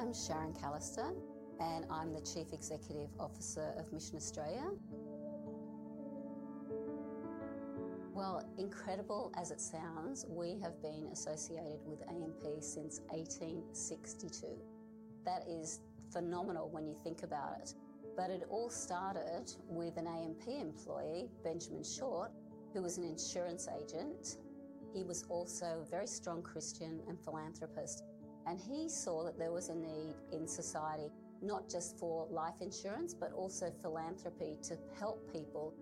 Hi, I'm Sharon Callister, and I'm the Chief Executive Officer of Mission Australia. Incredible as it sounds, we have been associated with AMP since 1862. That is phenomenal when you think about it. It all started with an AMP employee, Benjamin Short, who was an insurance agent. He was also a very strong Christian and philanthropist, and he saw that there was a need in society, not just for life insurance, but also philanthropy to help people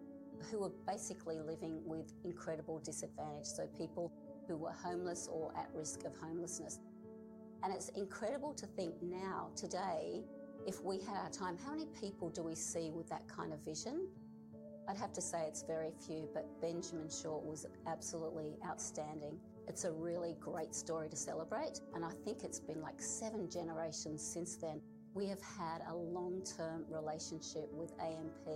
who were basically living with incredible disadvantage, so people who were homeless or at risk of homelessness. It's incredible to think now, today, if we had our time, how many people do we see with that kind of vision? I'd have to say it's very few, but Benjamin Short was absolutely outstanding. It's a really great story to celebrate, and I think it's been like seven generations since then. We have had a long-term relationship with AMP.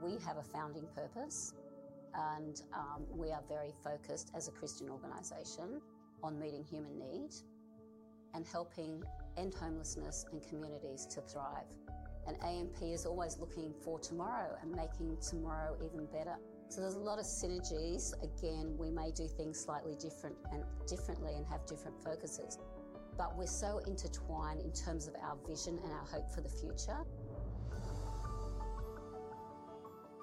We have a founding purpose, and we are very focused as a Christian organization on meeting human need and helping end homelessness and communities to thrive. AMP is always looking for tomorrow and making tomorrow even better. There are a lot of synergies. Again, we may do things slightly differently and have different focuses, but we are so intertwined in terms of our vision and our hope for the future.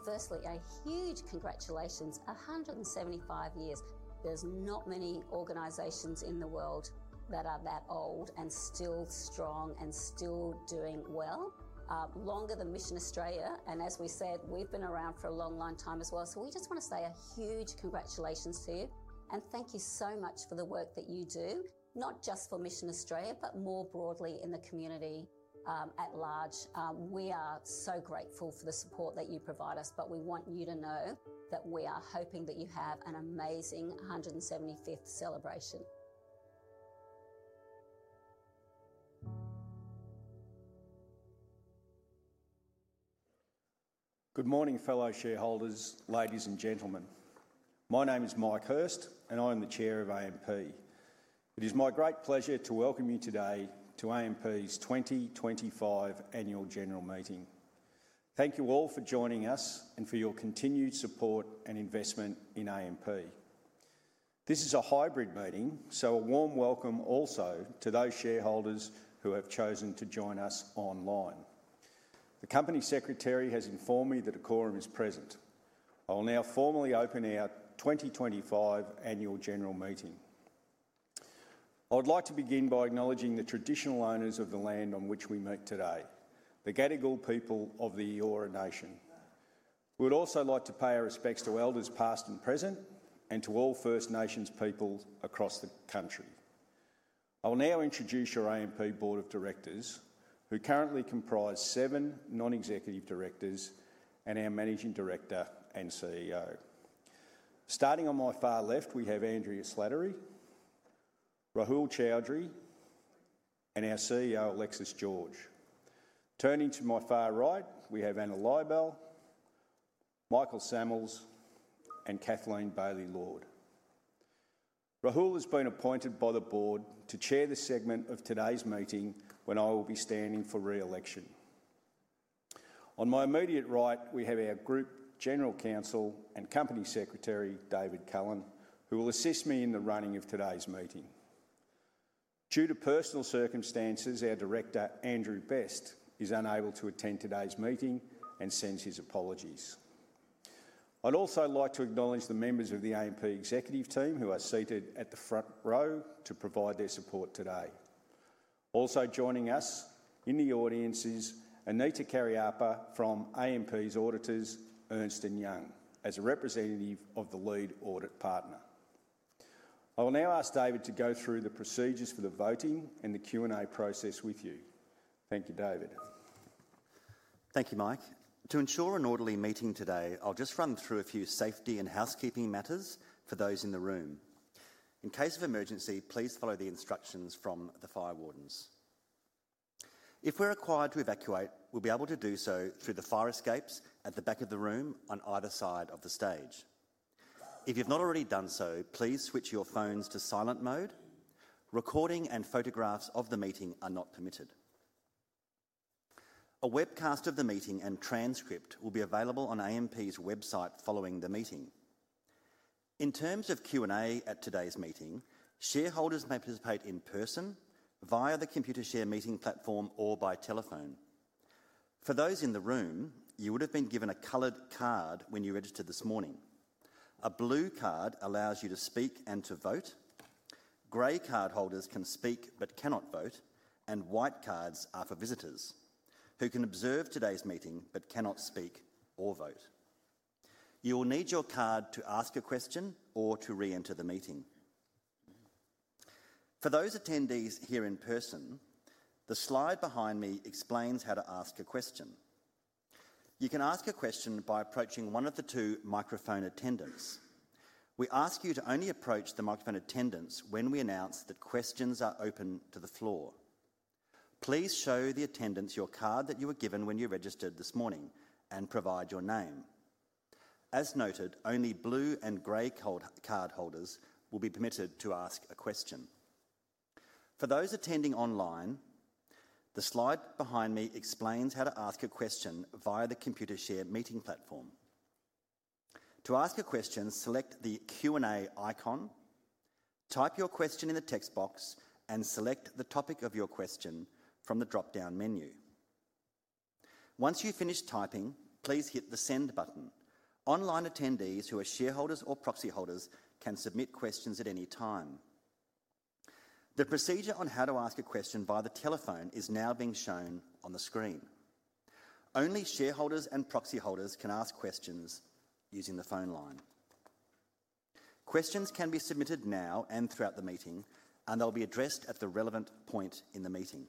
Firstly, a huge congratulations: 175 years. There are not many organizations in the world that are that old and still strong and still doing well. Longer than Mission Australia, and as we said, we have been around for a long, long time as well. We just want to say a huge congratulations to you, and thank you so much for the work that you do, not just for Mission Australia, but more broadly in the community at large. We are so grateful for the support that you provide us, but we want you to know that we are hoping that you have an amazing 175th celebration. Good morning, fellow shareholders, ladies and gentlemen. My name is Mike Hurst, and I am the Chair of AMP. It is my great pleasure to welcome you today to AMP's 2025 Annual General Meeting. Thank you all for joining us and for your continued support and investment in AMP. This is a hybrid meeting, so a warm welcome also to those shareholders who have chosen to join us online. The Company Secretary has informed me that a quorum is present. I will now formally open our 2025 Annual General Meeting. I would like to begin by acknowledging the traditional owners of the land on which we meet today, the Gadigal people of the Eora Nation. We would also like to pay our respects to elders past and present and to all First Nations peoples across the country. I will now introduce your AMP Board of Directors, who currently comprise seven non-executive directors and our Managing Director and CEO. Starting on my far left, we have Andrea Slattery, Rahul Choudhary, and our CEO, Alexis George. Turning to my far right, we have Anna Lydall, Michael Samuels, and Kathleen Bailey-Lord. Rahul has been appointed by the Board to chair the segment of today's meeting when I will be standing for re-election. On my immediate right, we have our Group General Counsel and Company Secretary, David Cullen, who will assist me in the running of today's meeting. Due to personal circumstances, our Director, Andrew Best, is unable to attend today's meeting and sends his apologies. I'd also like to acknowledge the members of the AMP executive team who are seated at the front row to provide their support today. Also joining us in the audience is Anita Kariyapa from AMP's auditors, Ernst & Young, as a representative of the lead audit partner. I will now ask David to go through the procedures for the voting and the Q&A process with you. Thank you, David. Thank you, Mike. To ensure an orderly meeting today, I'll just run through a few safety and housekeeping matters for those in the room. In case of emergency, please follow the instructions from the fire wardens. If we're required to evacuate, we'll be able to do so through the fire escapes at the back of the room on either side of the stage. If you've not already done so, please switch your phones to silent mode. Recording and photographs of the meeting are not permitted. A webcast of the meeting and transcript will be available on AMP's website following the meeting. In terms of Q&A at today's meeting, shareholders may participate in person via the computer shared meeting platform or by telephone. For those in the room, you would have been given a colored card when you registered this morning. A blue card allows you to speak and to vote. Gray card holders can speak but cannot vote, and white cards are for visitors who can observe today's meeting but cannot speak or vote. You will need your card to ask a question or to re-enter the meeting. For those attendees here in person, the slide behind me explains how to ask a question. You can ask a question by approaching one of the two microphone attendants. We ask you to only approach the microphone attendants when we announce that questions are open to the floor. Please show the attendants your card that you were given when you registered this morning and provide your name. As noted, only blue and gray card holders will be permitted to ask a question. For those attending online, the slide behind me explains how to ask a question via the computer shared meeting platform. To ask a question, select the Q&A icon, type your question in the text box, and select the topic of your question from the drop-down menu. Once you finish typing, please hit the send button. Online attendees who are shareholders or proxy holders can submit questions at any time. The procedure on how to ask a question via the telephone is now being shown on the screen. Only shareholders and proxy holders can ask questions using the phone line. Questions can be submitted now and throughout the meeting, and they'll be addressed at the relevant point in the meeting.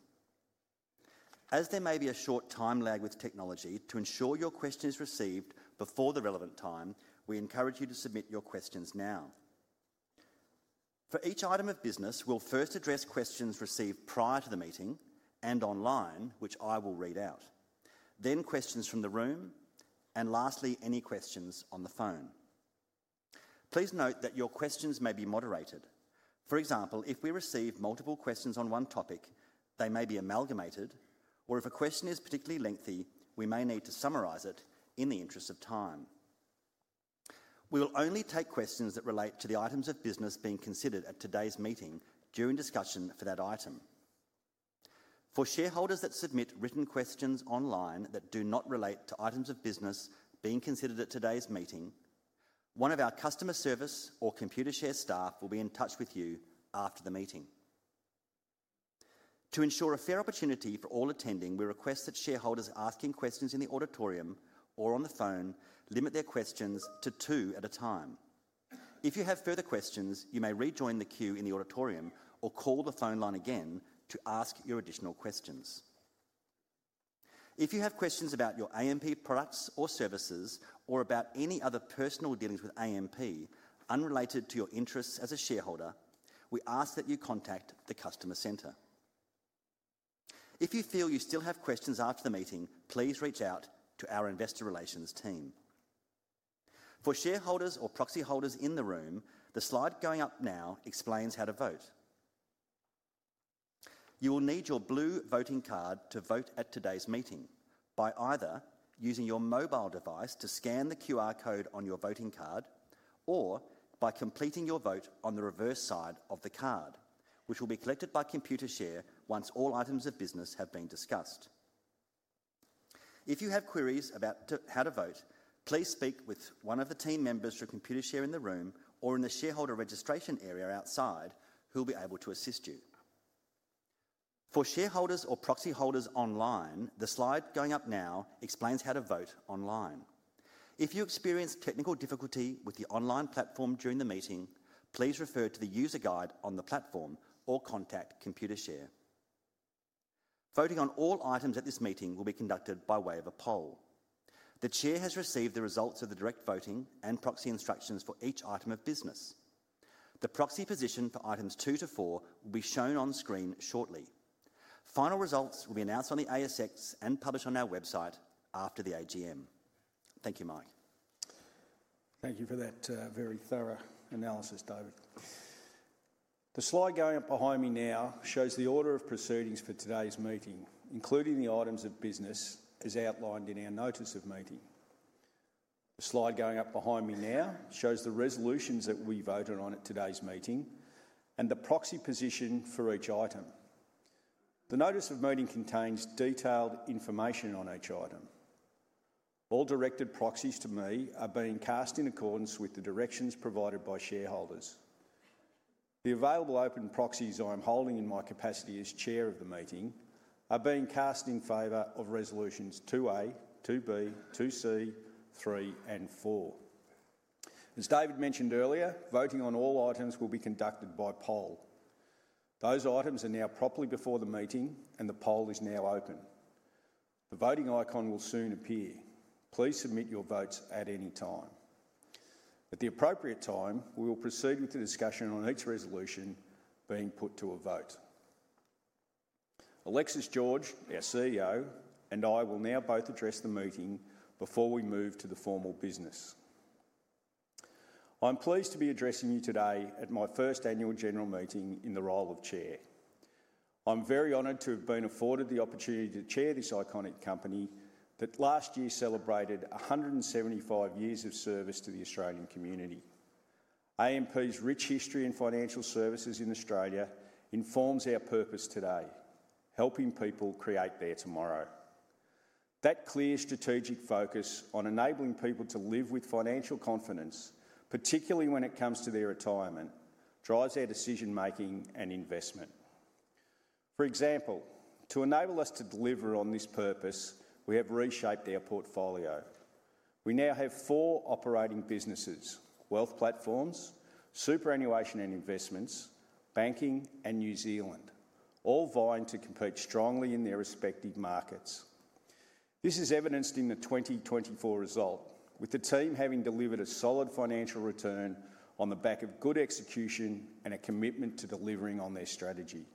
As there may be a short time lag with technology, to ensure your question is received before the relevant time, we encourage you to submit your questions now. For each item of business, we'll first address questions received prior to the meeting and online, which I will read out. Questions from the room, and lastly, any questions on the phone. Please note that your questions may be moderated. For example, if we receive multiple questions on one topic, they may be amalgamated, or if a question is particularly lengthy, we may need to summarize it in the interest of time. We will only take questions that relate to the items of business being considered at today's meeting during discussion for that item. For shareholders that submit written questions online that do not relate to items of business being considered at today's meeting, one of our customer service or Computershare staff will be in touch with you after the meeting. To ensure a fair opportunity for all attending, we request that shareholders asking questions in the auditorium or on the phone limit their questions to two at a time. If you have further questions, you may rejoin the queue in the auditorium or call the phone line again to ask your additional questions. If you have questions about your AMP products or services, or about any other personal dealings with AMP unrelated to your interests as a shareholder, we ask that you contact the customer center. If you feel you still have questions after the meeting, please reach out to our investor relations team. For shareholders or proxy holders in the room, the slide going up now explains how to vote. You will need your blue voting card to vote at today's meeting by either using your mobile device to scan the QR code on your voting card or by completing your vote on the reverse side of the card, which will be collected by Computershare once all items of business have been discussed. If you have queries about how to vote, please speak with one of the team members through Computershare in the room or in the shareholder registration area outside who will be able to assist you. For shareholders or proxy holders online, the slide going up now explains how to vote online. If you experience technical difficulty with the online platform during the meeting, please refer to the user guide on the platform or contact Computershare. Voting on all items at this meeting will be conducted by way of a poll. The Chair has received the results of the direct voting and proxy instructions for each item of business. The proxy position for items two to four will be shown on screen shortly. Final results will be announced on the ASX and published on our website after the AGM. Thank you, Mike. Thank you for that very thorough analysis, David. The slide going up behind me now shows the order of proceedings for today's meeting, including the items of business as outlined in our notice of meeting. The slide going up behind me now shows the resolutions that we voted on at today's meeting and the proxy position for each item. The notice of meeting contains detailed information on each item. All directed proxies to me are being cast in accordance with the directions provided by shareholders. The available open proxies I am holding in my capacity as Chair of the meeting are being cast in favor of resolutions 2A, 2B, 2C, 3, and 4. As David mentioned earlier, voting on all items will be conducted by poll. Those items are now properly before the meeting, and the poll is now open. The voting icon will soon appear. Please submit your votes at any time. At the appropriate time, we will proceed with the discussion on each resolution being put to a vote. Alexis George, our CEO, and I will now both address the meeting before we move to the formal business. I'm pleased to be addressing you today at my first Annual General Meeting in the role of Chair. I'm very honored to have been afforded the opportunity to chair this iconic company that last year celebrated 175 years of service to the Australian community. AMP's rich history in financial services in Australia informs our purpose today, helping people create their tomorrow. That clear strategic focus on enabling people to live with financial confidence, particularly when it comes to their retirement, drives our decision-making and investment. For example, to enable us to deliver on this purpose, we have reshaped our portfolio. We now have four operating businesses: wealth platforms, superannuation and investments, banking, and New Zealand, all vying to compete strongly in their respective markets. This is evidenced in the 2024 result, with the team having delivered a solid financial return on the back of good execution and a commitment to delivering on their strategy.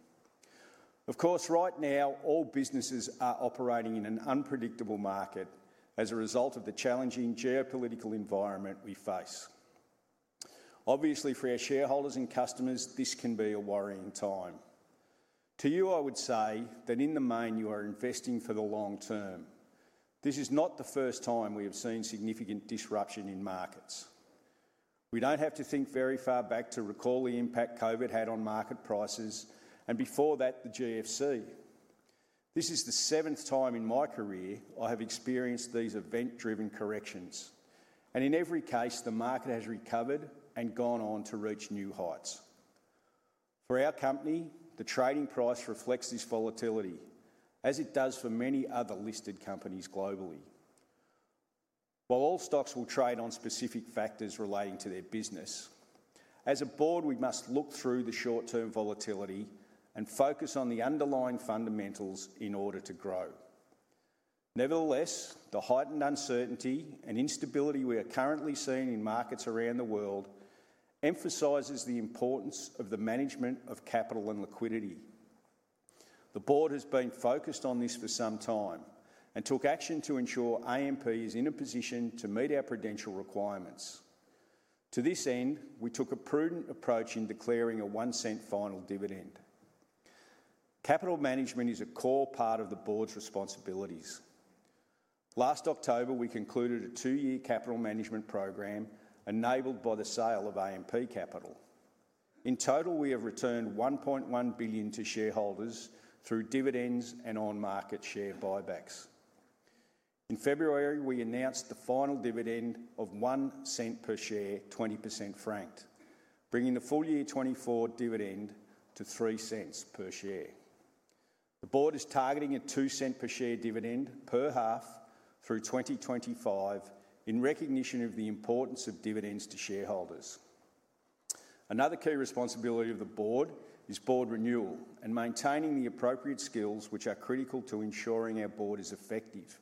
Of course, right now, all businesses are operating in an unpredictable market as a result of the challenging geopolitical environment we face. Obviously, for our shareholders and customers, this can be a worrying time. To you, I would say that in the main, you are investing for the long term. This is not the first time we have seen significant disruption in markets. We do not have to think very far back to recall the impact COVID had on market prices and before that, the GFC. This is the seventh time in my career I have experienced these event-driven corrections. In every case, the market has recovered and gone on to reach new heights. For our company, the trading price reflects this volatility, as it does for many other listed companies globally. While all stocks will trade on specific factors relating to their business, as a board, we must look through the short-term volatility and focus on the underlying fundamentals in order to grow. Nevertheless, the heightened uncertainty and instability we are currently seeing in markets around the world emphasizes the importance of the management of capital and liquidity. The board has been focused on this for some time and took action to ensure AMP is in a position to meet our prudential requirements. To this end, we took a prudent approach in declaring an 0.01 final dividend. Capital management is a core part of the board's responsibilities. Last October, we concluded a two-year capital management program enabled by the sale of AMP Capital. In total, we have returned 1.1 billion to shareholders through dividends and on-market share buybacks. In February, we announced the final dividend of 0.01 per share, 20% franked, bringing the full year 2024 dividend to 0.03 per share. The board is targeting a 0.02 per share dividend per half through 2025 in recognition of the importance of dividends to shareholders. Another key responsibility of the board is board renewal and maintaining the appropriate skills, which are critical to ensuring our board is effective.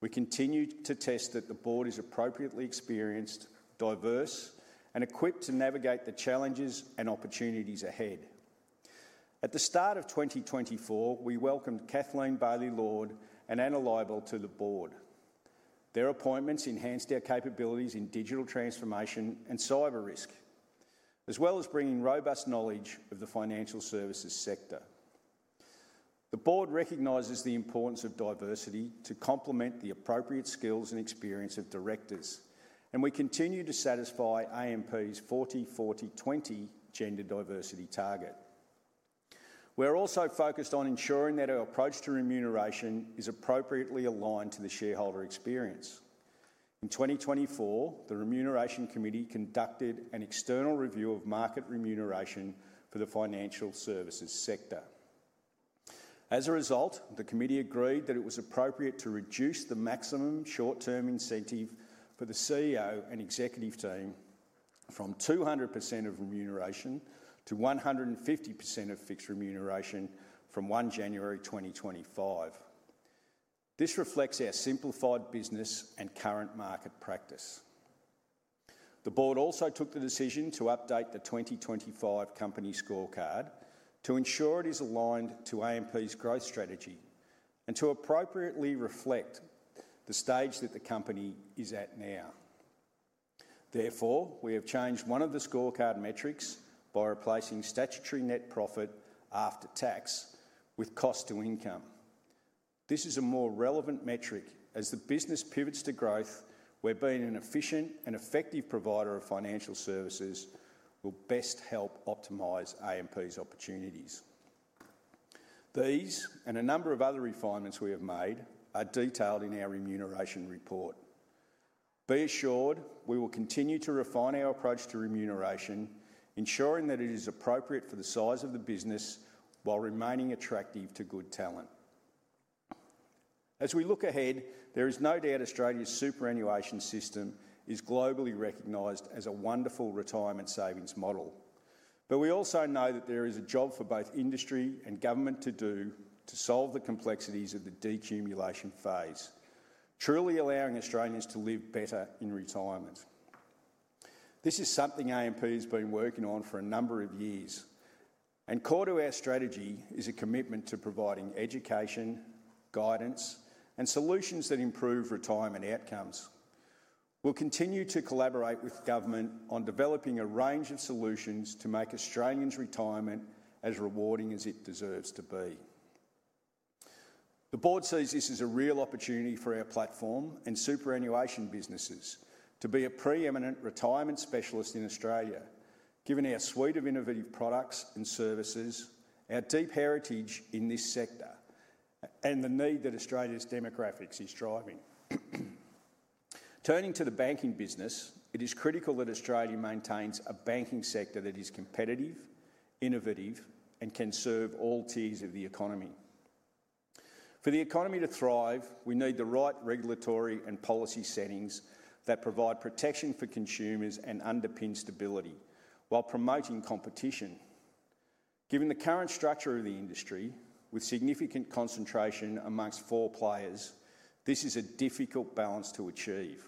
We continue to test that the board is appropriately experienced, diverse, and equipped to navigate the challenges and opportunities ahead. At the start of 2024, we welcomed Kathleen Bailey-Lord and Anna Leibel to the board. Their appointments enhanced their capabilities in digital transformation and cyber risk, as well as bringing robust knowledge of the financial services sector. The board recognizes the importance of diversity to complement the appropriate skills and experience of directors, and we continue to satisfy AMP's 40-40-20 gender diversity target. We are also focused on ensuring that our approach to remuneration is appropriately aligned to the shareholder experience. In 2024, the remuneration committee conducted an external review of market remuneration for the financial services sector. As a result, the committee agreed that it was appropriate to reduce the maximum short-term incentive for the CEO and executive team from 200% of remuneration to 150% of fixed remuneration from 1 January 2025. This reflects our simplified business and current market practice. The board also took the decision to update the 2025 company scorecard to ensure it is aligned to AMP's growth strategy and to appropriately reflect the stage that the company is at now. Therefore, we have changed one of the scorecard metrics by replacing statutory net profit after tax with cost to income. This is a more relevant metric as the business pivots to growth where being an efficient and effective provider of financial services will best help optimize AMP's opportunities. These and a number of other refinements we have made are detailed in our remuneration report. Be assured we will continue to refine our approach to remuneration, ensuring that it is appropriate for the size of the business while remaining attractive to good talent. As we look ahead, there is no doubt Australia's superannuation system is globally recognized as a wonderful retirement savings model. We also know that there is a job for both industry and government to do to solve the complexities of the decumulation phase, truly allowing Australians to live better in retirement. This is something AMP has been working on for a number of years. Core to our strategy is a commitment to providing education, guidance, and solutions that improve retirement outcomes. We will continue to collaborate with government on developing a range of solutions to make Australians' retirement as rewarding as it deserves to be. The board sees this as a real opportunity for our platform and superannuation businesses to be a preeminent retirement specialist in Australia, given our suite of innovative products and services, our deep heritage in this sector, and the need that Australia's demographics is driving. Turning to the banking business, it is critical that Australia maintains a banking sector that is competitive, innovative, and can serve all tiers of the economy. For the economy to thrive, we need the right regulatory and policy settings that provide protection for consumers and underpin stability while promoting competition. Given the current structure of the industry, with significant concentration amongst four players, this is a difficult balance to achieve.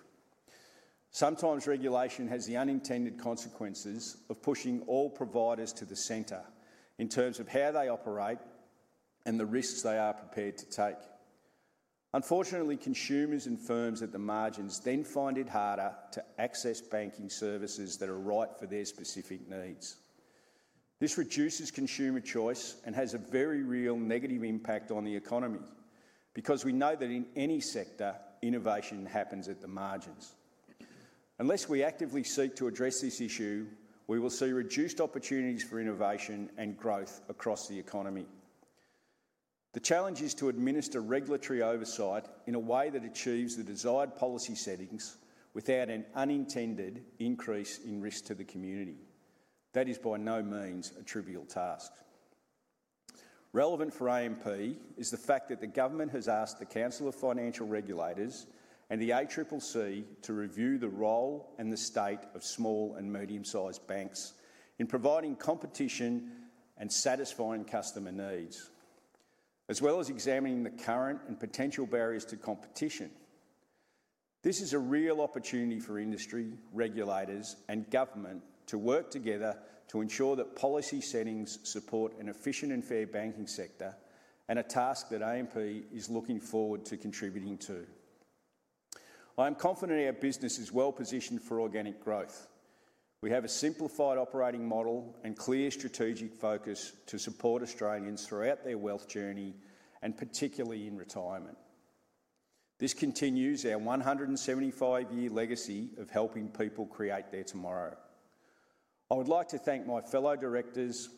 Sometimes regulation has the unintended consequences of pushing all providers to the center in terms of how they operate and the risks they are prepared to take. Unfortunately, consumers and firms at the margins then find it harder to access banking services that are right for their specific needs. This reduces consumer choice and has a very real negative impact on the economy because we know that in any sector, innovation happens at the margins. Unless we actively seek to address this issue, we will see reduced opportunities for innovation and growth across the economy. The challenge is to administer regulatory oversight in a way that achieves the desired policy settings without an unintended increase in risk to the community. That is by no means a trivial task. Relevant for AMP is the fact that the government has asked the Council of Financial Regulators and the ACCC to review the role and the state of small and medium-sized banks in providing competition and satisfying customer needs, as well as examining the current and potential barriers to competition. This is a real opportunity for industry, regulators, and government to work together to ensure that policy settings support an efficient and fair banking sector and a task that AMP is looking forward to contributing to. I am confident our business is well positioned for organic growth. We have a simplified operating model and clear strategic focus to support Australians throughout their wealth journey and particularly in retirement. This continues our 175-year legacy of helping people create their tomorrow. I would like to thank my fellow directors,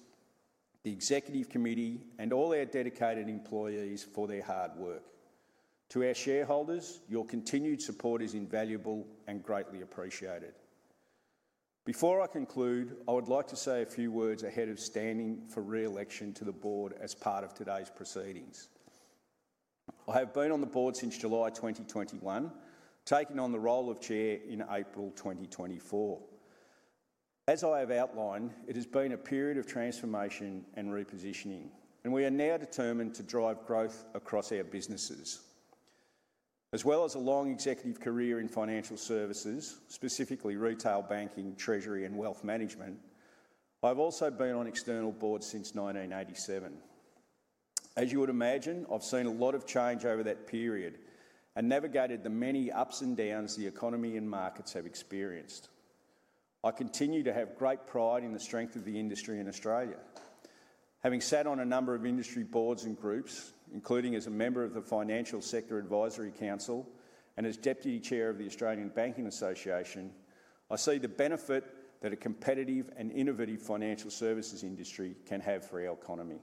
the executive committee, and all our dedicated employees for their hard work. To our shareholders, your continued support is invaluable and greatly appreciated. Before I conclude, I would like to say a few words ahead of standing for re-election to the board as part of today's proceedings. I have been on the board since July 2021, taking on the role of Chair in April 2024. As I have outlined, it has been a period of transformation and repositioning, and we are now determined to drive growth across our businesses. As well as a long executive career in financial services, specifically retail banking, treasury, and wealth management, I've also been on external boards since 1987. As you would imagine, I've seen a lot of change over that period and navigated the many ups and downs the economy and markets have experienced. I continue to have great pride in the strength of the industry in Australia. Having sat on a number of industry boards and groups, including as a member of the Financial Sector Advisory Council and as Deputy Chair of the Australian Bankers Association, I see the benefit that a competitive and innovative financial services industry can have for our economy.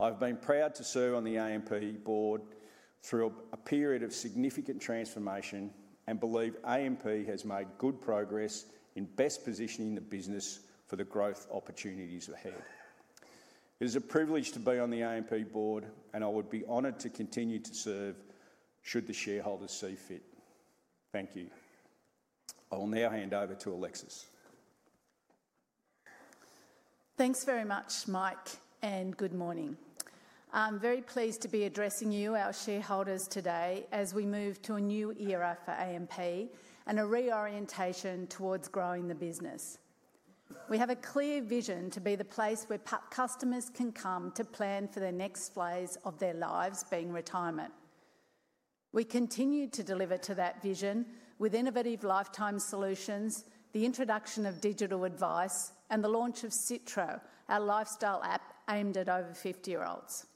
I've been proud to serve on the AMP board through a period of significant transformation and believe AMP has made good progress in best positioning the business for the growth opportunities ahead. It is a privilege to be on the AMP board, and I would be honored to continue to serve should the shareholders see fit. Thank you. I will now hand over to Alexis. Thanks very much, Mike, and good morning. I'm very pleased to be addressing you, our shareholders, today as we move to a new era for AMP and a reorientation towards growing the business. We have a clear vision to be the place where customers can come to plan for the next phase of their lives being retirement. We continue to deliver to that vision with innovative lifetime solutions, the introduction of digital advice, and the launch of Citra, our lifestyle app aimed at over 50-year-olds.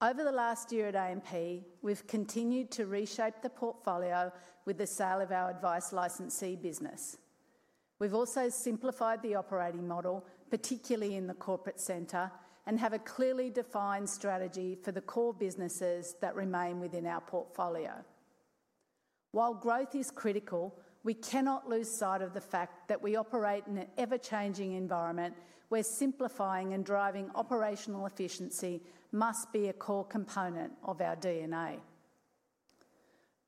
Over the last year at AMP, we've continued to reshape the portfolio with the sale of our advice licensee business. We've also simplified the operating model, particularly in the corporate center, and have a clearly defined strategy for the core businesses that remain within our portfolio. While growth is critical, we cannot lose sight of the fact that we operate in an ever-changing environment where simplifying and driving operational efficiency must be a core component of our DNA.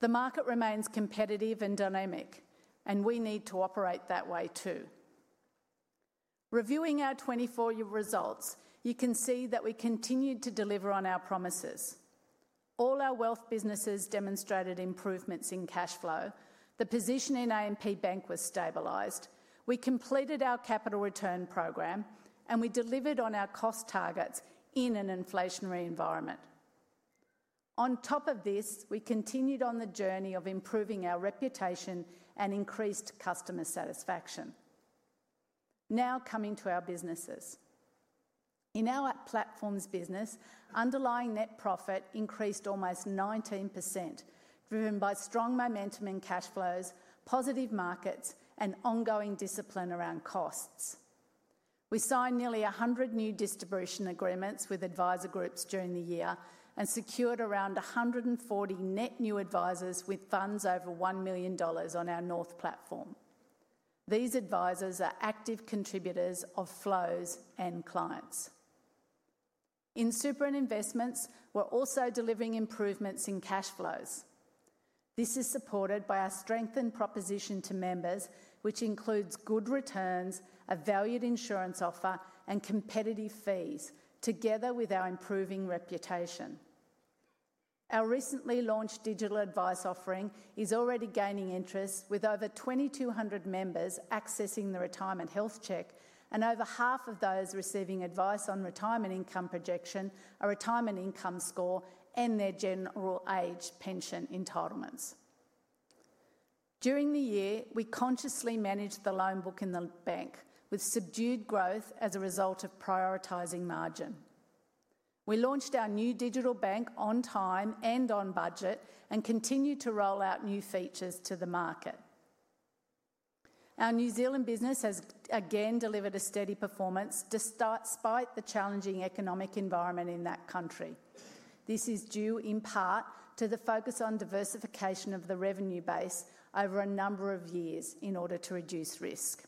The market remains competitive and dynamic, and we need to operate that way too. Reviewing our 2024 results, you can see that we continued to deliver on our promises. All our wealth businesses demonstrated improvements in cash flow, the position in AMP Bank was stabilized, we completed our capital return program, and we delivered on our cost targets in an inflationary environment. On top of this, we continued on the journey of improving our reputation and increased customer satisfaction. Now coming to our businesses. In our platform's business, underlying net profit increased almost 19%, driven by strong momentum in cash flows, positive markets, and ongoing discipline around costs. We signed nearly 100 new distribution agreements with advisor groups during the year and secured around 140 net new advisors with funds over 1 million dollars on our North platform. These advisors are active contributors of flows and clients. In super and investments, we're also delivering improvements in cash flows. This is supported by our strengthened proposition to members, which includes good returns, a valued insurance offer, and competitive fees, together with our improving reputation. Our recently launched digital advice offering is already gaining interest, with over 2,200 members accessing the retirement health check and over half of those receiving advice on retirement income projection, a retirement income score, and their general age pension entitlements. During the year, we consciously managed the loan book in the bank with subdued growth as a result of prioritizing margin. We launched our new digital bank on time and on budget and continue to roll out new features to the market. Our New Zealand business has again delivered a steady performance despite the challenging economic environment in that country. This is due, in part, to the focus on diversification of the revenue base over a number of years in order to reduce risk.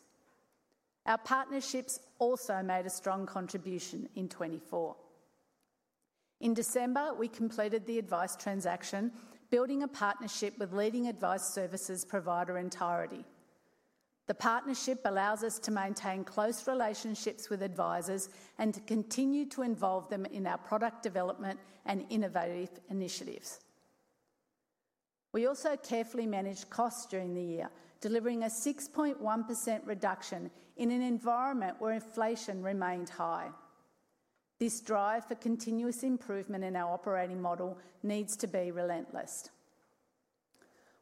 Our partnerships also made a strong contribution in 2024. In December, we completed the advice transaction, building a partnership with leading advice services provider Entirety. The partnership allows us to maintain close relationships with advisors and to continue to involve them in our product development and innovative initiatives. We also carefully managed costs during the year, delivering a 6.1% reduction in an environment where inflation remained high. This drive for continuous improvement in our operating model needs to be relentless.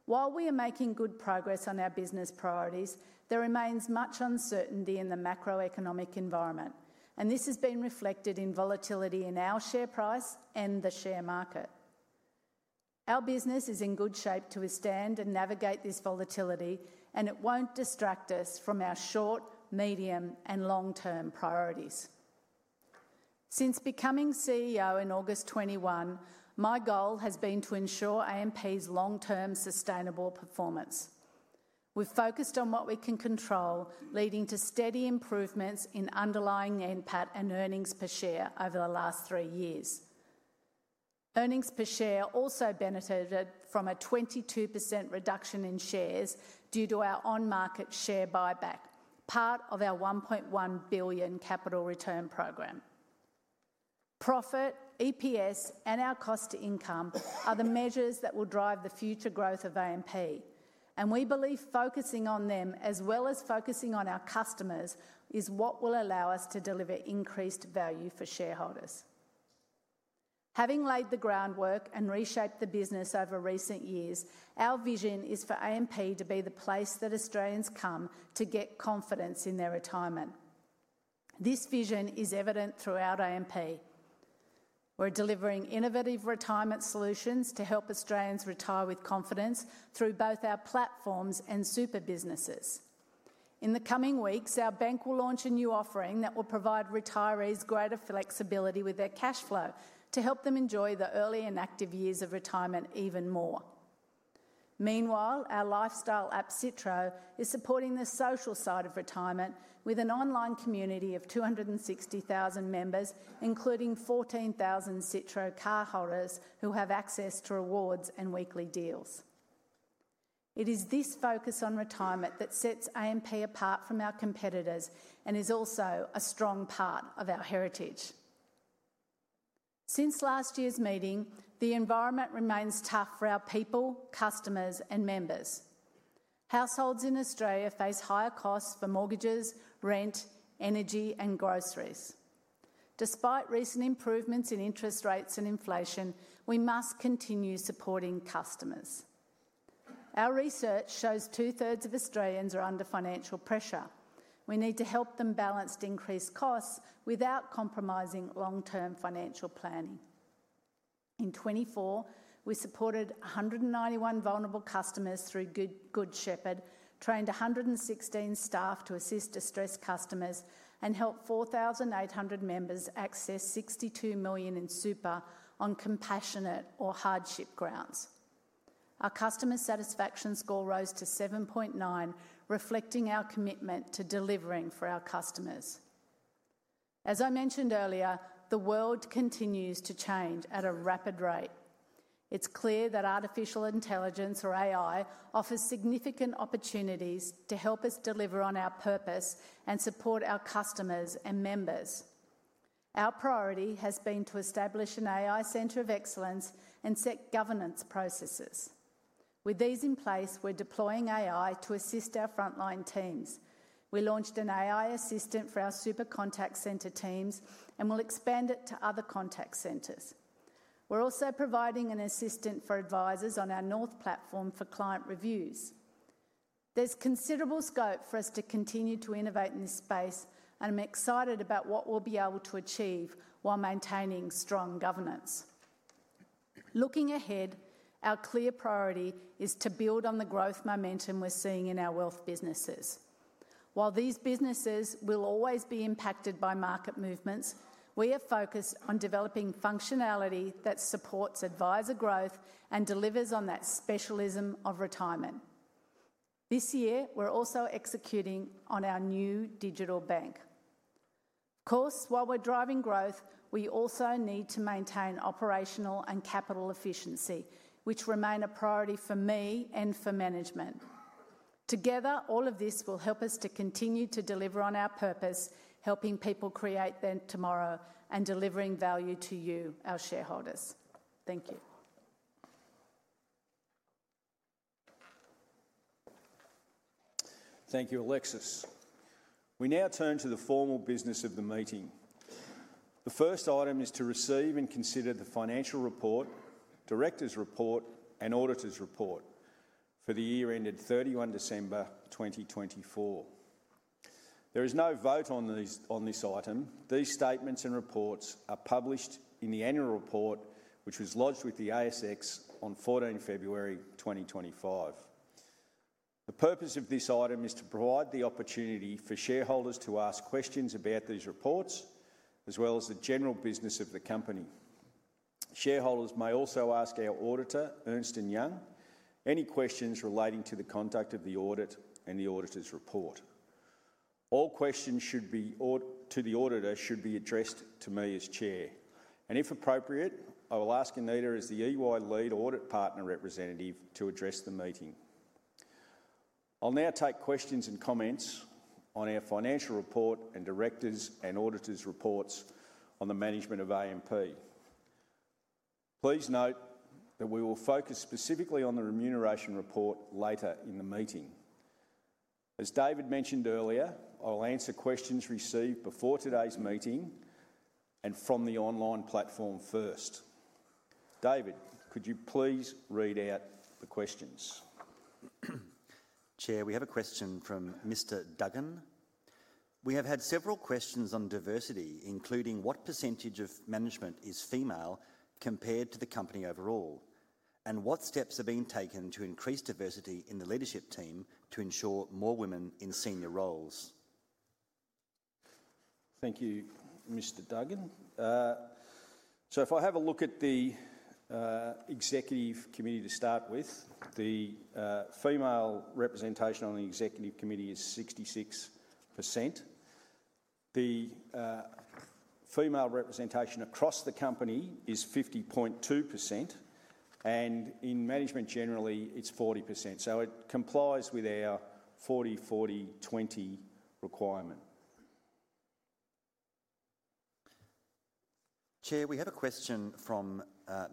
While we are making good progress on our business priorities, there remains much uncertainty in the macroeconomic environment, and this has been reflected in volatility in our share price and the share market. Our business is in good shape to withstand and navigate this volatility, and it won't distract us from our short, medium, and long-term priorities. Since becoming CEO in August 2021, my goal has been to ensure AMP's long-term sustainable performance. We've focused on what we can control, leading to steady improvements in underlying NPAT and earnings per share over the last three years. Earnings per share also benefited from a 22% reduction in shares due to our on-market share buyback, part of our 1.1 billion capital return program. Profit, EPS, and our cost to income are the measures that will drive the future growth of AMP, and we believe focusing on them as well as focusing on our customers is what will allow us to deliver increased value for shareholders. Having laid the groundwork and reshaped the business over recent years, our vision is for AMP to be the place that Australians come to get confidence in their retirement. This vision is evident throughout AMP. We're delivering innovative retirement solutions to help Australians retire with confidence through both our platforms and super businesses. In the coming weeks, our bank will launch a new offering that will provide retirees greater flexibility with their cash flow to help them enjoy the early and active years of retirement even more. Meanwhile, our lifestyle app, Citra, is supporting the social side of retirement with an online community of 260,000 members, including 14,000 Citro car holders who have access to rewards and weekly deals. It is this focus on retirement that sets AMP apart from our competitors and is also a strong part of our heritage. Since last year's meeting, the environment remains tough for our people, customers, and members. Households in Australia face higher costs for mortgages, rent, energy, and groceries. Despite recent improvements in interest rates and inflation, we must continue supporting customers. Our research shows two-thirds of Australians are under financial pressure. We need to help them balance increased costs without compromising long-term financial planning. In 2024, we supported 191 vulnerable customers through Good Shepherd, trained 116 staff to assist distressed customers, and helped 4,800 members access 62 million in super on compassionate or hardship grounds. Our customer satisfaction score rose to 7.9, reflecting our commitment to delivering for our customers. As I mentioned earlier, the world continues to change at a rapid rate. It's clear that artificial intelligence, or AI, offers significant opportunities to help us deliver on our purpose and support our customers and members. Our priority has been to establish an AI center of excellence and set governance processes. With these in place, we're deploying AI to assist our frontline teams. We launched an AI assistant for our super contact center teams and will expand it to other contact centers. We're also providing an assistant for advisors on our North Platform for client reviews. There's considerable scope for us to continue to innovate in this space, and I'm excited about what we'll be able to achieve while maintaining strong governance. Looking ahead, our clear priority is to build on the growth momentum we're seeing in our wealth businesses. While these businesses will always be impacted by market movements, we are focused on developing functionality that supports advisor growth and delivers on that specialism of retirement. This year, we're also executing on our new digital bank. Of course, while we're driving growth, we also need to maintain operational and capital efficiency, which remain a priority for me and for management. Together, all of this will help us to continue to deliver on our purpose, helping people create their tomorrow and delivering value to you, our shareholders. Thank you. Thank you, Alexis. We now turn to the formal business of the meeting. The first item is to receive and consider the financial report, director's report, and auditor's report for the year ended 31 December 2024. There is no vote on this item. These statements and reports are published in the annual report, which was lodged with the ASX on 14 February 2025. The purpose of this item is to provide the opportunity for shareholders to ask questions about these reports, as well as the general business of the company. Shareholders may also ask our auditor, Ernst & Young, any questions relating to the conduct of the audit and the auditor's report. All questions to the auditor should be addressed to me as Chair, and if appropriate, I will ask Anita as the EY Lead Audit Partner representative to address the meeting. I'll now take questions and comments on our financial report and director's and auditor's reports on the management of AMP. Please note that we will focus specifically on the remuneration report later in the meeting. As David mentioned earlier, I'll answer questions received before today's meeting and from the online platform first. David, could you please read out the questions? Chair, we have a question from Mr. Duggan. We have had several questions on diversity, including what percentage of management is female compared to the company overall, and what steps are being taken to increase diversity in the leadership team to ensure more women in senior roles. Thank you, Mr. Duggan. If I have a look at the executive committee to start with, the female representation on the executive committee is 66%. The female representation across the company is 50.2%, and in management generally, it's 40%. It complies with our 40-40-20 requirement. Chair, we have a question from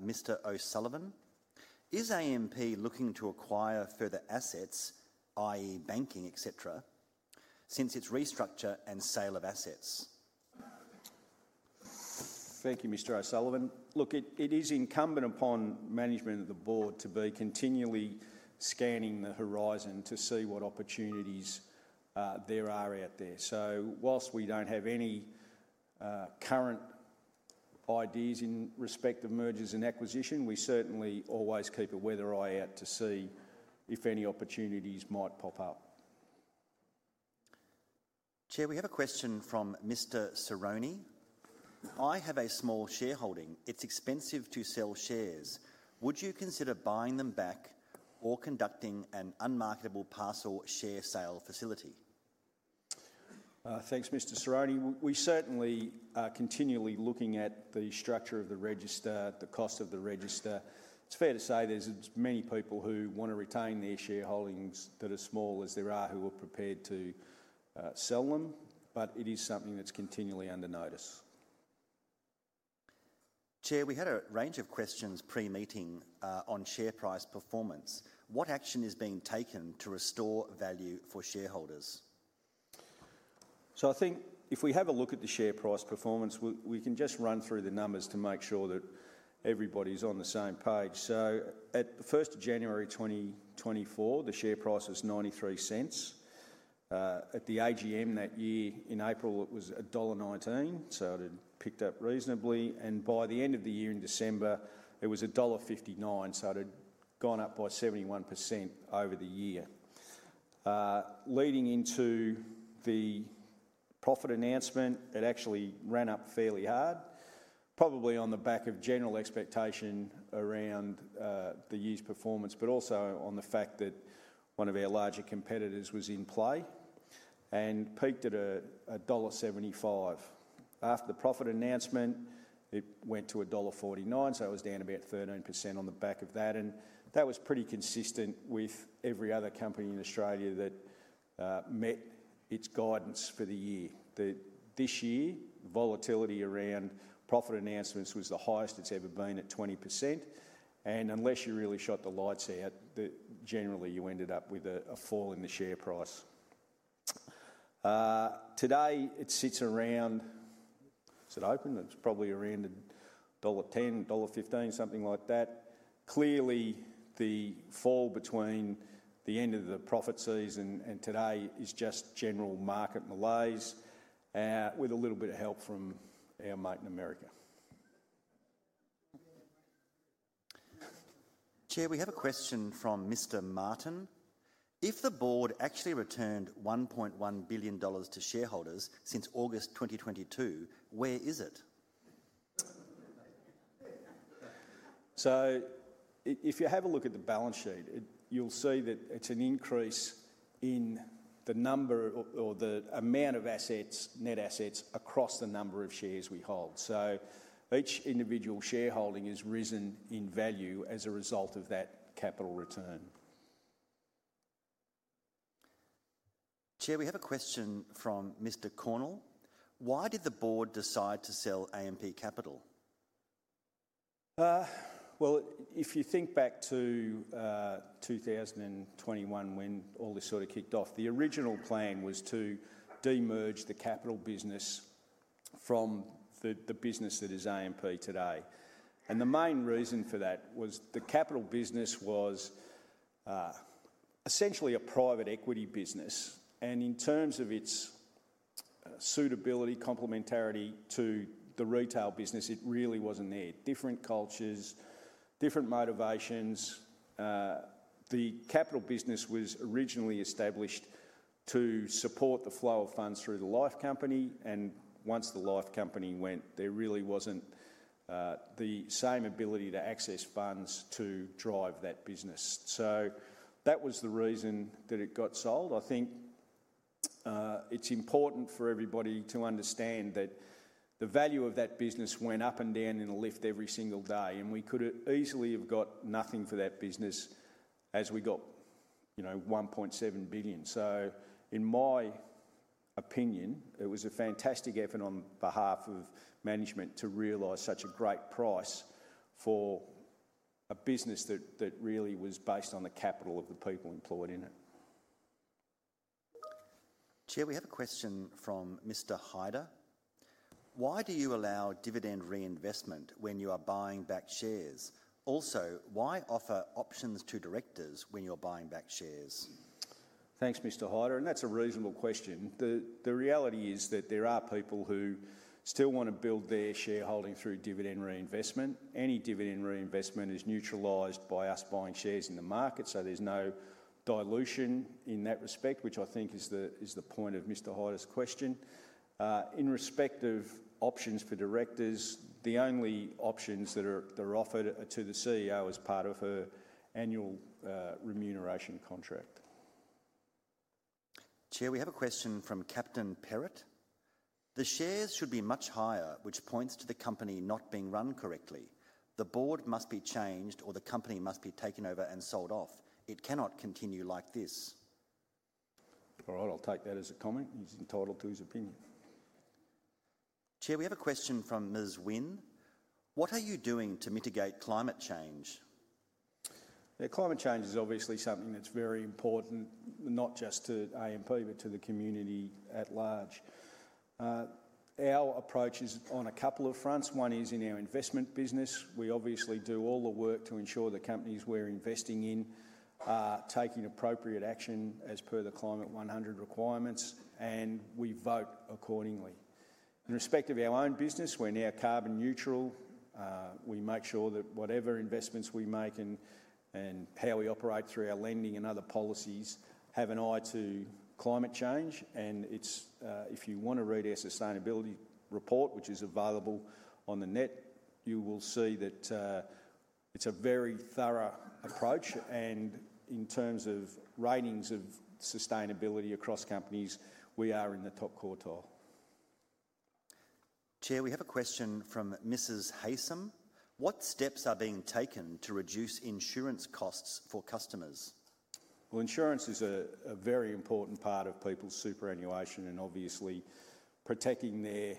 Mr. O'Sullivan. Is AMP looking to acquire further assets, i.e., banking, etc., since its restructure and sale of assets? Thank you, Mr. O'Sullivan. Look, it is incumbent upon management of the board to be continually scanning the horizon to see what opportunities there are out there. Whilst we do not have any current ideas in respect of mergers and acquisitions, we certainly always keep a weather eye out to see if any opportunities might pop up. Chair, we have a question from Mr. Saroni. I have a small shareholding. It is expensive to sell shares. Would you consider buying them back or conducting an unmarketable parcel share sale facility? Thanks, Mr. Saroni. We certainly are continually looking at the structure of the register, the cost of the register. It's fair to say there's as many people who want to retain their shareholdings that are small as there are who are prepared to sell them, but it is something that's continually under notice. Chair, we had a range of questions pre-meeting on share price performance. What action is being taken to restore value for shareholders? I think if we have a look at the share price performance, we can just run through the numbers to make sure that everybody's on the same page. At 1 January 2024, the share price was 0.93. At the AGM that year in April, it was dollar 1.19, so it had picked up reasonably. By the end of the year in December, it was dollar 1.59, so it had gone up by 71% over the year. Leading into the profit announcement, it actually ran up fairly hard, probably on the back of general expectation around the year's performance, but also on the fact that one of our larger competitors was in play and peaked at dollar 1.75. After the profit announcement, it went to dollar 1.49, so it was down about 13% on the back of that. That was pretty consistent with every other company in Australia that met its guidance for the year. This year, volatility around profit announcements was the highest it has ever been at 20%. Unless you really shot the lights out, generally you ended up with a fall in the share price. Today, it sits around, is it open? It is probably around 1.10-1.15 dollar, something like that. Clearly, the fall between the end of the profit season and today is just general market malaise with a little bit of help from our mate in America. Chair, we have a question from Mr. Martin. If the board actually returned 1.1 billion dollars to shareholders since August 2022, where is it? If you have a look at the balance sheet, you will see that it is an increase in the number or the amount of assets, net assets across the number of shares we hold. Each individual shareholding has risen in value as a result of that capital return. Chair, we have a question from Mr. Cornell. Why did the board decide to sell AMP Capital? If you think back to 2021 when all this sort of kicked off, the original plan was to de-merge the capital business from the business that is AMP today. The main reason for that was the capital business was essentially a private equity business. In terms of its suitability, complementarity to the retail business, it really was not there. Different cultures, different motivations. The capital business was originally established to support the flow of funds through the life company. Once the life company went, there really was not the same ability to access funds to drive that business. That was the reason that it got sold. I think it is important for everybody to understand that the value of that business went up and down in a lift every single day. We could have easily got nothing for that business as we got 1.7 billion. In my opinion, it was a fantastic effort on behalf of management to realise such a great price for a business that really was based on the capital of the people employed in it. Chair, we have a question from Mr. Hyder. Why do you allow dividend reinvestment when you are buying back shares? Also, why offer options to directors when you're buying back shares? Thanks, Mr. Hyder. That's a reasonable question. The reality is that there are people who still want to build their shareholding through dividend reinvestment. Any dividend reinvestment is neutralised by us buying shares in the market. There's no dilution in that respect, which I think is the point of Mr. Hyder's question. In respect of options for directors, the only options that are offered are to the CEO as part of her annual remuneration contract. Chair, we have a question from Captain Perrott. The shares should be much higher, which points to the company not being run correctly. The board must be changed or the company must be taken over and sold off. It cannot continue like this. All right, I'll take that as a comment. He's entitled to his opinion. Chair, we have a question from Ms. Wynne. What are you doing to mitigate climate change? Climate change is obviously something that's very important, not just to AMP, but to the community at large. Our approach is on a couple of fronts. One is in our investment business. We obviously do all the work to ensure the companies we're investing in are taking appropriate action as per the Climate 100 requirements, and we vote accordingly. In respect of our own business, we're now carbon neutral. We make sure that whatever investments we make and how we operate through our lending and other policies have an eye to climate change. If you want to read our sustainability report, which is available on the net, you will see that it is a very thorough approach. In terms of ratings of sustainability across companies, we are in the top quartile. Chair, we have a question from Mrs. Haysom. What steps are being taken to reduce insurance costs for customers? Insurance is a very important part of people's superannuation and obviously protecting their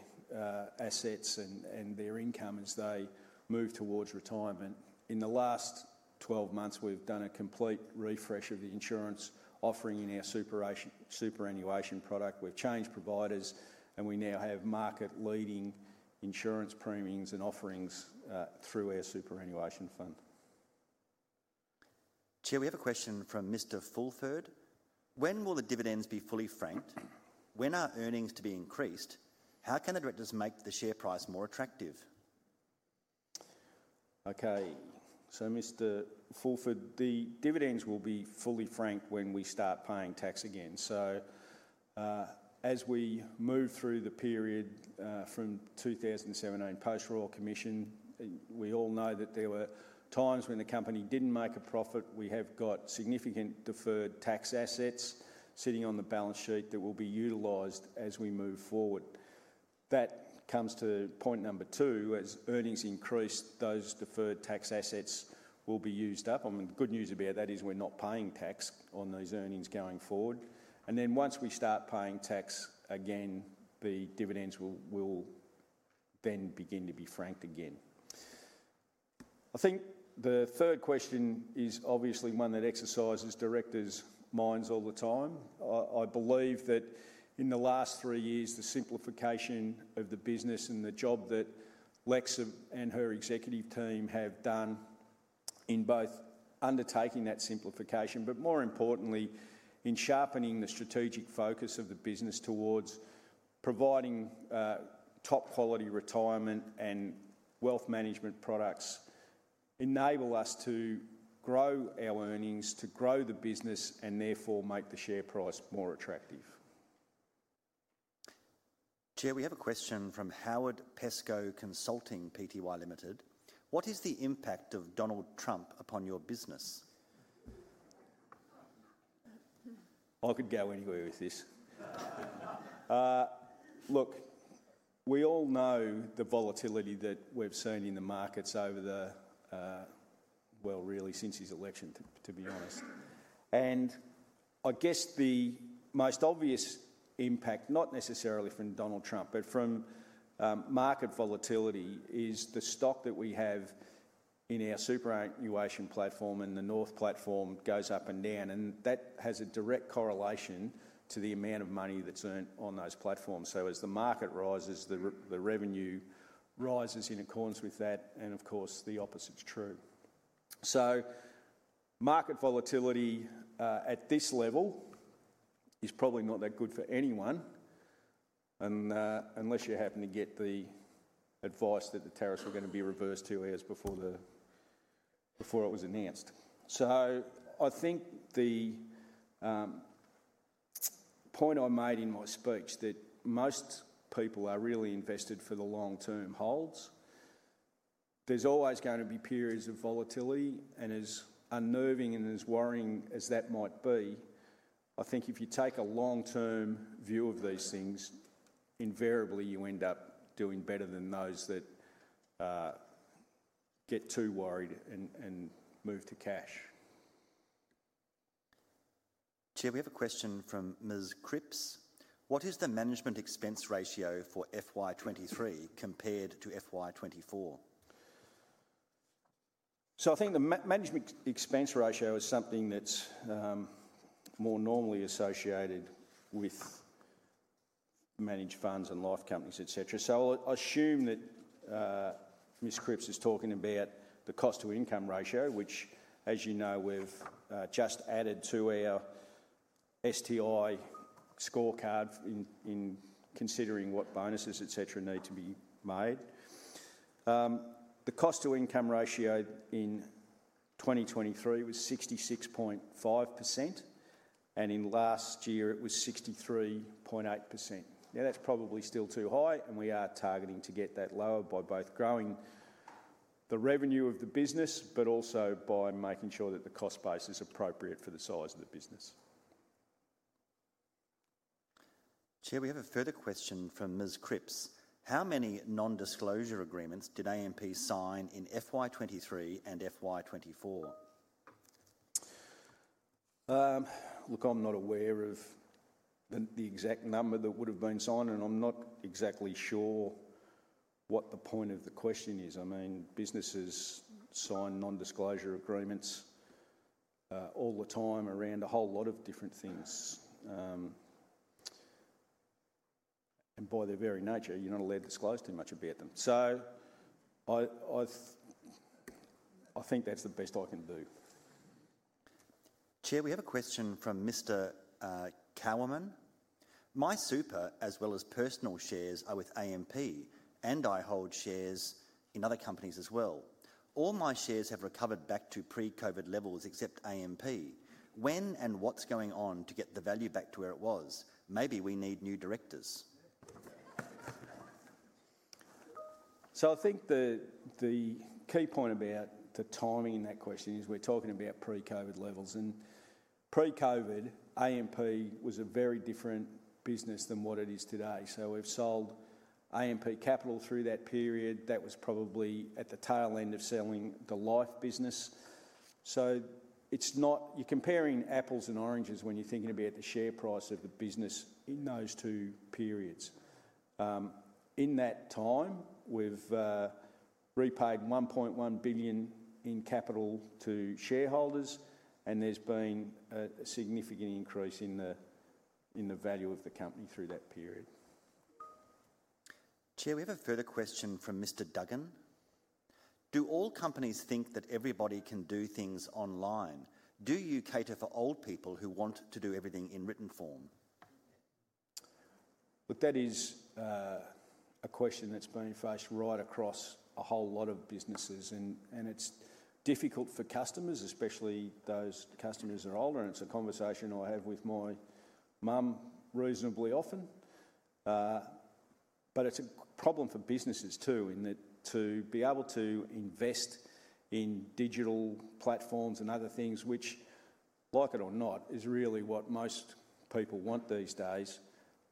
assets and their income as they move towards retirement. In the last 12 months, we have done a complete refresh of the insurance offering in our superannuation product. We have changed providers, and we now have market-leading insurance premiums and offerings through our superannuation fund. Chair, we have a question from Mr. Fulford. When will the dividends be fully franked? When are earnings to be increased? How can the directors make the share price more attractive? Okay, Mr. Fulford, the dividends will be fully franked when we start paying tax again. As we move through the period from 2017 post-Royal Commission, we all know that there were times when the company did not make a profit. We have got significant deferred tax assets sitting on the balance sheet that will be utilized as we move forward. That comes to point number two. As earnings increase, those deferred tax assets will be used up. The good news about that is we are not paying tax on those earnings going forward. Once we start paying tax again, the dividends will then begin to be franked again. I think the third question is obviously one that exercises directors' minds all the time. I believe that in the last three years, the simplification of the business and the job that Lexa and her executive team have done in both undertaking that simplification, but more importantly, in sharpening the strategic focus of the business towards providing top-quality retirement and wealth management products, enables us to grow our earnings, to grow the business, and therefore make the share price more attractive. Chair, we have a question from Howard Pesco Consulting Pty Ltd. What is the impact of Donald Trump upon your business? I could go anywhere with this. Look, we all know the volatility that we have seen in the markets over the, really since his election, to be honest. I guess the most obvious impact, not necessarily from Donald Trump, but from market volatility, is the stock that we have in our superannuation platform and the North Platform goes up and down. That has a direct correlation to the amount of money that's earned on those platforms. As the market rises, the revenue rises in accordance with that. Of course, the opposite's true. Market volatility at this level is probably not that good for anyone unless you happen to get the advice that the tariffs were going to be reversed two years before it was announced. I think the point I made in my speech that most people are really invested for the long-term holds. There's always going to be periods of volatility. As unnerving and as worrying as that might be, I think if you take a long-term view of these things, invariably you end up doing better than those that get too worried and move to cash. Chair, we have a question from Ms. Cripps. What is the management expense ratio for FY23 compared to FY24? I think the management expense ratio is something that's more normally associated with managed funds and life companies, etc. I assume that Ms. Cripps is talking about the cost-to-income ratio, which, as you know, we've just added to our STI scorecard in considering what bonuses, etc., need to be made. The cost-to-income ratio in 2023 was 66.5%, and in last year it was 63.8%. That's probably still too high, and we are targeting to get that lower by both growing the revenue of the business, but also by making sure that the cost base is appropriate for the size of the business. Chair, we have a further question from Ms. Cripps. How many non-disclosure agreements did AMP sign in FY23 and FY24? Look, I'm not aware of the exact number that would have been signed, and I'm not exactly sure what the point of the question is. I mean, businesses sign non-disclosure agreements all the time around a whole lot of different things. By their very nature, you're not allowed to disclose too much about them. I think that's the best I can do. Chair, we have a question from Mr. Cowerman. My super, as well as personal shares, are with AMP, and I hold shares in other companies as well. All my shares have recovered back to pre-COVID levels except AMP. When and what's going on to get the value back to where it was? Maybe we need new directors. I think the key point about the timing in that question is we're talking about pre-COVID levels. Pre-COVID, AMP was a very different business than what it is today. We have sold AMP Capital through that period. That was probably at the tail end of selling the life business. You are comparing apples and oranges when you are thinking about the share price of the business in those two periods. In that time, we have repaid 1.1 billion in capital to shareholders, and there has been a significant increase in the value of the company through that period. Chair, we have a further question from Mr. Duggan. Do all companies think that everybody can do things online? Do you cater for old people who want to do everything in written form? Look, that is a question that has been faced right across a whole lot of businesses. It is difficult for customers, especially those customers that are older. It is a conversation I have with my mum reasonably often. It is a problem for businesses too, to be able to invest in digital platforms and other things, which, like it or not, is really what most people want these days,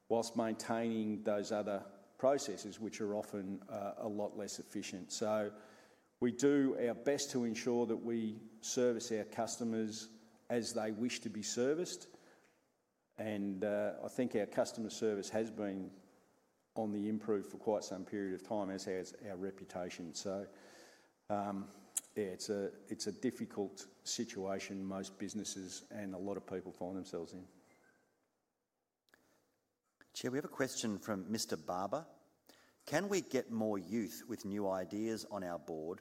whilst maintaining those other processes, which are often a lot less efficient. We do our best to ensure that we service our customers as they wish to be serviced. I think our customer service has been on the improve for quite some period of time, as has our reputation. Yeah, it is a difficult situation most businesses and a lot of people find themselves in. Chair, we have a question from Mr. Barber. Can we get more youth with new ideas on our board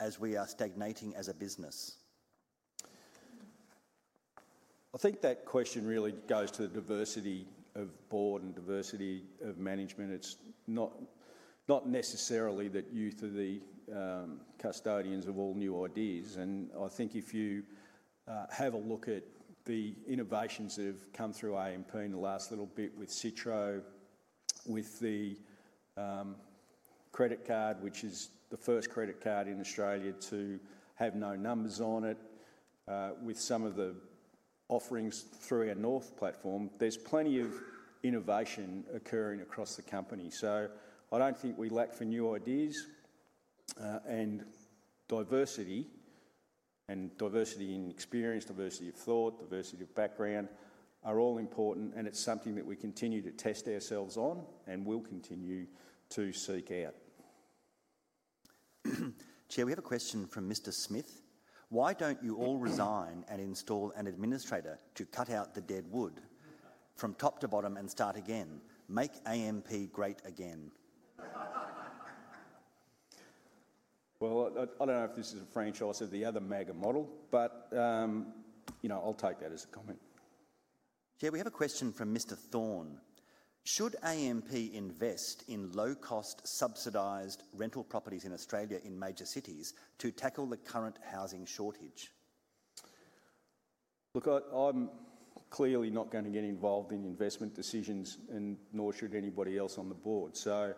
as we are stagnating as a business? I think that question really goes to the diversity of board and diversity of management. It's not necessarily that youth are the custodians of all new ideas. I think if you have a look at the innovations that have come through AMP in the last little bit with Citro, with the credit card, which is the first credit card in Australia to have no numbers on it, with some of the offerings through our North platform, there's plenty of innovation occurring across the company. I don't think we lack for new ideas. Diversity in experience, diversity of thought, diversity of background are all important, and it's something that we continue to test ourselves on and will continue to seek out. Chair, we have a question from Mr. Smith. Why don't you all resign and install an administrator to cut out the dead wood from top to bottom and start again? Make AMP great again. I don't know if this is a franchise of the other MAGA model, but I'll take that as a comment. Chair, we have a question from Mr. Thorne. Should AMP invest in low-cost subsidised rental properties in Australia in major cities to tackle the current housing shortage? Look, I'm clearly not going to get involved in investment decisions, and nor should anybody else on the board. The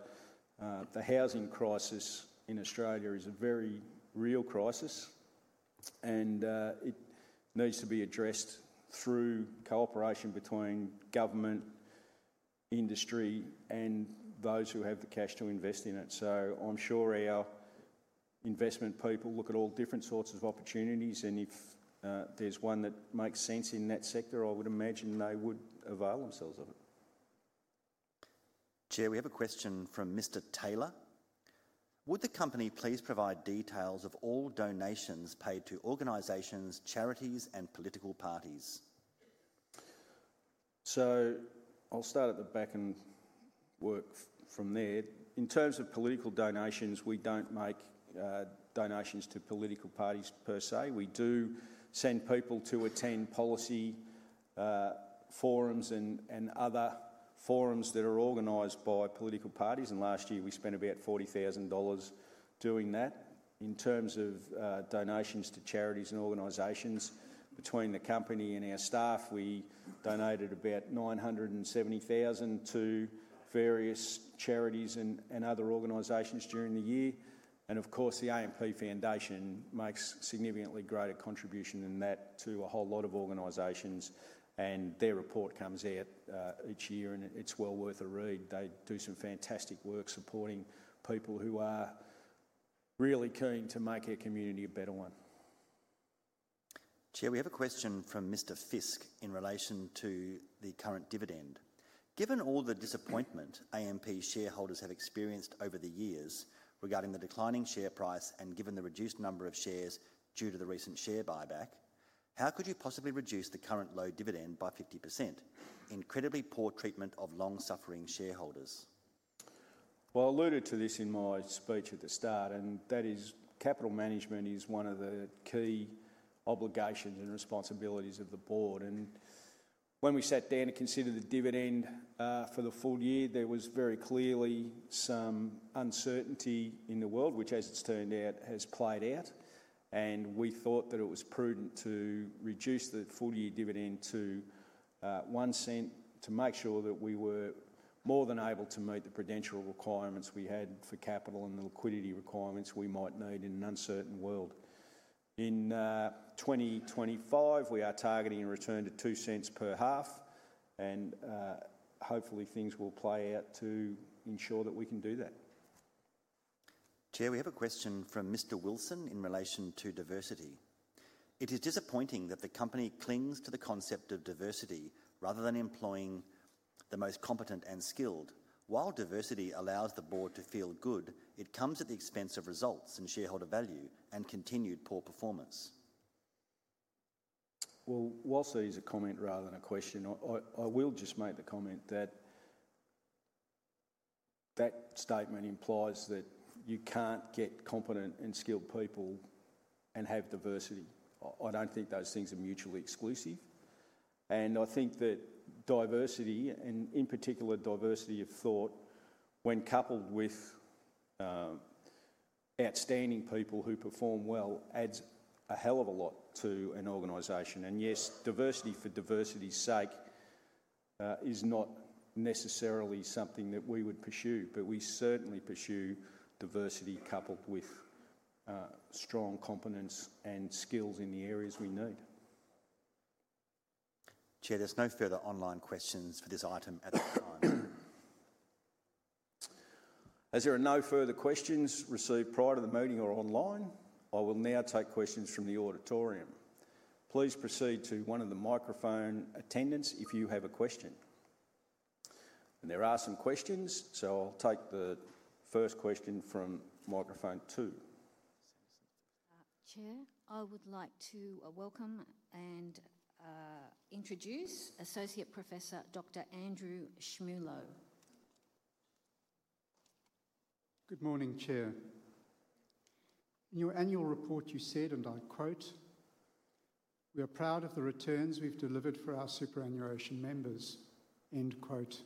housing crisis in Australia is a very real crisis, and it needs to be addressed through cooperation between government, industry, and those who have the cash to invest in it. I'm sure our investment people look at all different sorts of opportunities, and if there's one that makes sense in that sector, I would imagine they would avail themselves of it. Chair, we have a question from Mr. Taylor. Would the company please provide details of all donations paid to organisations, charities, and political parties? I'll start at the back and work from there. In terms of political donations, we do not make donations to political parties per se. We do send people to attend policy forums and other forums that are organised by political parties. Last year, we spent about 40,000 dollars doing that. In terms of donations to charities and organisations, between the company and our staff, we donated about 970,000 to various charities and other organisations during the year. Of course, the AMP Foundation makes a significantly greater contribution than that to a whole lot of organisations, and their report comes out each year, and it is well worth a read. They do some fantastic work supporting people who are really keen to make our community a better one. Chair, we have a question from Mr. Fisk in relation to the current dividend. Given all the disappointment AMP shareholders have experienced over the years regarding the declining share price and given the reduced number of shares due to the recent share buyback, how could you possibly reduce the current low dividend by 50%? Incredibly poor treatment of long-suffering shareholders. I alluded to this in my speech at the start, and capital management is one of the key obligations and responsibilities of the board. When we sat down to consider the dividend for the full year, there was very clearly some uncertainty in the world, which, as it's turned out, has played out. We thought that it was prudent to reduce the full-year dividend to 0.01 to make sure that we were more than able to meet the credential requirements we had for capital and the liquidity requirements we might need in an uncertain world. In 2025, we are targeting a return to 0.02 per half, and hopefully things will play out to ensure that we can do that. Chair, we have a question from Mr. Wilson in relation to diversity. It is disappointing that the company clings to the concept of diversity rather than employing the most competent and skilled. While diversity allows the board to feel good, it comes at the expense of results and shareholder value and continued poor performance. Whilst that is a comment rather than a question, I will just make the comment that that statement implies that you can't get competent and skilled people and have diversity. I don't think those things are mutually exclusive. I think that diversity, and in particular diversity of thought, when coupled with outstanding people who perform well, adds a hell of a lot to an organisation. Yes, diversity for diversity's sake is not necessarily something that we would pursue, but we certainly pursue diversity coupled with strong competence and skills in the areas we need. Chair, there's no further online questions for this item at this time. As there are no further questions received prior to the meeting or online, I will now take questions from the auditorium. Please proceed to one of the microphone attendants if you have a question. There are some questions, so I'll take the first question from microphone two. Chair, I would like to welcome and introduce Associate Professor Dr. Andrew Schmulo. Good morning, Chair. In your annual report, you said, and I quote, "We are proud of the returns we've delivered for our superannuation members." End quote.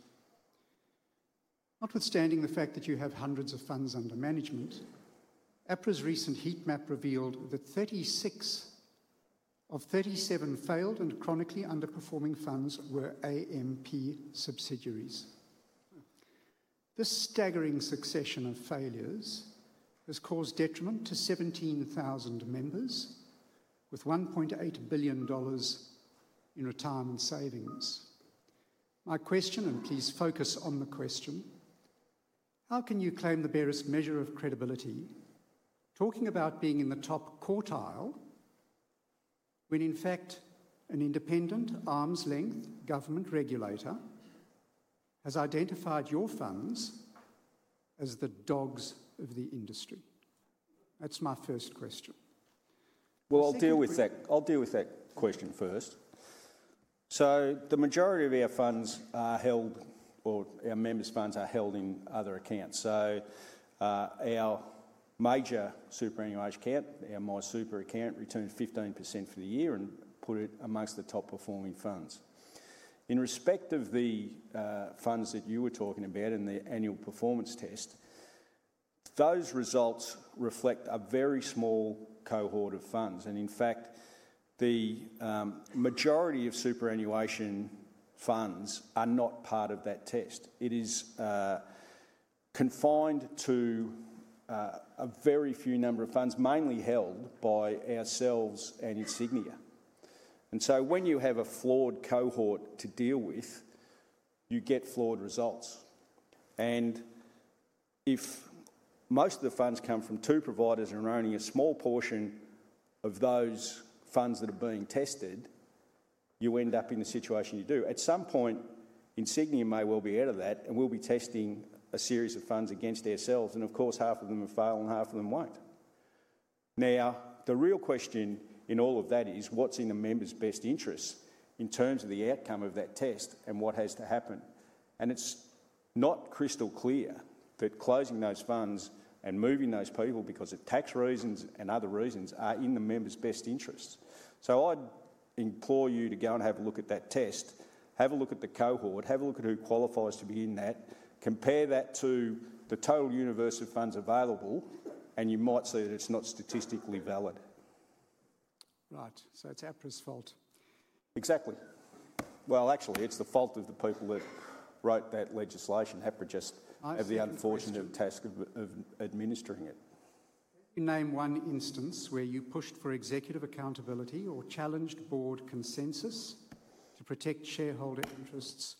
Notwithstanding the fact that you have hundreds of funds under management, APRA's recent heat map revealed that 36 of 37 failed and chronically underperforming funds were AMP subsidiaries. This staggering succession of failures has caused detriment to 17,000 members with 1.8 billion dollars in retirement savings. My question, and please focus on the question, how can you claim the barest measure of credibility talking about being in the top quartile when, in fact, an independent arm's-length government regulator has identified your funds as the dogs of the industry? That's my first question. I'll deal with that question first. The majority of our funds are held, or our members' funds are held in other accounts. Our major superannuation account, our MySuper account, returned 15% for the year and put it amongst the top-performing funds. In respect of the funds that you were talking about in the annual performance test, those results reflect a very small cohort of funds. In fact, the majority of superannuation funds are not part of that test. It is confined to a very few number of funds mainly held by ourselves and Insignia. When you have a flawed cohort to deal with, you get flawed results. If most of the funds come from two providers and are owning a small portion of those funds that are being tested, you end up in the situation you do. At some point, Insignia may well be out of that and will be testing a series of funds against ourselves. Of course, half of them will fail and half of them won't. The real question in all of that is what's in the members' best interests in terms of the outcome of that test and what has to happen. It is not crystal clear that closing those funds and moving those people because of tax reasons and other reasons are in the members' best interests. I implore you to go and have a look at that test, have a look at the cohort, have a look at who qualifies to be in that, compare that to the total universe of funds available, and you might see that it's not statistically valid. Right. It is APRA's fault. Exactly. Actually, it's the fault of the people that wrote that legislation. APRA just have the unfortunate task of administering it. Can you name one instance where you pushed for executive accountability or challenged board consensus to protect shareholder interests,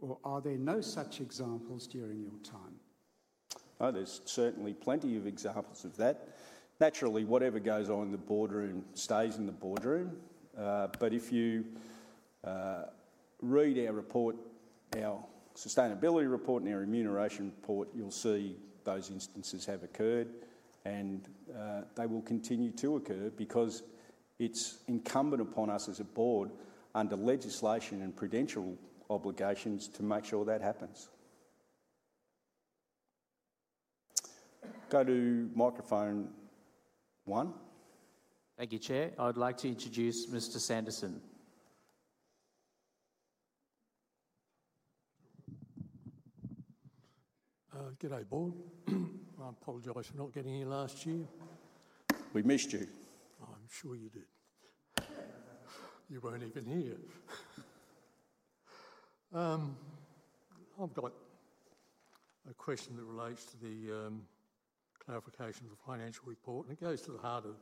or are there no such examples during your time? There's certainly plenty of examples of that. Naturally, whatever goes on in the boardroom stays in the boardroom. If you read our report, our sustainability report and our remuneration report, you'll see those instances have occurred, and they will continue to occur because it's incumbent upon us as a board under legislation and prudential obligations to make sure that happens. Go to microphone one. Thank you, Chair. I'd like to introduce Mr. Sanderson. G'day, board. I apologize for not getting here last year. We missed you. I'm sure you did. You weren't even here. I've got a question that relates to the clarification of the financial report, and it goes to the heart of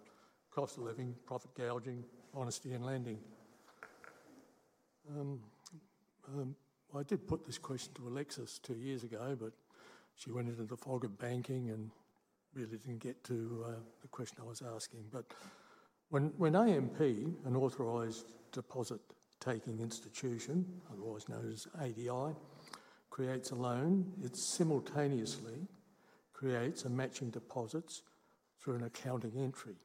cost of living, profit gouging, honesty in lending. I did put this question to Alexis two years ago, but she went into the fog of banking and really didn't get to the question I was asking. When AMP, an authorised deposit-taking institution, otherwise known as ADI, creates a loan, it simultaneously creates a matching deposit through an accounting entry,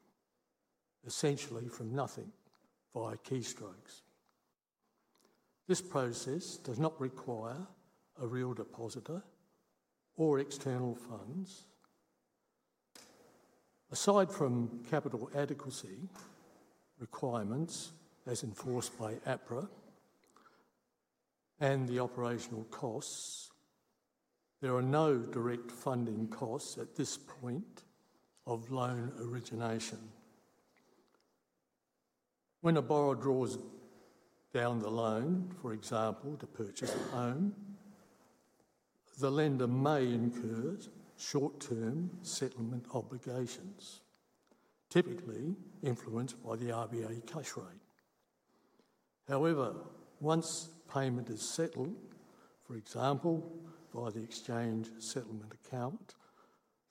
essentially from nothing, via keystrokes. This process does not require a real depositor or external funds. Aside from capital adequacy requirements as enforced by APRA and the operational costs, there are no direct funding costs at this point of loan origination. When a borrower draws down the loan, for example, to purchase a home, the lender may incur short-term settlement obligations, typically influenced by the RBA cash rate. However, once payment is settled, for example, via the exchange settlement account,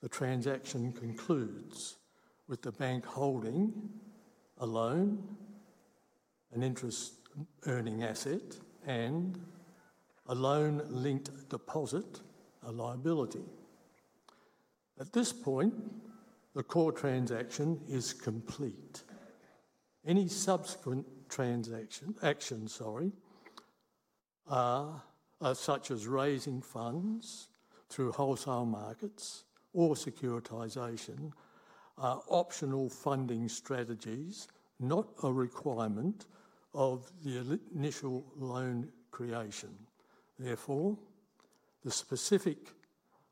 the transaction concludes with the bank holding a loan, an interest-earning asset, and a loan-linked deposit, a liability. At this point, the core transaction is complete. Any subsequent actions, such as raising funds through wholesale markets or securitization, are optional funding strategies, not a requirement of the initial loan creation. Therefore, the specific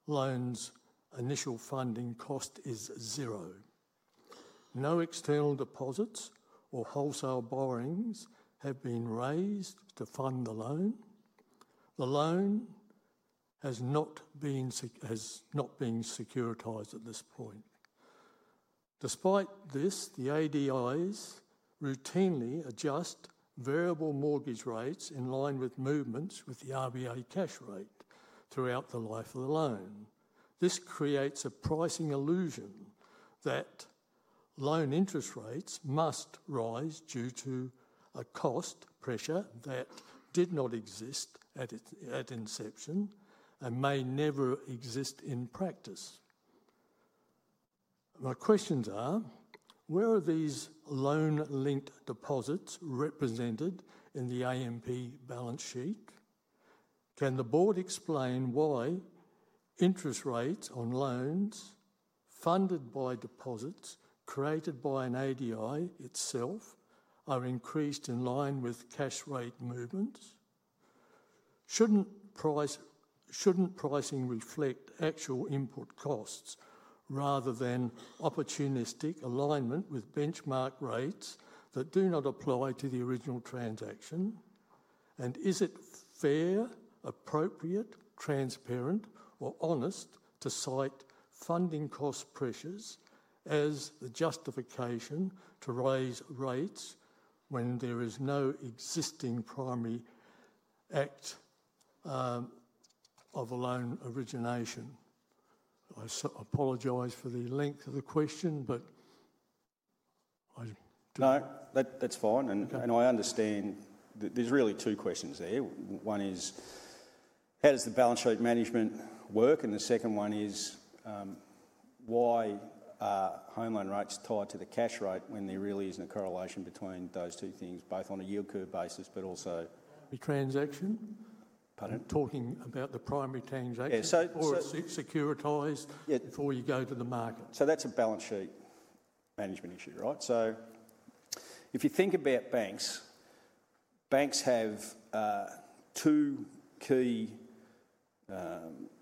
loan's initial funding cost is zero. No external deposits or wholesale borrowings have been raised to fund the loan. The loan has not been securitized at this point. Despite this, the ADIs routinely adjust variable mortgage rates in line with movements with the RBA cash rate throughout the life of the loan. This creates a pricing illusion that loan interest rates must rise due to a cost pressure that did not exist at inception and may never exist in practice. My questions are, where are these loan-linked deposits represented in the AMP balance sheet? Can the board explain why interest rates on loans funded by deposits created by an ADI itself are increased in line with cash rate movements? Shouldn't pricing reflect actual input costs rather than opportunistic alignment with benchmark rates that do not apply to the original transaction? Is it fair, appropriate, transparent, or honest to cite funding cost pressures as the justification to raise rates when there is no existing primary act of a loan origination? I apologize for the length of the question, but I— No, that's fine. I understand there's really two questions there. One is, how does the balance sheet management work? The second one is, why are home loan rates tied to the cash rate when there really isn't a correlation between those two things, both on a yield curve basis, but also—the transaction? Pardon? Talking about the primary transaction or securitised before you go to the market. That is a balance sheet management issue, right? If you think about banks, banks have two key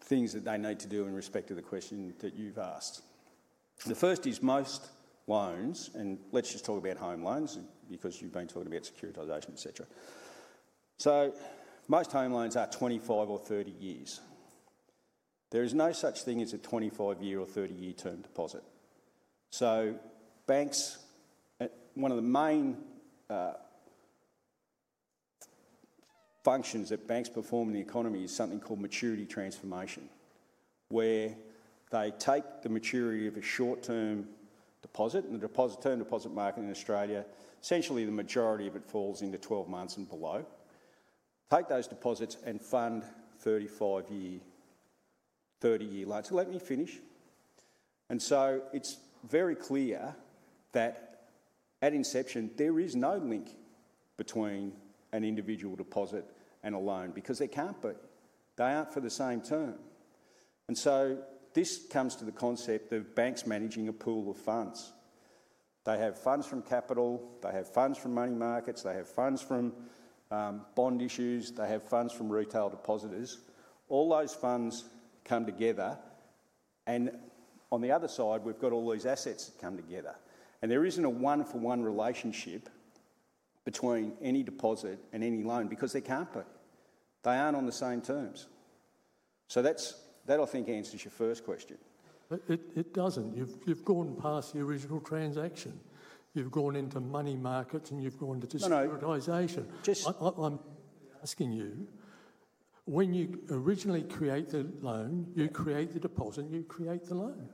things that they need to do in respect to the question that you've asked. The first is most loans, and let's just talk about home loans because you've been talking about securitization, etc. Most home loans are 25 or 30 years. There is no such thing as a 25-year or 30-year term deposit. One of the main functions that banks perform in the economy is something called maturity transformation, where they take the maturity of a short-term deposit, and the term deposit market in Australia, essentially the majority of it falls into 12 months and below, take those deposits and fund 30-year loans. Let me finish. It is very clear that at inception, there is no link between an individual deposit and a loan because they cannot be. They are not for the same term. This comes to the concept of banks managing a pool of funds. They have funds from capital, they have funds from money markets, they have funds from bond issues, they have funds from retail depositors. All those funds come together, and on the other side, we have all these assets that come together. There isn't a one-for-one relationship between any deposit and any loan because they can't be. They aren't on the same terms. That, I think, answers your first question. It doesn't. You've gone past the original transaction. You've gone into money markets and you've gone to securitization. I'm asking you, when you originally create the loan, you create the deposit, you create the loan.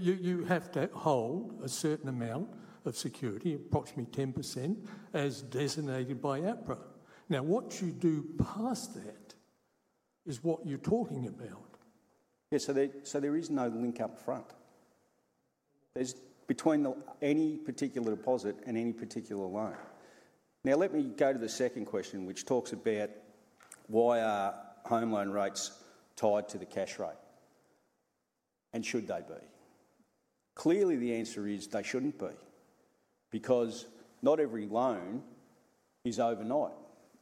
You have to hold a certain amount of security, approximately 10%, as designated by APRA. What you do past that is what you're talking about. There is no link upfront between any particular deposit and any particular loan. Now, let me go to the second question, which talks about why are home loan rates tied to the cash rate and should they be? Clearly, the answer is they shouldn't be because not every loan is overnight.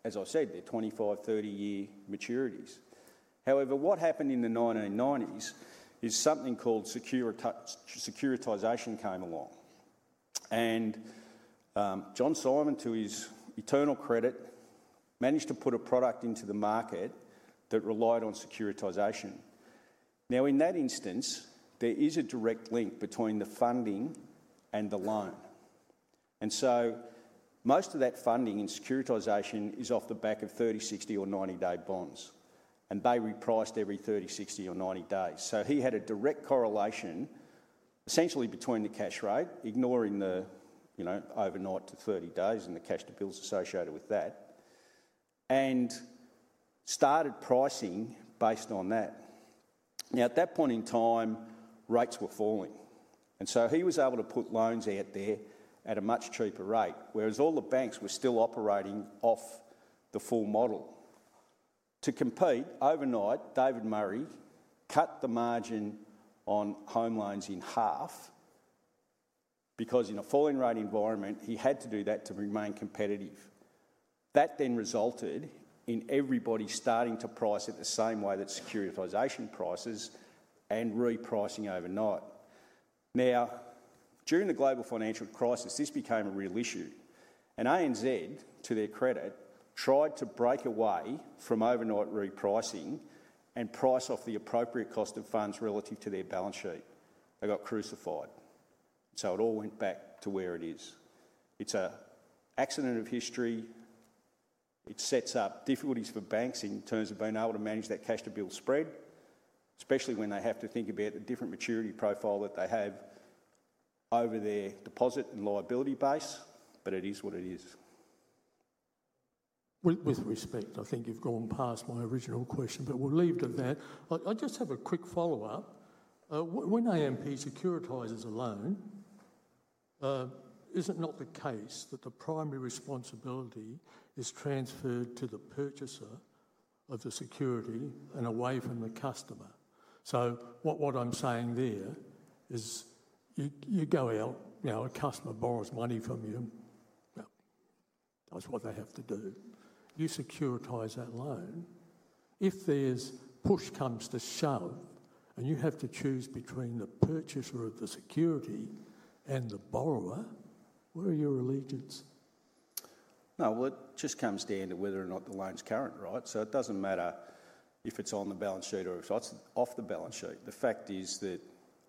As I said, they're 25, 30-year maturities. However, what happened in the 1990s is something called securitisation came along. John Simon, to his eternal credit, managed to put a product into the market that relied on securitisation. In that instance, there is a direct link between the funding and the loan. Most of that funding in securitisation is off the back of 30, 60, or 90-day bonds, and they repriced every 30, 60, or 90 days. He had a direct correlation essentially between the cash rate, ignoring the overnight to 30 days and the cash to bills associated with that, and started pricing based on that. At that point in time, rates were falling. He was able to put loans out there at a much cheaper rate, whereas all the banks were still operating off the full model. To compete, overnight, David Murray cut the margin on home loans in half because in a falling rate environment, he had to do that to remain competitive. That then resulted in everybody starting to price at the same way that securitisation prices and repricing overnight. During the global financial crisis, this became a real issue. ANZ, to their credit, tried to break away from overnight repricing and price off the appropriate cost of funds relative to their balance sheet. They got crucified. It all went back to where it is. It's an accident of history. It sets up difficulties for banks in terms of being able to manage that cash to bill spread, especially when they have to think about the different maturity profile that they have over their deposit and liability base, but it is what it is. With respect, I think you've gone past my original question, but we'll leave to that. I just have a quick follow-up. When AMP securitises a loan, is it not the case that the primary responsibility is transferred to the purchaser of the security and away from the customer? So what I'm saying there is you go out, a customer borrows money from you, that's what they have to do. You securitise that loan. If push comes to shove and you have to choose between the purchaser of the security and the borrower, where are your allegiance? No, it just comes down to whether or not the loan's current, right? It doesn't matter if it's on the balance sheet or if it's off the balance sheet. The fact is that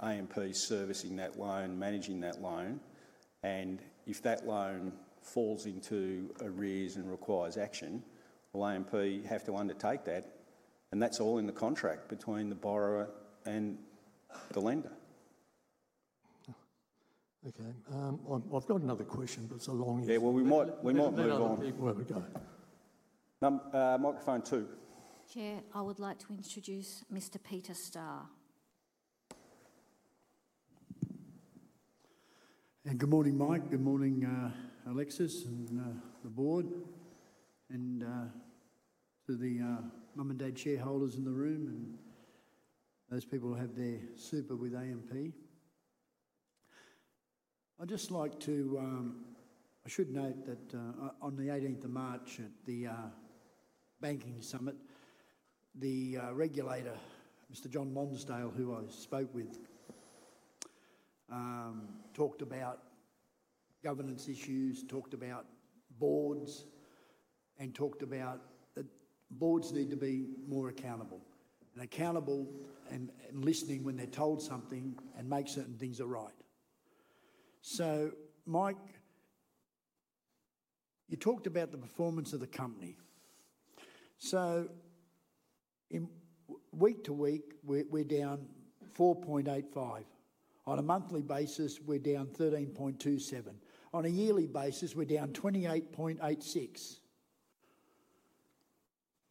AMP's servicing that loan, managing that loan, and if that loan falls into arrears and requires action, will AMP have to undertake that? And that's all in the contract between the borrower and the lender. Okay. I've got another question, but it's a long answer. Yeah, we might move on. Where are we going? Microphone two. Chair, I would like to introduce Mr. Peter Star. Good morning, Mike. Good morning, Alexis and the board. And to the mum and dad shareholders in the room and those people who have their super with AMP. I'd just like to—I should note that on the 18th of March at the banking summit, the regulator, Mr. John Lonsdale, who I spoke with, talked about governance issues, talked about boards, and talked about that boards need to be more accountable. Accountable and listening when they're told something and make certain things are right. Mike, you talked about the performance of the company. Week to week, we're down 4.85%. On a monthly basis, we're down 13.27%. On a yearly basis, we're down 28.86%.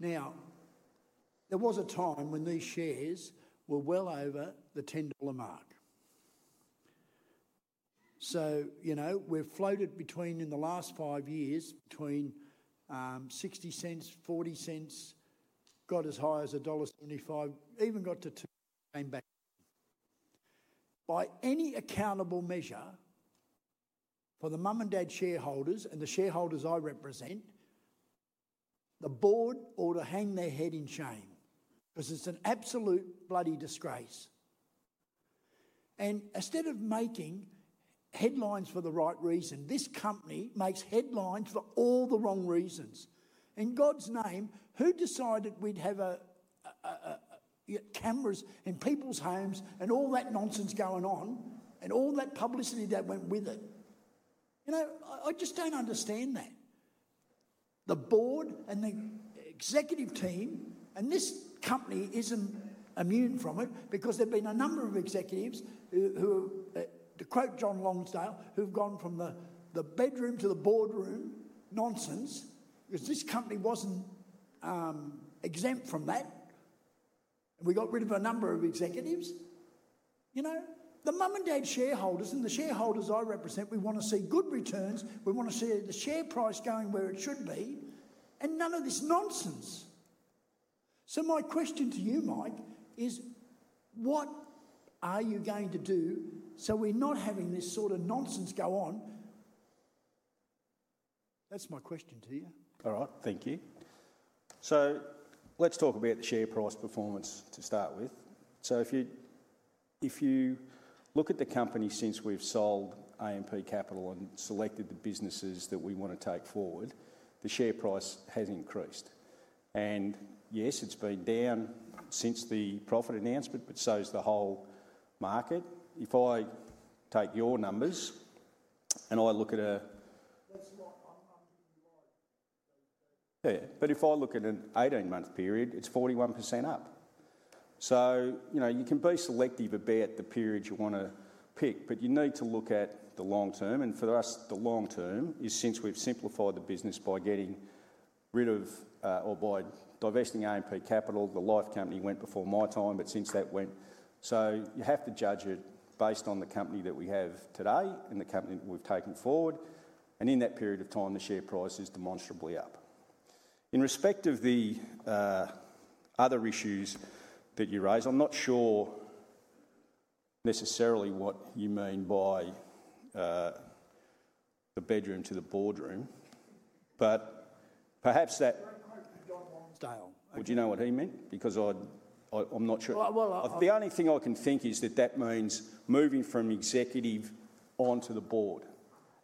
There was a time when these shares were well over the 10 dollar mark. We've floated in the last five years between 60 cents, 40 cents, got as high as dollar 1.75, even got to 2, came back. By any accountable measure for the mum and dad shareholders and the shareholders I represent, the board ought to hang their head in shame because it's an absolute bloody disgrace. Instead of making headlines for the right reason, this company makes headlines for all the wrong reasons. In God's name, who decided we'd have cameras in people's homes and all that nonsense going on and all that publicity that went with it? I just don't understand that. The board and the executive team, and this company isn't immune from it because there have been a number of executives who, to quote John Lonsdale, who've gone from the bedroom to the boardroom nonsense because this company wasn't exempt from that. We got rid of a number of executives. The mum and dad shareholders and the shareholders I represent, we want to see good returns. We want to see the share price going where it should be, and none of this nonsense. My question to you, Mike, is what are you going to do so we're not having this sort of nonsense go on? That's my question to you. All right. Thank you. Let's talk about the share price performance to start with. If you look at the company since we have sold AMP Capital and selected the businesses that we want to take forward, the share price has increased. Yes, it has been down since the profit announcement, but so has the whole market. If I take your numbers and I look at a— That's not 100-year loan. Yeah, but if I look at an 18-month period, it is 41% up. You can be selective about the periods you want to pick, but you need to look at the long term. For us, the long term is since we've simplified the business by getting rid of or by divesting AMP Capital, the life company went before my time, but since that went, you have to judge it based on the company that we have today and the company that we've taken forward. In that period of time, the share price is demonstrably up. In respect of the other issues that you raise, I'm not sure necessarily what you mean by the bedroom to the boardroom, but perhaps that—Don't quote John Lonsdale. Would you know what he meant? Because I'm not sure. The only thing I can think is that that means moving from executive onto the board.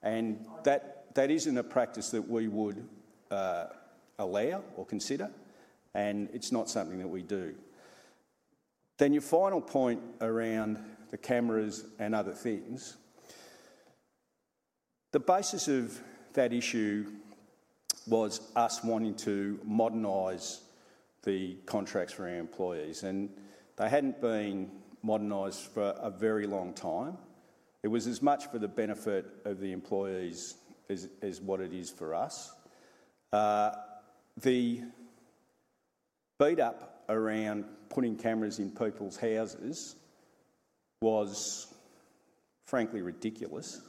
That isn't a practice that we would allow or consider, and it's not something that we do. Your final point around the cameras and other things, the basis of that issue was us wanting to modernize the contracts for our employees. They had not been modernized for a very long time. It was as much for the benefit of the employees as what it is for us. The beat-up around putting cameras in people's houses was, frankly, ridiculous.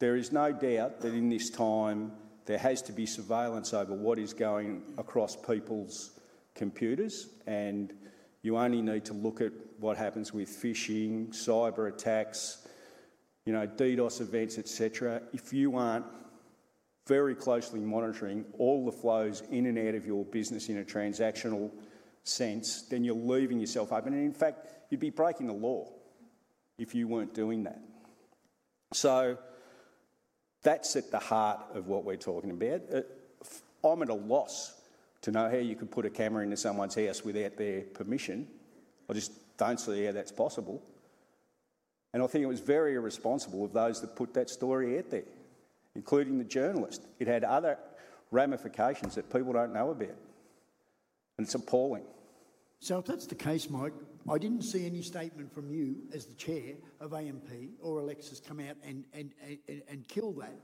There is no doubt that in this time, there has to be surveillance over what is going across people's computers. You only need to look at what happens with phishing, cyberattacks, DDoS events, etc. If you are not very closely monitoring all the flows in and out of your business in a transactional sense, you are leaving yourself open. In fact, you would be breaking the law if you were not doing that. That is at the heart of what we are talking about. I'm at a loss to know how you could put a camera into someone's house without their permission. I just don't see how that's possible. I think it was very irresponsible of those that put that story out there, including the journalist. It had other ramifications that people don't know about. It's appalling. If that's the case, Mike, I didn't see any statement from you as the Chair of AMP or Alexis come out and kill that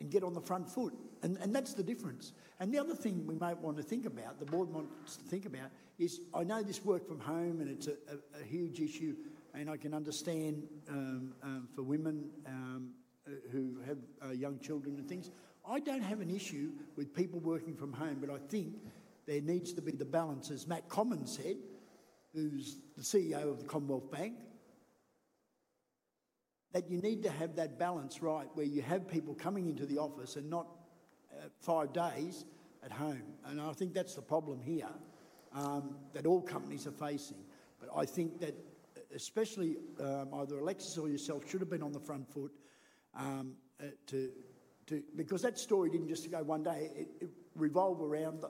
and get on the front foot. That's the difference. The other thing we might want to think about, the board wants to think about, is I know this work from home and it's a huge issue, and I can understand for women who have young children and things. I don't have an issue with people working from home, but I think there needs to be the balance, as Matt Comyn said, who's the CEO of the Commonwealth Bank of Australia, that you need to have that balance right where you have people coming into the office and not five days at home. I think that's the problem here that all companies are facing. I think that especially either Alexis or yourself should have been on the front foot because that story didn't just go one day. It revolved around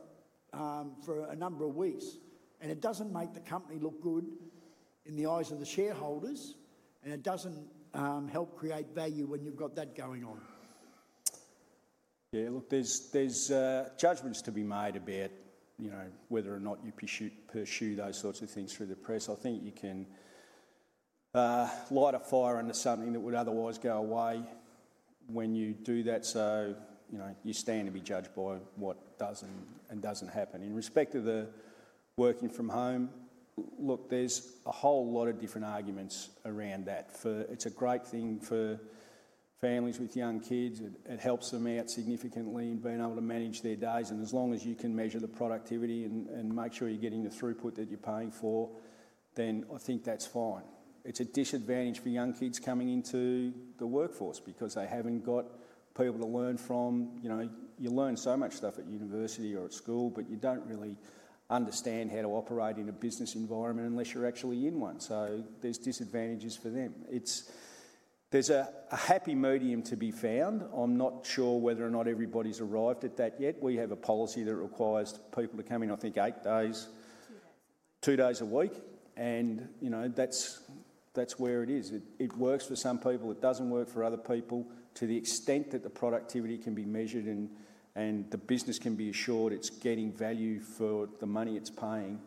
for a number of weeks. It doesn't make the company look good in the eyes of the shareholders, and it doesn't help create value when you've got that going on. Yeah, look, there's judgments to be made about whether or not you pursue those sorts of things through the press. I think you can light a fire under something that would otherwise go away when you do that. You stand to be judged by what does and doesn't happen. In respect of the working from home, look, there's a whole lot of different arguments around that. It's a great thing for families with young kids. It helps them out significantly in being able to manage their days. As long as you can measure the productivity and make sure you're getting the throughput that you're paying for, then I think that's fine. It's a disadvantage for young kids coming into the workforce because they haven't got people to learn from. You learn so much stuff at university or at school, but you don't really understand how to operate in a business environment unless you're actually in one. There are disadvantages for them. There's a happy medium to be found. I'm not sure whether or not everybody's arrived at that yet. We have a policy that requires people to come in, I think, eight days. Two days a week. Two days a week. That is where it is. It works for some people. It doesn't work for other people. To the extent that the productivity can be measured and the business can be assured it's getting value for the money it's paying,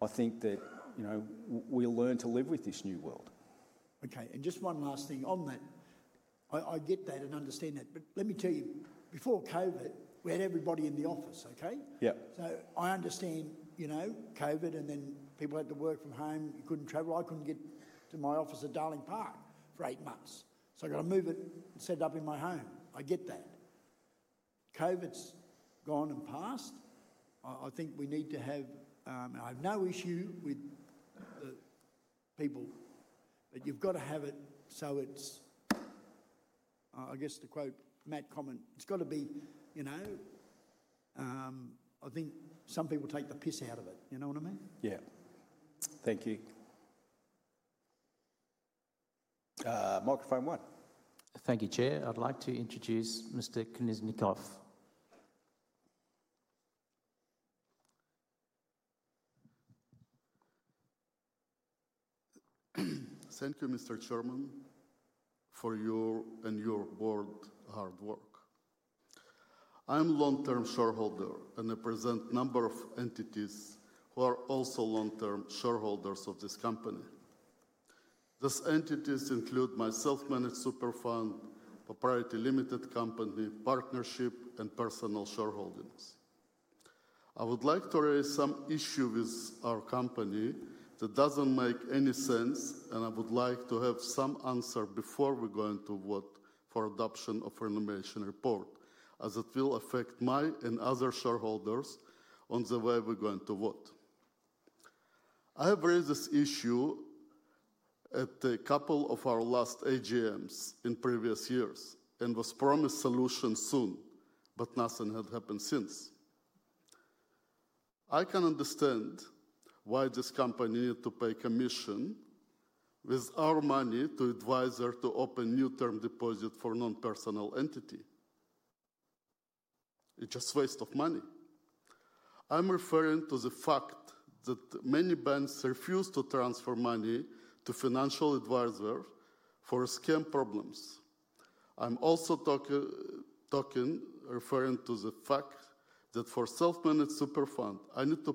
I think that we'll learn to live with this new world. Okay. Just one last thing on that. I get that and understand that. Let me tell you, before COVID, we had everybody in the office, okay? Yeah. I understand COVID and then people had to work from home. You couldn't travel. I couldn't get to my office at Darling Park for eight months. I got to move it and set it up in my home. I get that. COVID's gone and passed. I think we need to have—I have no issue with the people, but you've got to have it so it's, I guess, to quote Matt Commons, it's got to be—I think some people take the piss out of it. You know what I mean? Yeah. Thank you. Microphone one. Thank you, Chair. I'd like to introduce Mr. Kneznikov. Thank you, Mr. Chairman, for your and your board hard work. I'm a long-term shareholder and represent a number of entities who are also long-term shareholders of this company. Those entities include my self-managed super fund, propriety limited company, partnership, and personal shareholdings. I would like to raise some issues with our company that doesn't make any sense, and I would like to have some answer before we go into vote for adoption of the renovation report, as it will affect my and other shareholders on the way we're going to vote. I have raised this issue at a couple of our last AGMs in previous years and was promised solutions soon, but nothing had happened since. I can understand why this company needed to pay commission with our money to a financial advisor to open a new term deposit for a non-personal entity. It's just a waste of money. I'm referring to the fact that many banks refuse to transfer money to financial advisors for scam problems. I'm also talking referring to the fact that for a self-managed super fund, I need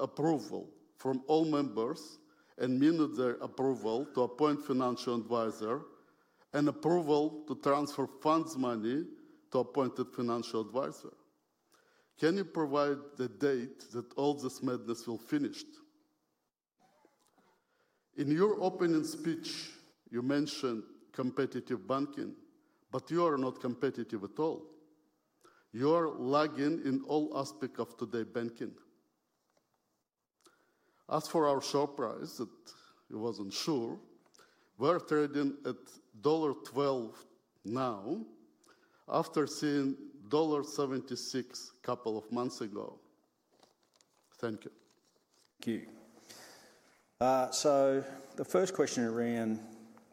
approval from all members and meaning their approval to appoint a financial advisor and approval to transfer funds money to an appointed financial advisor. Can you provide the date that all this madness will be finished? In your opening speech, you mentioned competitive banking, but you are not competitive at all. You are lagging in all aspects of today's banking. As for our share price, it wasn't sure. We're trading at dollar 1.12 now after seeing dollar 1.76 a couple of months ago. Thank you. Thank you. The first question around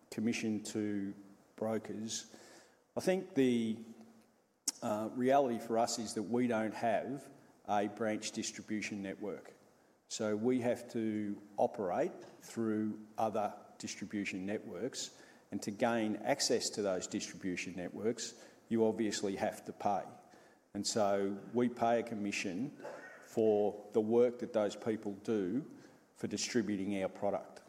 commission to brokers, I think the reality for us is that we don't have a branch distribution network. We have to operate through other distribution networks. To gain access to those distribution networks, you obviously have to pay. We pay a commission for the work that those people do for distributing our product.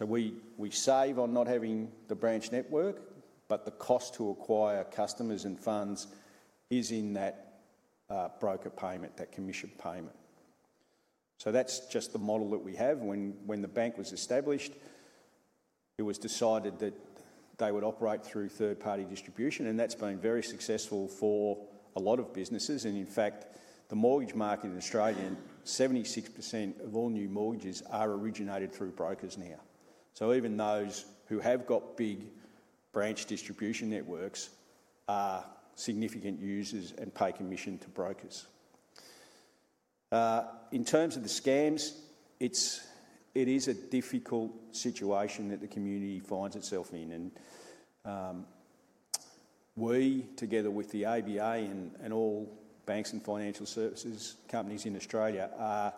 We save on not having the branch network, but the cost to acquire customers and funds is in that broker payment, that commission payment. That is just the model that we have. When the bank was established, it was decided that they would operate through third-party distribution, and that has been very successful for a lot of businesses. In fact, the mortgage market in Australia, 76% of all new mortgages are originated through brokers now. Even those who have big branch distribution networks are significant users and pay commission to brokers. In terms of the scams, it is a difficult situation that the community finds itself in. We, together with the ABA and all banks and financial services companies in Australia, are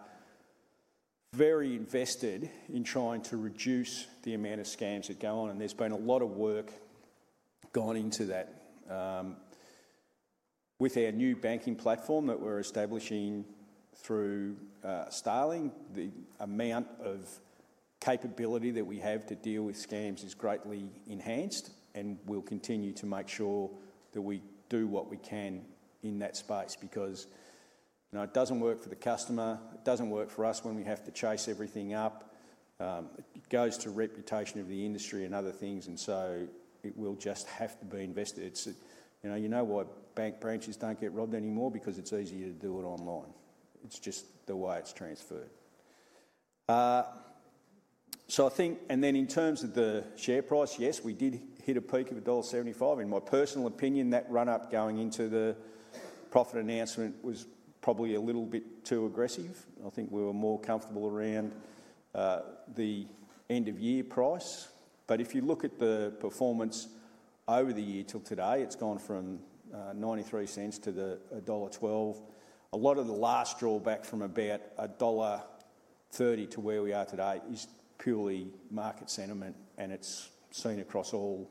very invested in trying to reduce the amount of scams that go on. There has been a lot of work gone into that. With our new banking platform that we are establishing through Starling, the amount of capability that we have to deal with scams is greatly enhanced, and we will continue to make sure that we do what we can in that space because it does not work for the customer. It does not work for us when we have to chase everything up. It goes to reputation of the industry and other things, and so it will just have to be invested. You know why bank branches do not get robbed anymore? Because it is easier to do it online. It is just the way it is transferred. I think, and then in terms of the share price, yes, we did hit a peak of dollar 1.75. In my personal opinion, that run-up going into the profit announcement was probably a little bit too aggressive. I think we were more comfortable around the end-of-year price. If you look at the performance over the year till today, it's gone from 93 cents to AUD 1.12. A lot of the last drawback from about dollar 1.30 to where we are today is purely market sentiment, and it's seen across all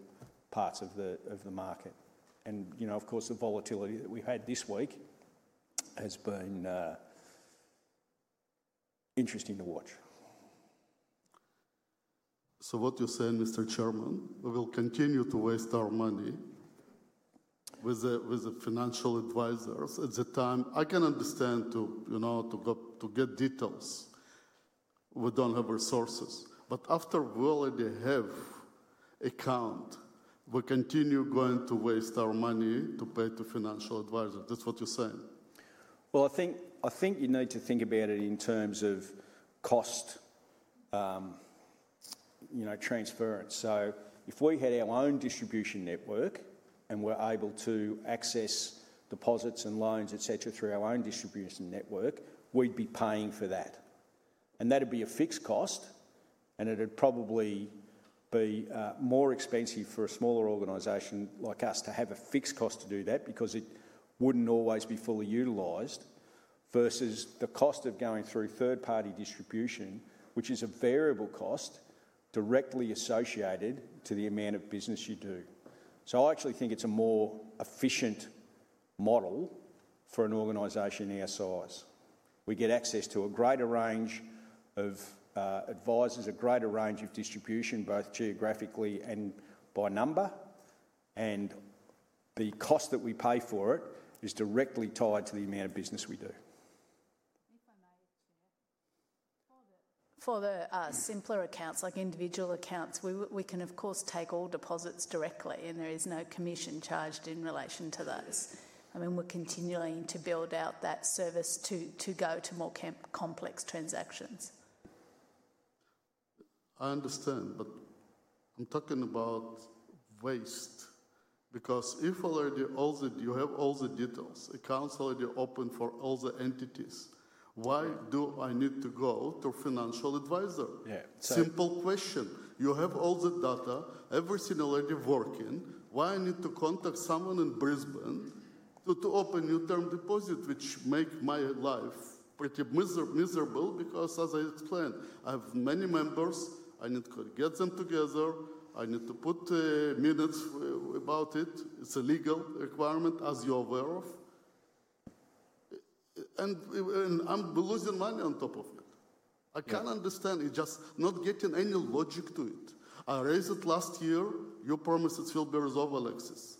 parts of the market. Of course, the volatility that we've had this week has been interesting to watch. What you're saying, Mr. Chairman, we will continue to waste our money with the financial advisors at the time. I can understand to get details. We don't have resources. After we already have account, we continue going to waste our money to pay to financial advisors. That is what you are saying? I think you need to think about it in terms of cost transference. If we had our own distribution network and were able to access deposits and loans, etc., through our own distribution network, we would be paying for that. That would be a fixed cost, and it would probably be more expensive for a smaller organization like us to have a fixed cost to do that because it would not always be fully utilized versus the cost of going through third-party distribution, which is a variable cost directly associated to the amount of business you do. I actually think it is a more efficient model for an organization our size. We get access to a greater range of advisors, a greater range of distribution, both geographically and by number. The cost that we pay for it is directly tied to the amount of business we do. If I may, Chair, for the simpler accounts, like individual accounts, we can, of course, take all deposits directly, and there is no commission charged in relation to those. I mean, we're continuing to build out that service to go to more complex transactions. I understand, but I'm talking about waste because if already all the—you have all the details, accounts already open for all the entities, why do I need to go to a financial advisor? Simple question. You have all the data, everything already working. Why do I need to contact someone in Brisbane to open a new term deposit, which makes my life pretty miserable because, as I explained, I have many members. I need to get them together. I need to put minutes about it. It's a legal requirement, as you're aware of. I'm losing money on top of it. I can't understand. It's just not getting any logic to it. I raised it last year. You promised it will be resolved, Alexis.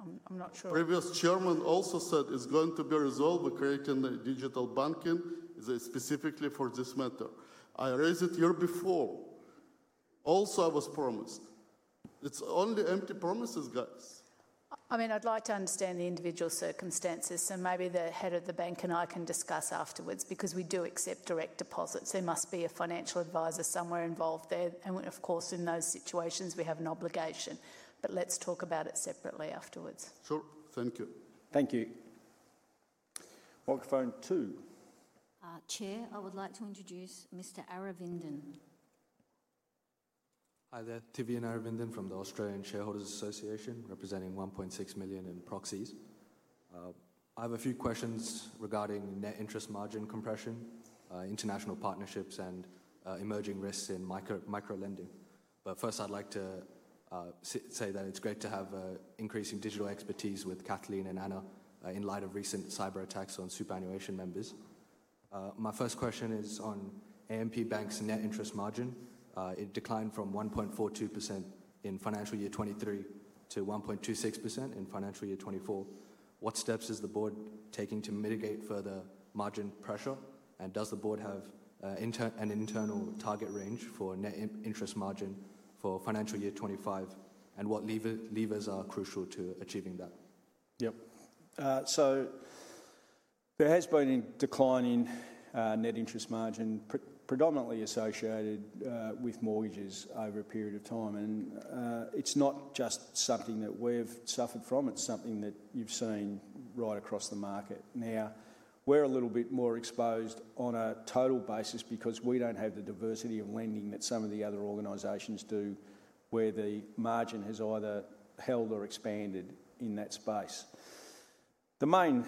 I'm not sure. Previous Chairman also said it's going to be resolved by creating digital banking specifically for this matter. I raised it the year before. Also, I was promised. It's only empty promises, guys. I mean, I'd like to understand the individual circumstances, so maybe the head of the bank and I can discuss afterwards because we do accept direct deposits. There must be a financial advisor somewhere involved there. Of course, in those situations, we have an obligation. Let's talk about it separately afterwards. Sure. Thank you. Thank you. Microphone two. Chair, I would like to introduce Mr. Aravindan. Hi there. Thivyan Aravindan from the Australian Shareholders Association, representing 1.6 million in proxies. I have a few questions regarding net interest margin compression, international partnerships, and emerging risks in microlending. First, I'd like to say that it's great to have increasing digital expertise with Kathleen and Anna in light of recent cyberattacks on superannuation members. My first question is on AMP Bank's net interest margin. It declined from 1.42% in financial year 2023 to 1.26% in financial year 2024. What steps is the board taking to mitigate further margin pressure? Does the board have an internal target range for net interest margin for financial year 2025? What levers are crucial to achieving that? Yep. There has been a decline in net interest margin predominantly associated with mortgages over a period of time. It is not just something that we have suffered from. It is something that you have seen right across the market. We are a little bit more exposed on a total basis because we do not have the diversity of lending that some of the other organizations do where the margin has either held or expanded in that space. The main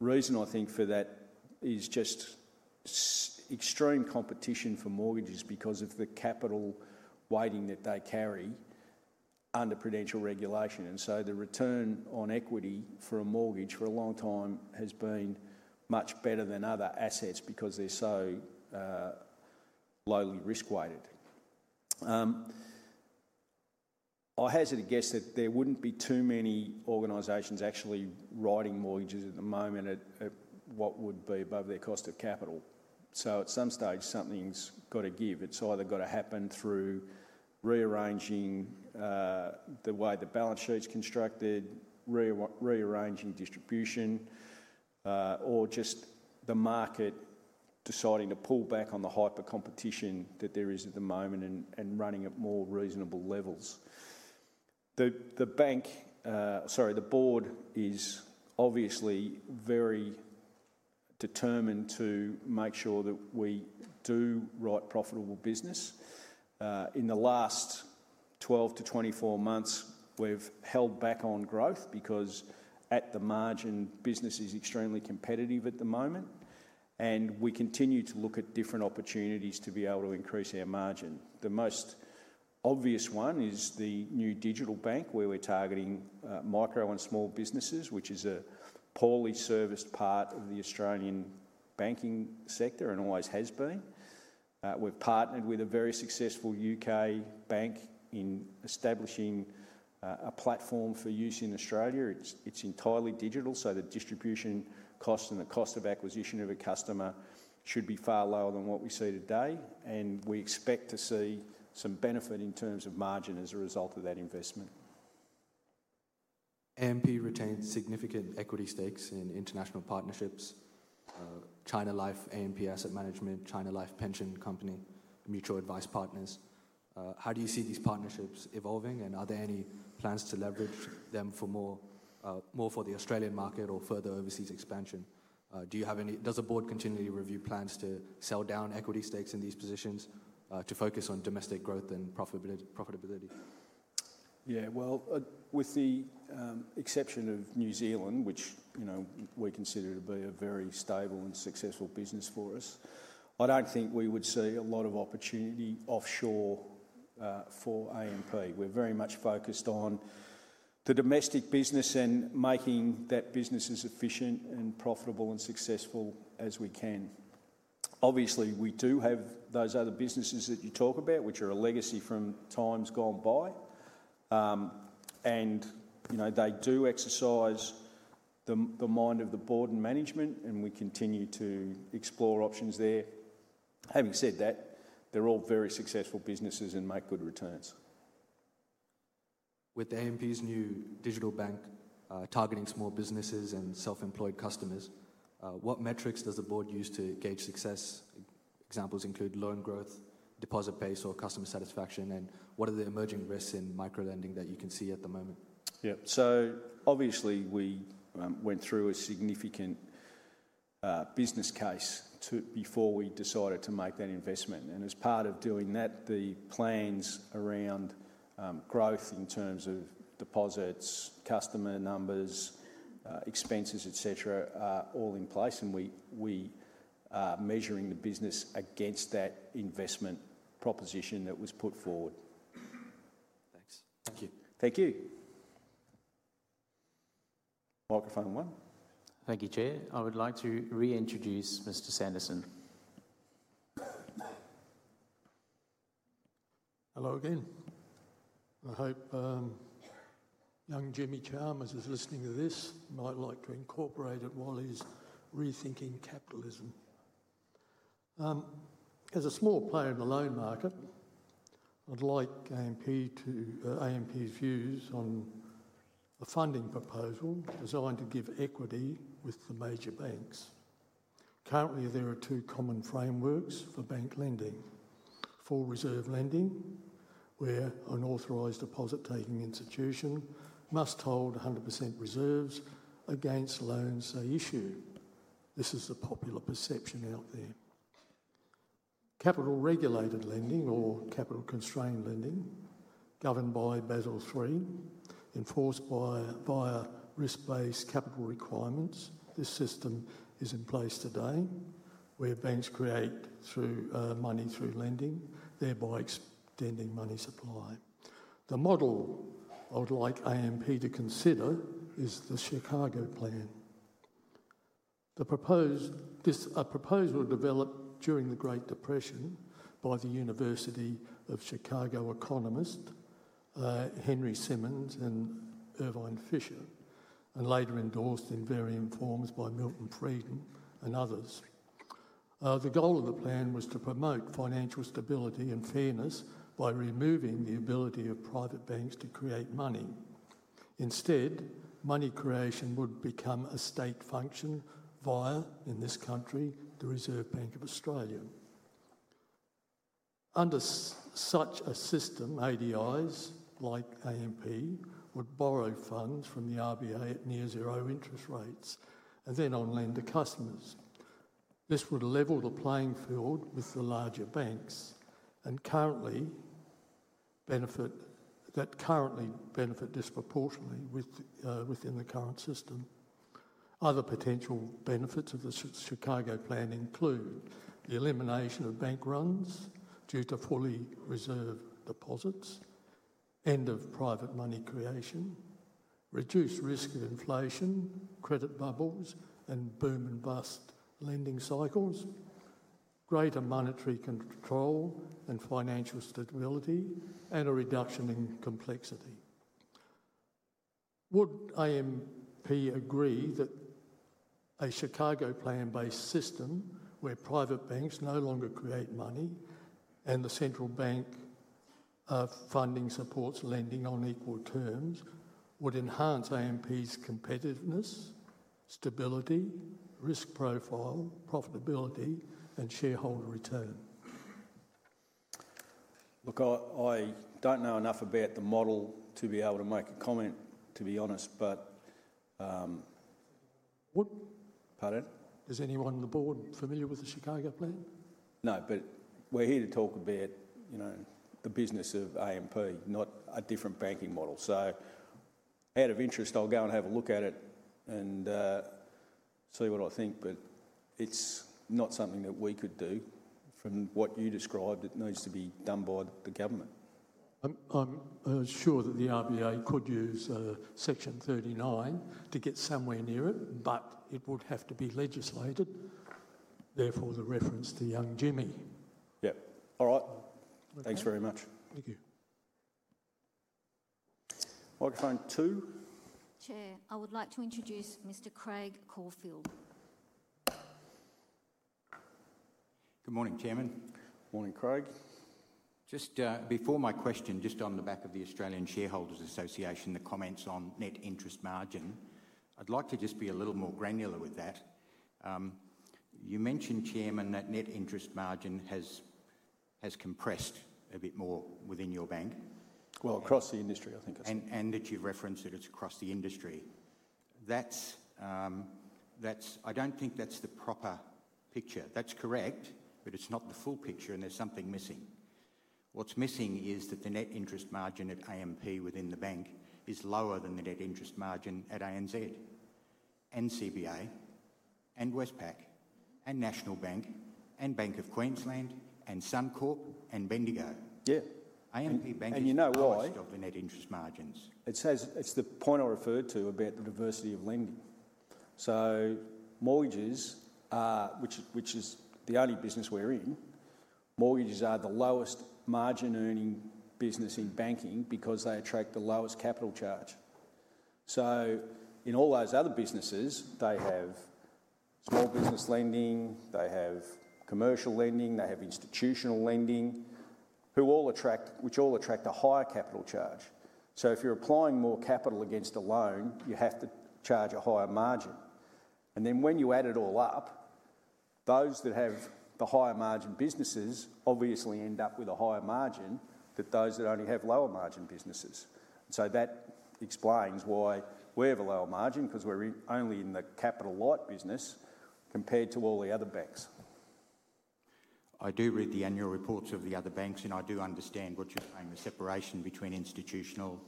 reason, I think, for that is just extreme competition for mortgages because of the capital weighting that they carry under prudential regulation. The return on equity for a mortgage for a long time has been much better than other assets because they are so lowly risk-weighted. I hazard a guess that there wouldn't be too many organizations actually writing mortgages at the moment at what would be above their cost of capital. At some stage, something's got to give. It's either got to happen through rearranging the way the balance sheet's constructed, rearranging distribution, or just the market deciding to pull back on the hyper-competition that there is at the moment and running at more reasonable levels. The board is obviously very determined to make sure that we do write profitable business. In the last 12 to 24 months, we've held back on growth because at the margin, business is extremely competitive at the moment. We continue to look at different opportunities to be able to increase our margin. The most obvious one is the new digital bank where we're targeting micro and small businesses, which is a poorly serviced part of the Australian banking sector and always has been. We've partnered with a very successful U.K. bank in establishing a platform for use in Australia. It's entirely digital, so the distribution cost and the cost of acquisition of a customer should be far lower than what we see today. We expect to see some benefit in terms of margin as a result of that investment. AMP retains significant equity stakes in international partnerships: China Life AMP Asset Management, China Life Pension Company, Mutual Advice Partners. How do you see these partnerships evolving, and are there any plans to leverage them for more for the Australian market or further overseas expansion? Do you have any—does the board continually review plans to sell down equity stakes in these positions to focus on domestic growth and profitability? Yeah, with the exception of New Zealand, which we consider to be a very stable and successful business for us, I don't think we would see a lot of opportunity offshore for AMP. We're very much focused on the domestic business and making that business as efficient and profitable and successful as we can. Obviously, we do have those other businesses that you talk about, which are a legacy from times gone by. They do exercise the mind of the board and management, and we continue to explore options there. Having said that, they're all very successful businesses and make good returns. With AMP's new digital bank targeting small businesses and self-employed customers, what metrics does the board use to gauge success? Examples include loan growth, deposit pace, or customer satisfaction. What are the emerging risks in microlending that you can see at the moment? Yeah, obviously, we went through a significant business case before we decided to make that investment. As part of doing that, the plans around growth in terms of deposits, customer numbers, expenses, etc., are all in place. We are measuring the business against that investment proposition that was put forward. Thanks. Thank you. Thank you. Microphone one. Thank you, Chair. I would like to reintroduce Mr. Sanderson. Hello again. I hope young Jimmy Chalmers, who's listening to this, might like to incorporate it while he's rethinking capitalism. As a small player in the loan market, I'd like AMP's views on a funding proposal designed to give equity with the major banks. Currently, there are two common frameworks for bank lending: full reserve lending, where an Authorised Deposit-Taking Institution must hold 100% reserves against loans they issue. This is the popular perception out there. Capital-regulated lending, or capital-constrained lending, governed by Basel III, enforced via risk-based capital requirements. This system is in place today, where banks create money through lending, thereby extending money supply. The model I would like AMP to consider is the Chicago Plan. A proposal developed during the Great Depression by the University of Chicago economists Henry Simons and Irving Fisher, and later endorsed in varying forms by Milton Friedman and others. The goal of the plan was to promote financial stability and fairness by removing the ability of private banks to create money. Instead, money creation would become a state function via, in this country, the Reserve Bank of Australia. Under such a system, ADIs like AMP would borrow funds from the RBA at near-zero interest rates and then on lend to customers. This would level the playing field with the larger banks that currently benefit disproportionately within the current system. Other potential benefits of the Chicago Plan include the elimination of bank runs due to fully reserve deposits, end of private money creation, reduced risk of inflation, credit bubbles, and boom-and-bust lending cycles, greater monetary control and financial stability, and a reduction in complexity. Would AMP agree that a Chicago Plan-based system where private banks no longer create money and the central bank funding supports lending on equal terms would enhance AMP's competitiveness, stability, risk profile, profitability, and shareholder return? Look, I don't know enough about the model to be able to make a comment, to be honest, but... Pardon? Is anyone on the board familiar with the Chicago Plan? No, but we're here to talk about the business of AMP, not a different banking model. Out of interest, I'll go and have a look at it and see what I think, but it's not something that we could do. From what you described, it needs to be done by the government. I'm sure that the RBA could use Section 39 to get somewhere near it, but it would have to be legislated. Therefore, the reference to young Jimmy. Yeah. All right. Thanks very much. Thank you. Microphone two. Chair, I would like to introduce Mr. Craig Caulfield. Good morning, Chairman. Morning, Craig. Just before my question, just on the back of the Australian Shareholders Association, the comments on net interest margin, I'd like to just be a little more granular with that. You mentioned, Chairman, that net interest margin has compressed a bit more within your bank. Across the industry, I think it's... and that you've referenced that it's across the industry. I don't think that's the proper picture. That's correct, but it's not the full picture, and there's something missing. What's missing is that the net interest margin at AMP within the bank is lower than the net interest margin at ANZ and CBA and Westpac and National Bank and Bank of Queensland and Suncorp and Bendigo. Yeah. AMP Bank is the lowest of the net interest margins. It's the point I referred to about the diversity of lending. So mortgages, which is the only business we're in, mortgages are the lowest margin-earning business in banking because they attract the lowest capital charge. In all those other businesses, they have small business lending, they have commercial lending, they have institutional lending, which all attract a higher capital charge. If you're applying more capital against a loan, you have to charge a higher margin. When you add it all up, those that have the higher margin businesses obviously end up with a higher margin than those that only have lower margin businesses. That explains why we have a lower margin because we're only in the capital light business compared to all the other banks. I do read the annual reports of the other banks, and I do understand what you're saying, the separation between institutional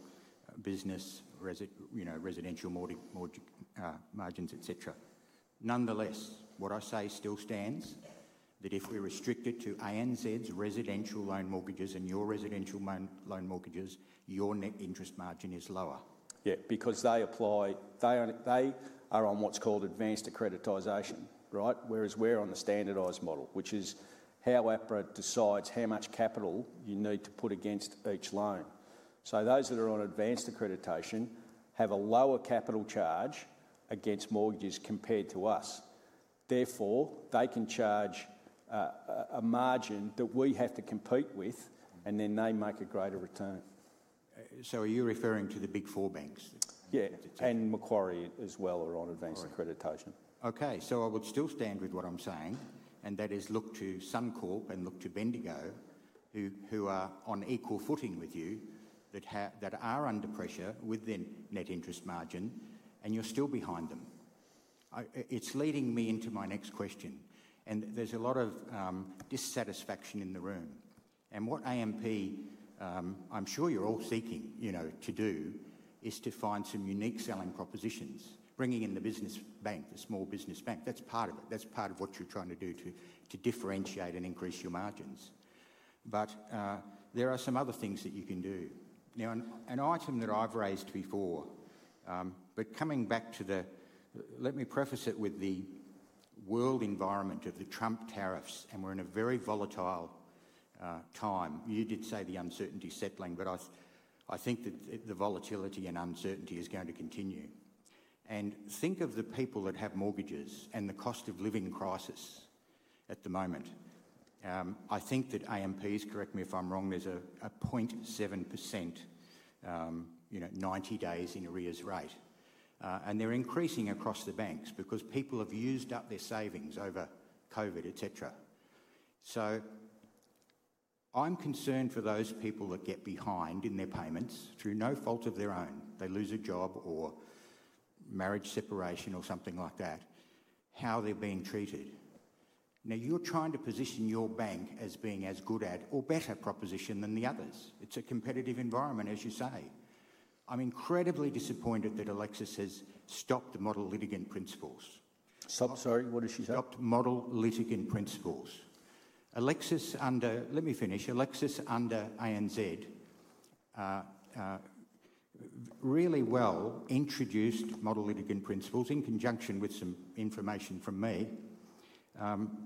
business, residential margins, etc. Nonetheless, what I say still stands, that if we're restricted to ANZ's residential loan mortgages and your residential loan mortgages, your net interest margin is lower. Yeah, because they are on what's called advanced accreditation, right? Whereas we're on the standardised model, which is how APRA decides how much capital you need to put against each loan. Those that are on advanced accreditation have a lower capital charge against mortgages compared to us. Therefore, they can charge a margin that we have to compete with, and then they make a greater return. Are you referring to the big four banks? Yeah, and Macquarie as well are on advanced accreditation. I would still stand with what I'm saying, and that is look to Suncorp and look to Bendigo, who are on equal footing with you, that are under pressure with their net interest margin, and you're still behind them. It's leading me into my next question, and there's a lot of dissatisfaction in the room. What AMP, I'm sure you're all seeking to do, is to find some unique selling propositions, bringing in the business bank, the small business bank. That's part of it. That's part of what you're trying to do to differentiate and increase your margins. There are some other things that you can do. An item that I've raised before, but coming back to the... Let me preface it with the world environment of the Trump tariffs, and we're in a very volatile time. You did say the uncertainty settling, but I think that the volatility and uncertainty is going to continue. Think of the people that have mortgages and the cost of living crisis at the moment. I think that AMP's, correct me if I'm wrong, there's a 0.7%, 90 days in arrears rate. They're increasing across the banks because people have used up their savings over COVID, etc. I am concerned for those people that get behind in their payments through no fault of their own. They lose a job or marriage separation or something like that, how they're being treated. You're trying to position your bank as being as good at or better proposition than the others. It's a competitive environment, as you say. I am incredibly disappointed that Alexis has stopped the model litigant principles. Stopped? Sorry, what did she say? Stopped model litigant principles. Alexis under—let me finish. Alexis under ANZ really well introduced model litigant principles in conjunction with some information from me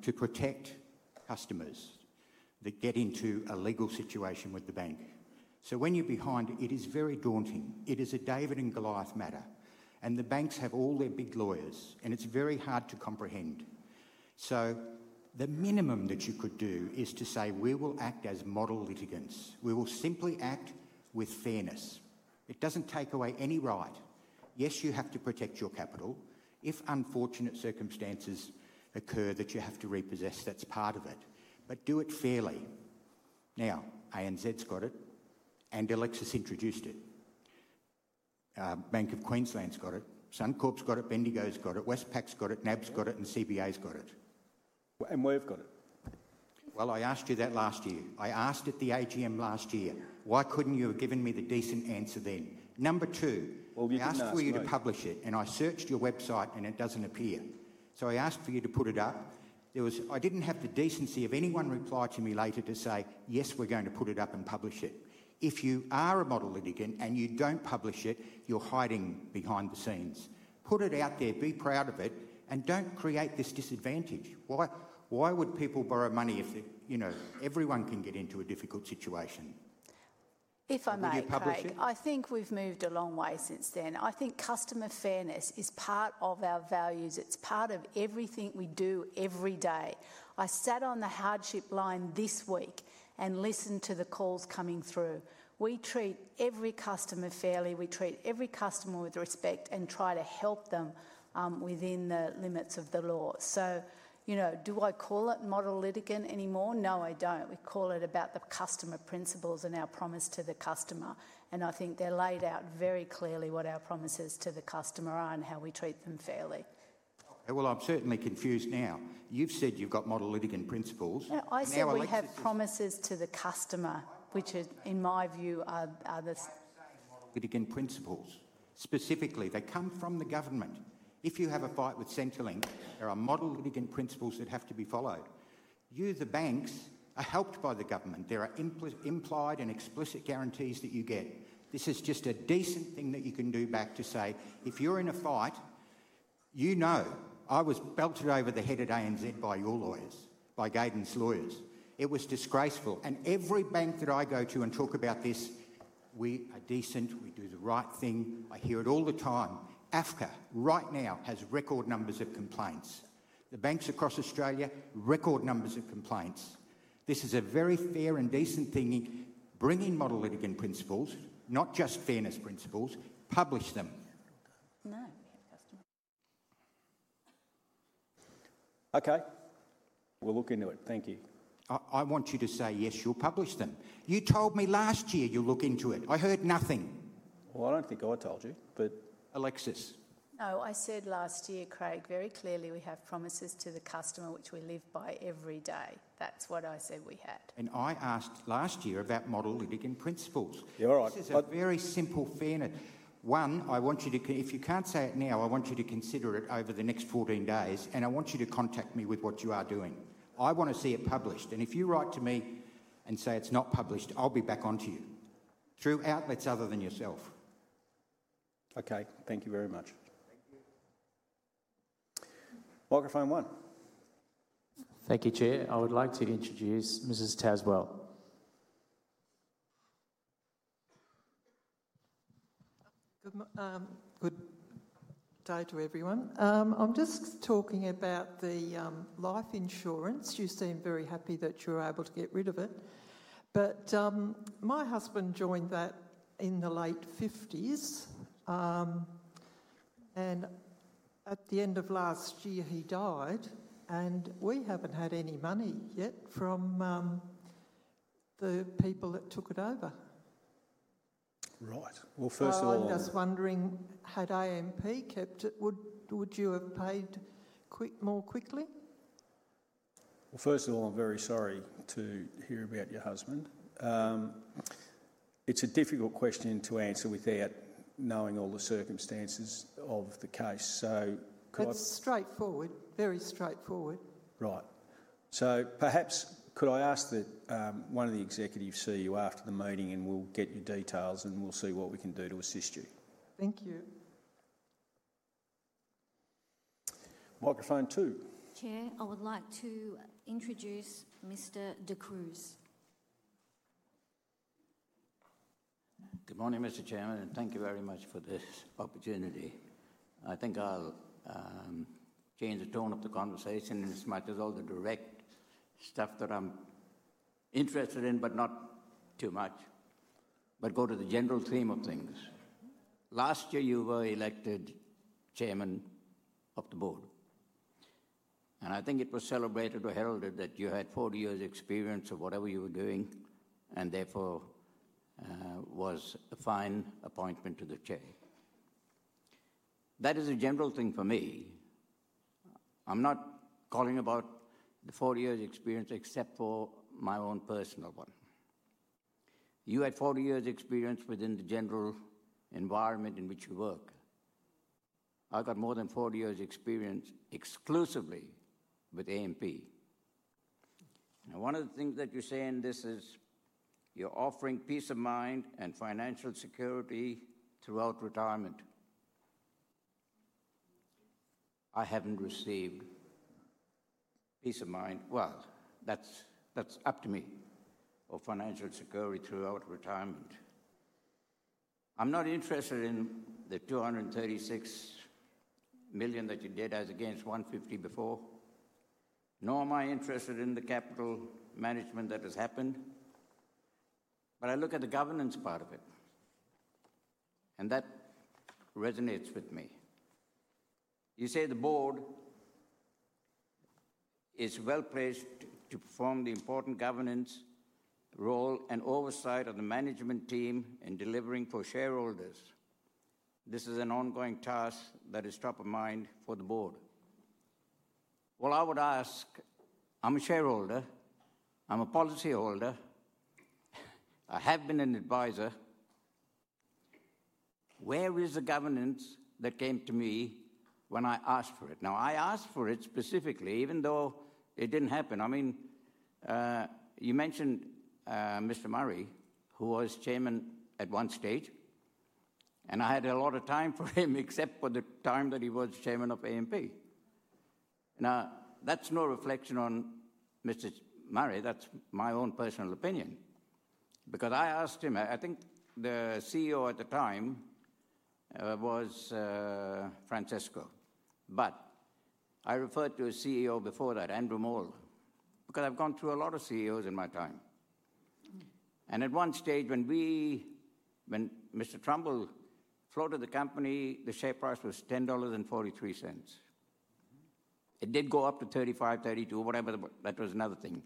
to protect customers that get into a legal situation with the bank. When you're behind, it is very daunting. It is a David and Goliath matter, and the banks have all their big lawyers, and it's very hard to comprehend. The minimum that you could do is to say, we will act as model litigants. We will simply act with fairness. It doesn't take away any right. Yes, you have to protect your capital. If unfortunate circumstances occur that you have to repossess, that's part of it. Do it fairly. ANZ's got it, and Alexis introduced it. Bank of Queensland's got it. Suncorp's got it. Bendigo's got it. Westpac's got it. NAB's got it, and CBA's got it. We've got it. I asked you that last year. I asked at the AGM last year. Why couldn't you have given me the decent answer then? Number two, I asked for you to publish it, and I searched your website, and it doesn't appear. I asked for you to put it up. I did not have the decency of anyone replying to me later to say, yes, we are going to put it up and publish it. If you are a model litigant and you do not publish it, you are hiding behind the scenes. Put it out there, be proud of it, and do not create this disadvantage. Why would people borrow money if everyone can get into a difficult situation? If I may, Craig, I think we have moved a long way since then. I think customer fairness is part of our values. It is part of everything we do every day. I sat on the hardship line this week and listened to the calls coming through. We treat every customer fairly. We treat every customer with respect and try to help them within the limits of the law. You know, do I call it model litigant anymore? No, I don't. We call it about the customer principles and our promise to the customer. I think they're laid out very clearly what our promises to the customer are and how we treat them fairly. I'm certainly confused now. You've said you've got model litigant principles. Now, I think we have promises to the customer, which in my view are the litigant principles. Specifically, they come from the government. If you have a fight with Centrelink, there are model litigant principles that have to be followed. You, the banks, are helped by the government. There are implied and explicit guarantees that you get. This is just a decent thing that you can do back to say, if you're in a fight, you know, I was belted over the head at ANZ by your lawyers, by Gadens' lawyers. It was disgraceful. Every bank that I go to and talk about this, we are decent. We do the right thing. I hear it all the time. AFCA right now has record numbers of complaints. The banks across Australia, record numbers of complaints. This is a very fair and decent thing. Bring in model litigant principles, not just fairness principles. Publish them. No, we have customers. Okay. We'll look into it. Thank you. I want you to say yes, you'll publish them. You told me last year you'll look into it. I heard nothing. I don't think I told you, but... Alexis. I said last year, Craig, very clearly we have promises to the customer, which we live by every day. That's what I said we had. I asked last year about model litigant principles. Yeah, all right. Very simple fairness. One, I want you to, if you can't say it now, I want you to consider it over the next 14 days, and I want you to contact me with what you are doing. I want to see it published. If you write to me and say it's not published, I'll be back on to you through outlets other than yourself. Okay, thank you very much. Thank you. Microphone one. Thank you, Chair. I would like to introduce Mrs. Tazwell. Good day to everyone. I'm just talking about the life insurance. You seem very happy that you're able to get rid of it. My husband joined that in the late 1950s, and at the end of last year, he died, and we haven't had any money yet from the people that took it over. Right. First of all... I'm just wondering, had AMP kept it, would you have paid more quickly? First of all, I'm very sorry to hear about your husband. It's a difficult question to answer without knowing all the circumstances of the case. It's straightforward, very straightforward. Right. Perhaps could I ask that one of the executives see you after the meeting, and we'll get your details, and we'll see what we can do to assist you. Thank you. Microphone two. Chair, I would like to introduce Mr. De Cruz. Good morning, Mr. Chairman, and thank you very much for this opportunity. I think I'll change the tone of the conversation and as much as all the direct stuff that I'm interested in, but not too much, but go to the general theme of things. Last year, you were elected Chairman of the Board, and I think it was celebrated or heralded that you had 40 years' experience of whatever you were doing, and therefore was a fine appointment to the chair. That is a general thing for me. I'm not calling about the 40 years' experience except for my own personal one. You had 40 years' experience within the general environment in which you work. I've got more than 40 years' experience exclusively with AMP. Now, one of the things that you say in this is you're offering peace of mind and financial security throughout retirement. I haven't received peace of mind. That is up to me. Or financial security throughout retirement. I'm not interested in the 236 million that you deadized against 150 million before, nor am I interested in the capital management that has happened, but I look at the governance part of it, and that resonates with me. You say the Board is well placed to perform the important governance role and oversight of the management team in delivering for shareholders. This is an ongoing task that is top of mind for the Board. I would ask, I'm a shareholder, I'm a policyholder, I have been an advisor. Where is the governance that came to me when I asked for it? I asked for it specifically, even though it didn't happen. I mean, you mentioned Mr. Murray, who was chairman at one stage, and I had a lot of time for him except for the time that he was chairman of AMP. That's no reflection on Mr. Murray. That's my own personal opinion. Because I asked him, I think the CEO at the time was Francesco, but I referred to a CEO before that, Andrew Moore, because I've gone through a lot of CEOs in my time. At one stage, when Mr. Trumbull floated the company, the share price was 10.43 dollars. It did go up to 35.32, whatever. That was another thing.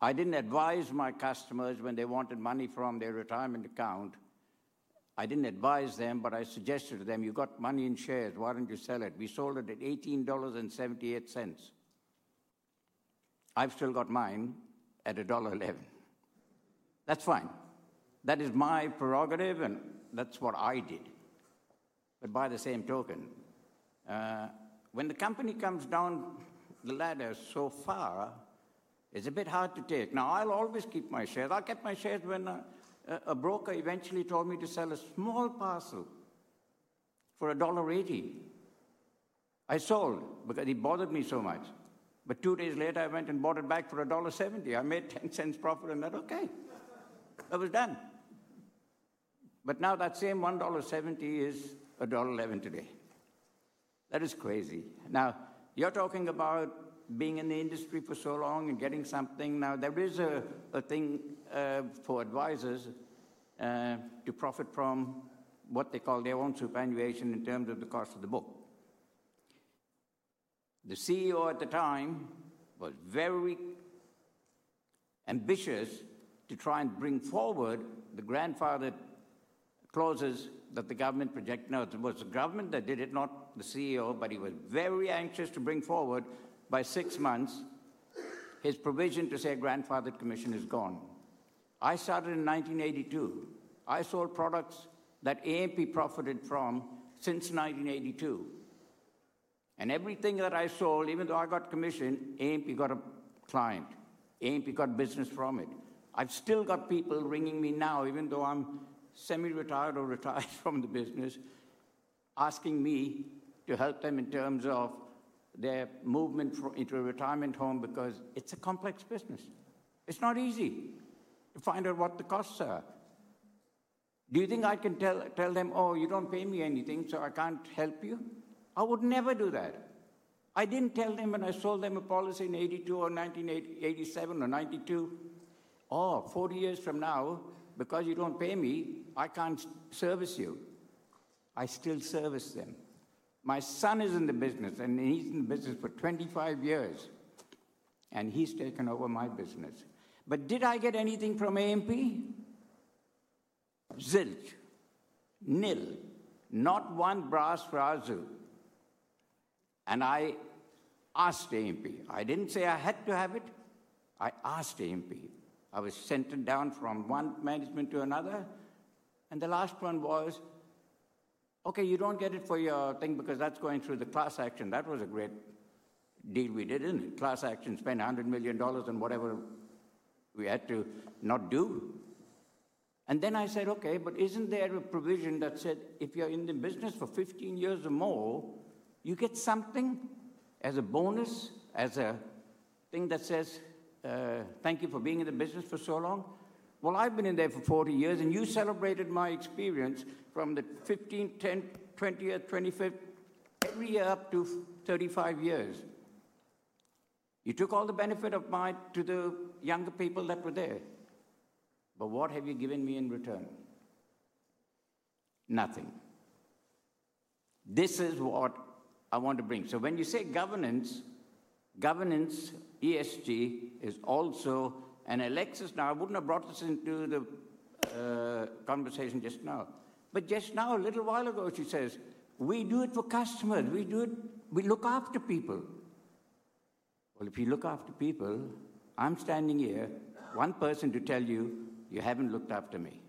I didn't advise my customers when they wanted money from their retirement account. I didn't advise them, but I suggested to them, you've got money in shares. Why don't you sell it? We sold it at 18.78 dollars. I've still got mine at dollar 1.11. That's fine. That is my prerogative, and that's what I did. By the same token, when the company comes down the ladder so far, it's a bit hard to take. I will always keep my shares. I'll get my shares when a broker eventually told me to sell a small parcel for dollar 1.80. I sold because it bothered me so much. Two days later, I went and bought it back for dollar 1.70. I made 10 cents profit and that, okay. I was done. Now that same 1.70 dollar is dollar 1.11 today. That is crazy. Now, you're talking about being in the industry for so long and getting something. There is a thing for advisors to profit from what they call their own superannuation in terms of the cost of the book. The CEO at the time was very ambitious to try and bring forward the grandfathered clauses that the government projected. No, it was the government that did it, not the CEO, but he was very anxious to bring forward by six months his provision to say grandfathered commission is gone. I started in 1982. I sold products that AMP profited from since 1982. Everything that I sold, even though I got commission, AMP got a client. AMP got business from it. I've still got people ringing me now, even though I'm semi-retired or retired from the business, asking me to help them in terms of their movement into a retirement home because it's a complex business. It's not easy to find out what the costs are. Do you think I can tell them, oh, you don't pay me anything, so I can't help you? I would never do that. I didn't tell them when I sold them a policy in 1982 or 1987 or 1992, oh, 40 years from now, because you don't pay me, I can't service you. I still service them. My son is in the business, and he's in the business for 25 years, and he's taken over my business. Did I get anything from AMP? Zilch. Nil. Not one brass razzo. I asked AMP. I didn't say I had to have it. I asked AMP. I was sent down from one management to another, and the last one was, okay, you don't get it for your thing because that's going through the class action. That was a great deal we did, isn't it? Class action spent 100 million dollars on whatever we had to not do. I said, okay, but isn't there a provision that said if you're in the business for 15 years or more, you get something as a bonus, as a thing that says, thank you for being in the business for so long? I've been in there for 40 years, and you celebrated my experience from the 15th, 10th, 20th, 25th, every year up to 35 years. You took all the benefit of mine to the younger people that were there. What have you given me in return? Nothing. This is what I want to bring. When you say governance, governance, ESG is also an Alexis. I wouldn't have brought this into the conversation just now. Just now, a little while ago, she says, we do it for customers. We look after people. If you look after people, I'm standing here, one person to tell you, you haven't looked after me.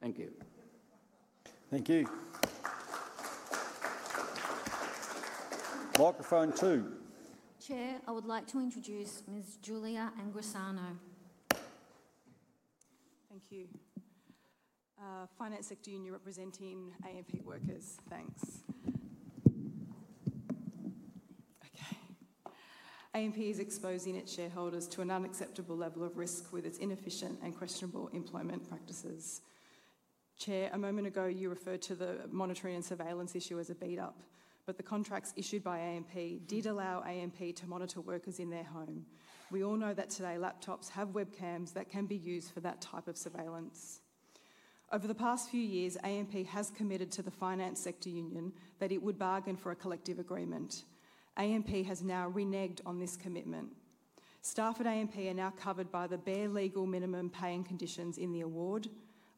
Thank you. Thank you. Microphone two. Chair, I would like to introduce Ms. Julia Anguissano. Thank you. Finance Secretary and you're representing AMP workers. Thanks. Okay. AMP is exposing its shareholders to an unacceptable level of risk with its inefficient and questionable employment practices. Chair, a moment ago, you referred to the monitoring and surveillance issue as a beat-up, but the contracts issued by AMP did allow AMP to monitor workers in their home. We all know that today, laptops have webcams that can be used for that type of surveillance. Over the past few years, AMP has committed to the Finance Sector Union that it would bargain for a collective agreement. AMP has now reneged on this commitment. Staff at AMP are now covered by the bare legal minimum paying conditions in the award,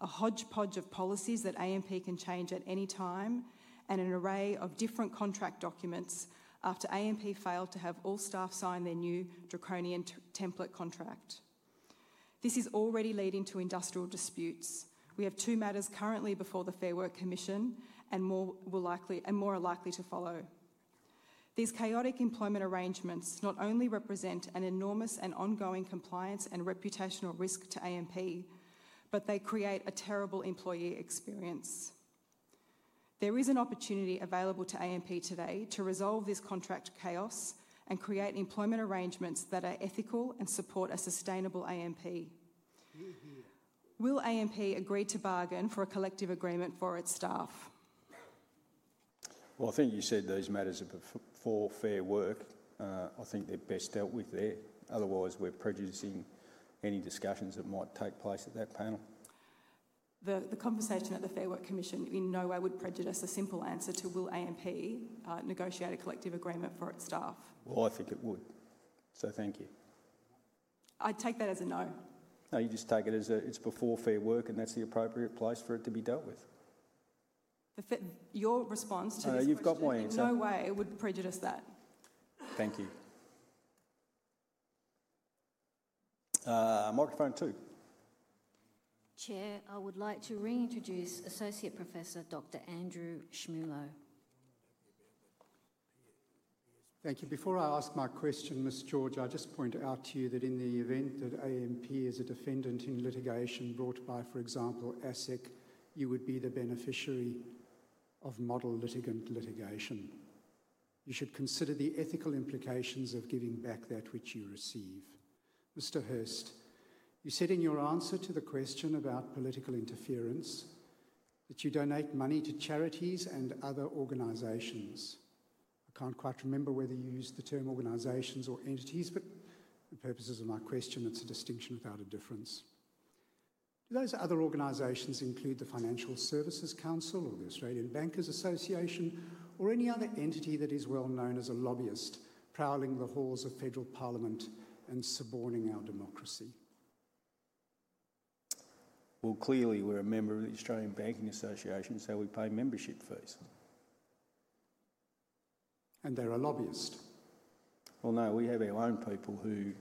a hodgepodge of policies that AMP can change at any time, and an array of different contract documents after AMP failed to have all staff sign their new draconian template contract. This is already leading to industrial disputes. We have two matters currently before the Fair Work Commission and more are likely to follow. These chaotic employment arrangements not only represent an enormous and ongoing compliance and reputational risk to AMP, but they create a terrible employee experience. There is an opportunity available to AMP today to resolve this contract chaos and create employment arrangements that are ethical and support a sustainable AMP. Will AMP agree to bargain for a collective agreement for its staff? I think you said those matters are for Fair Work. I think they're best dealt with there. Otherwise, we're prejudicing any discussions that might take place at that panel. The conversation at the Fair Work Commission in no way would prejudice a simple answer to will AMP negotiate a collective agreement for its staff. I think it would. Thank you. I'd take that as a no. No, you just take it as it's before Fair Work, and that's the appropriate place for it to be dealt with. Your response to this question in no way would prejudice that. Thank you. Microphone two. Chair, I would like to reintroduce Associate Professor Dr. Andrew Schmulo. Thank you. Before I ask my question, Ms. George, I just point out to you that in the event that AMP is a defendant in litigation brought by, for example, ASIC, you would be the beneficiary of model litigant litigation. You should consider the ethical implications of giving back that which you receive. Mr. Hurst, you said in your answer to the question about political interference that you donate money to charities and other organizations. I can't quite remember whether you used the term organizations or entities, but for purposes of my question, it's a distinction without a difference. Do those other organizations include the Financial Services Council or the Australian Bankers Association or any other entity that is well known as a lobbyist prowling the halls of Federal Parliament and suborning our democracy? Clearly we're a member of the Australian Bankers Association, so we pay membership fees. And they're a lobbyist? No, we have our own people who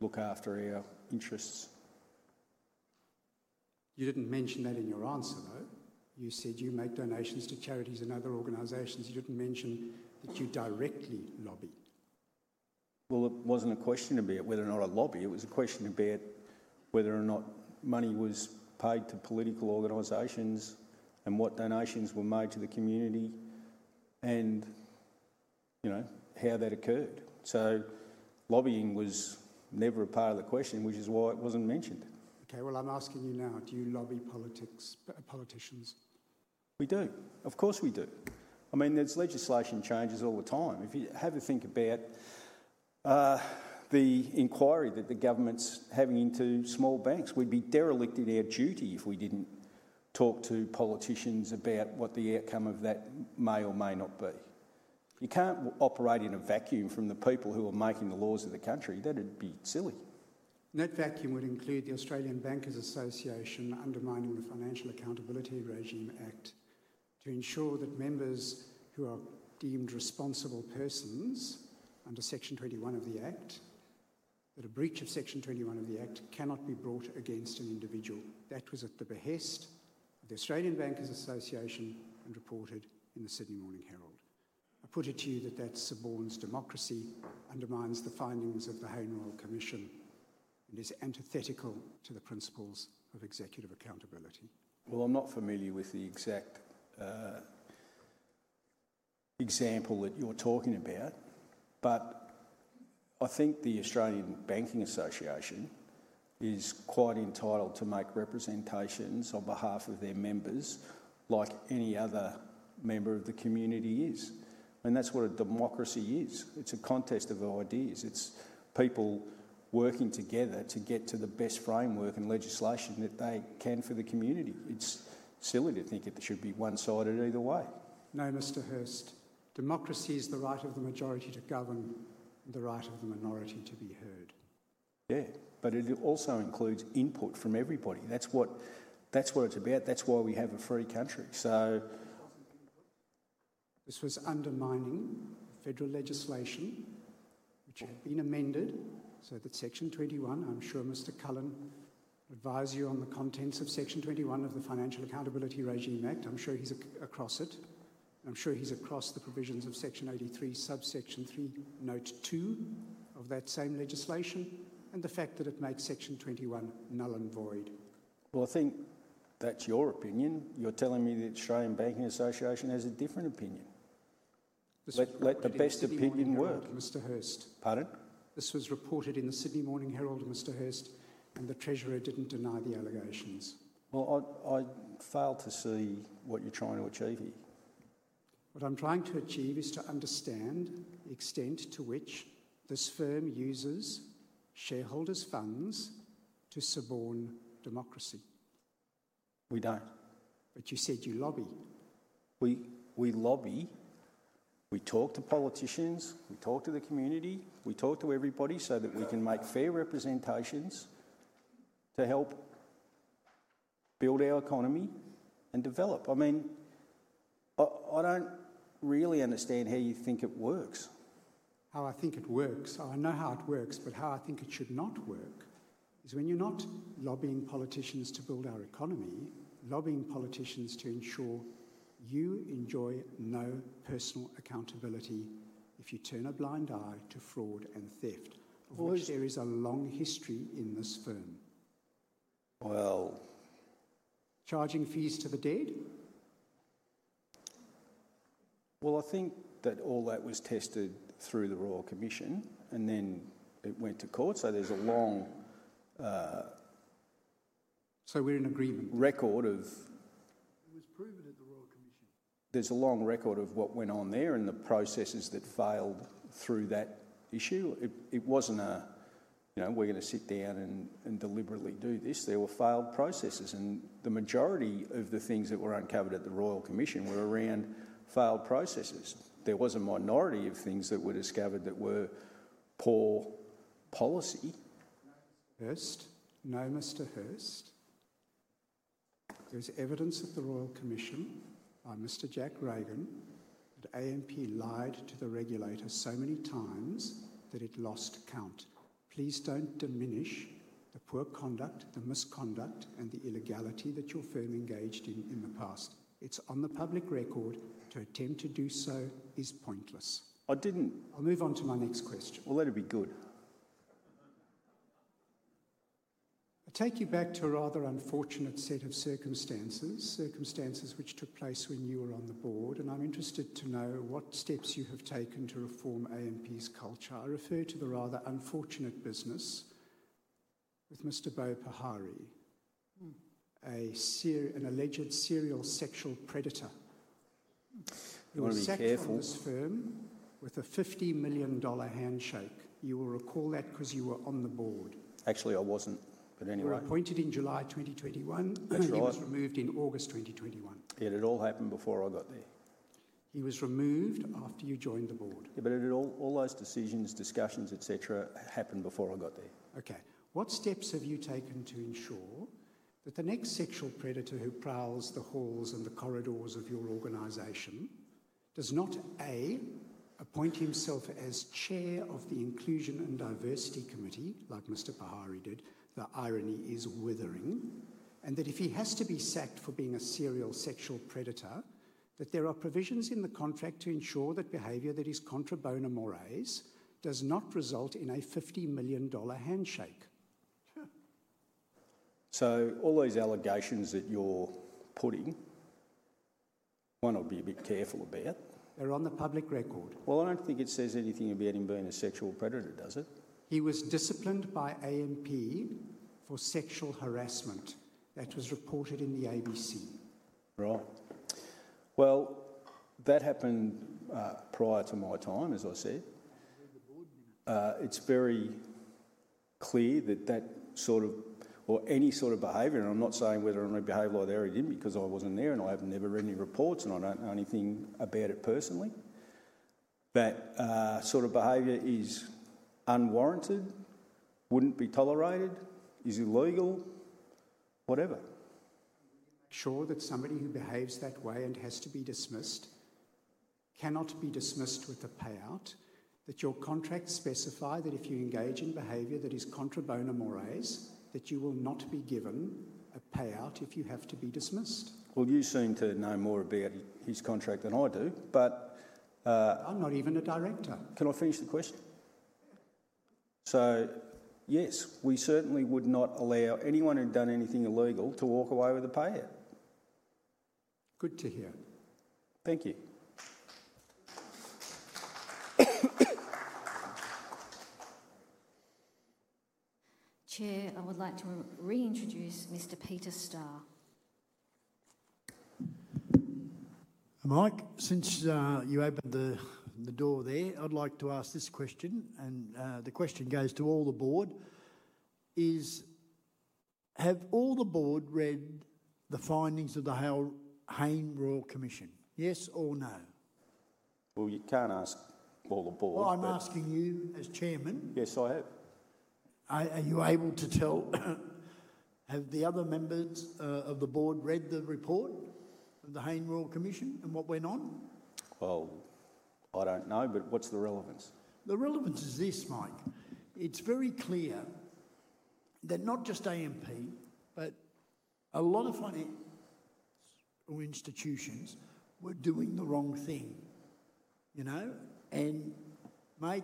look after our interests. You didn't mention that in your answer, though. You said you make donations to charities and other organizations. You didn't mention that you directly lobby. It wasn't a question about whether or not I lobby. It was a question about whether or not money was paid to political organizations and what donations were made to the community and how that occurred. Lobbying was never a part of the question, which is why it wasn't mentioned. Okay, I'm asking you now, do you lobby politicians? We do. Of course we do. I mean, there's legislation changes all the time. If you have a think about the inquiry that the government's having into small banks, we'd be derelict in our duty if we didn't talk to politicians about what the outcome of that may or may not be. You can't operate in a vacuum from the people who are making the laws of the country. That'd be silly. That vacuum would include the Australian Bankers Association undermining the Financial Accountability Regime Act to ensure that members who are deemed responsible persons under Section 21 of the Act, that a breach of Section 21 of the Act cannot be brought against an individual. That was at the behest of the Australian Bankers Association and reported in the Sydney Morning Herald. I put it to you that that suborns democracy, undermines the findings of the Haine Royal Commission, and is antithetical to the principles of executive accountability. I'm not familiar with the exact example that you're talking about, but I think the Australian Bankers Association is quite entitled to make representations on behalf of their members like any other member of the community is. That's what a democracy is. It's a contest of ideas. It's people working together to get to the best framework and legislation that they can for the community. It's silly to think it should be one-sided either way. No, Mr. Hurst. Democracy is the right of the majority to govern and the right of the minority to be heard. Yeah, but it also includes input from everybody. That's what it's about. That's why we have a free country. This was undermining federal legislation, which had been amended. That Section 21, I'm sure Mr. Cullen advised you on the contents of Section 21 of the Financial Accountability Regime Act. I'm sure he's across it. I'm sure he's across the provisions of Section 83, Subsection 3, Note 2 of that same legislation, and the fact that it made Section 21 null and void. I think that's your opinion. You're telling me the Australian Bankers Association has a different opinion. Let the best opinion work, Mr. Hurst. Pardon? This was reported in the Sydney Morning Herald, Mr. Hurst, and the Treasurer didn't deny the allegations. I fail to see what you're trying to achieve here. What I'm trying to achieve is to understand the extent to which this firm uses shareholders' funds to suborn democracy. We don't. You said you lobby. We lobby. We talk to politicians. We talk to the community. We talk to everybody so that we can make fair representations to help build our economy and develop. I mean, I don't really understand how you think it works. How I think it works, I know how it works, but how I think it should not work is when you're not lobbying politicians to build our economy, lobbying politicians to ensure you enjoy no personal accountability if you turn a blind eye to fraud and theft. Of course, there is a long history in this firm. Charging fees to the dead? I think that all that was tested through the Royal Commission, and then it went to court. There is a long record of it was proven at the Royal Commission. There's a long record of what went on there and the processes that failed through that issue. It wasn't a, you know, we're going to sit down and deliberately do this. There were failed processes, and the majority of the things that were uncovered at the Royal Commission were around failed processes. There was a minority of things that were discovered that were poor policy. Hearst. No, Mr. Hearst. There's evidence at the Royal Commission by Mr. Jack Reagan that AMP lied to the regulator so many times that it lost count. Please don't diminish the poor conduct, the misconduct, and the illegality that your firm engaged in in the past. It's on the public record to attempt to do so is pointless. I didn't. I'll move on to my next question. That'd be good. I'll take you back to a rather unfortunate set of circumstances, circumstances which took place when you were on the board, and I'm interested to know what steps you have taken to reform AMP's culture. I refer to the rather unfortunate business with Mr. Bo Pahari, an alleged serial sexual predator. He was a sex worker in this firm with a 50 million dollar handshake. You will recall that because you were on the board. Actually, I wasn't, but anyway. You were appointed in July 2021, and he was removed in August 2021. Yeah, it had all happened before I got there. He was removed after you joined the board. Yeah, but all those decisions, discussions, etc., happened before I got there. Okay. What steps have you taken to ensure that the next sexual predator who prowls the halls and the corridors of your organization does not, A, appoint himself as chair of the Inclusion and Diversity Committee, like Mr. Pahari did, the irony is withering, and that if he has to be sacked for being a serial sexual predator, that there are provisions in the contract to ensure that behavior that is contra bono mores does not result in a 50 million dollar handshake? All those allegations that you're putting, one would be a bit careful about. They're on the public record. I don't think it says anything about him being a sexual predator, does it? He was disciplined by AMP for sexual harassment. That was reported in the ABC. Right. That happened prior to my time, as I said. It's very clear that that sort of, or any sort of behavior, and I'm not saying whether I'm going to behave like they already didn't because I wasn't there and I have never read any reports and I don't know anything about it personally, that sort of behavior is unwarranted, wouldn't be tolerated, is illegal, whatever. Sure that somebody who behaves that way and has to be dismissed cannot be dismissed with a payout, that your contract specifies that if you engage in behavior that is contra bono mores, that you will not be given a payout if you have to be dismissed. You seem to know more about his contract than I do, but. I'm not even a director. Can I finish the question? Yes, we certainly would not allow anyone who'd done anything illegal to walk away with a payout. Good to hear. Thank you. Chair, I would like to reintroduce Mr. Peter Starr. Mike, since you opened the door there, I'd like to ask this question, and the question goes to all the board, is, have all the board read the findings of the Haine Royal Commission? Yes or no? You can't ask all the board. I'm asking you as chairman. Yes, I have. Are you able to tell, have the other members of the board read the report of the Haine Royal Commission and what went on? I don't know, but what's the relevance? The relevance is this, Mike. It's very clear that not just AMP, but a lot of financial institutions were doing the wrong thing, you know, and made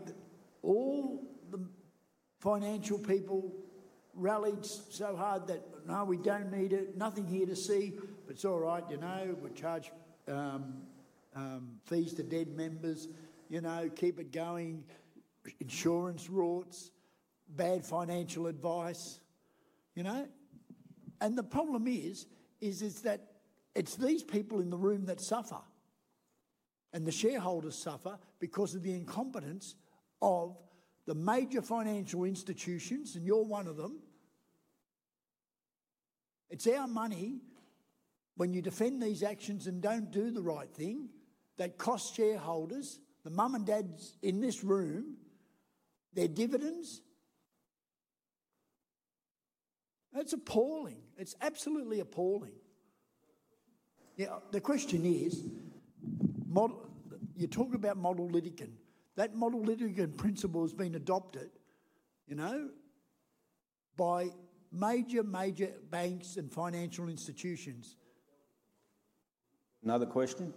all the financial people rallied so hard that, no, we don't need it, nothing here to see, but it's all right, you know, we'll charge fees to dead members, you know, keep it going, insurance rorts, bad financial advice, you know. The problem is, is that it's these people in the room that suffer, and the shareholders suffer because of the incompetence of the major financial institutions, and you're one of them. It's our money when you defend these actions and don't do the right thing that costs shareholders, the mom and dads in this room, their dividends. That's appalling. It's absolutely appalling. Yeah, the question is, you talk about model litigant. That model litigant principle has been adopted, you know, by major, major banks and financial institutions. Another question?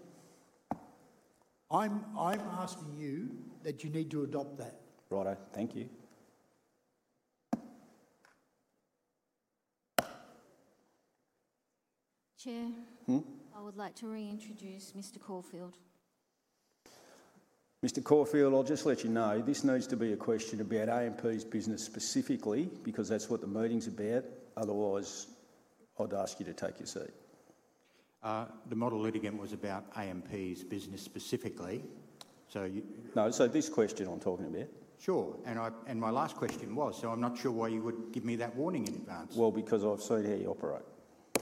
I'm asking you that you need to adopt that. Right, thank you. Chair, I would like to reintroduce Mr. Caulfield. Mr. Caulfield, I'll just let you know, this needs to be a question about AMP's business specifically because that's what the meeting's about. Otherwise, I'd ask you to take your seat. The model litigant was about AMP's business specifically, so you. No, this question I'm talking about. Sure, and my last question was, so I'm not sure why you would give me that warning in advance. Because I've seen how you operate. I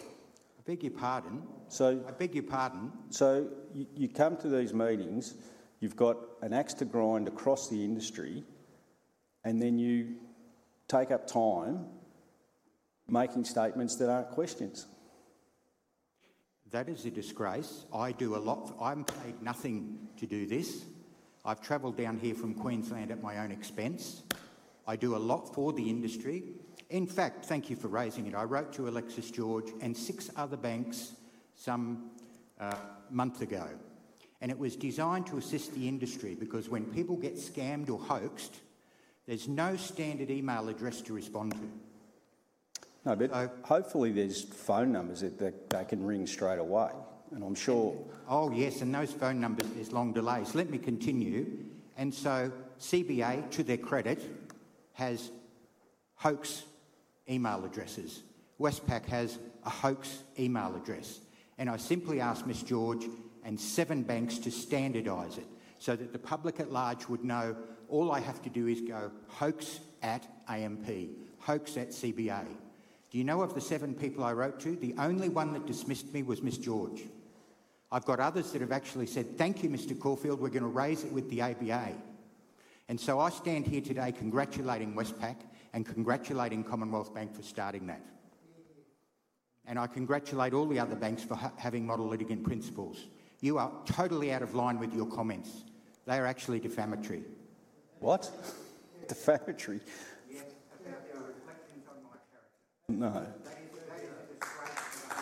beg your pardon. I beg your pardon. You come to these meetings, you've got an axe to grind across the industry, and then you take up time making statements that aren't questions. That is a disgrace. I do a lot. I'm paid nothing to do this. I've traveled down here from Queensland at my own expense. I do a lot for the industry. In fact, thank you for raising it. I wrote to Alexis George and six other banks some month ago, and it was designed to assist the industry because when people get scammed or hoaxed, there's no standard email address to respond to. No, but hopefully there's phone numbers that they can ring straight away, and I'm sure. Oh yes, and those phone numbers, there's long delays. Let me continue. CBA, to their credit, has hoax email addresses. Westpac has a hoax email address. I simply asked Miss George and seven banks to standardize it so that the public at large would know all I have to do is go hoax at AMP, hoax at CBA. Do you know of the seven people I wrote to? The only one that dismissed me was Miss George. I've got others that have actually said, thank you, Mr. Caulfield, we're going to raise it with the ABA. I stand here today congratulating Westpac and congratulating Commonwealth Bank for starting that. I congratulate all the other banks for having model litigant principles. You are totally out of line with your comments. They are actually defamatory. What? Defamatory? Yes, they are reflecting from my character. No. That is a disgrace to the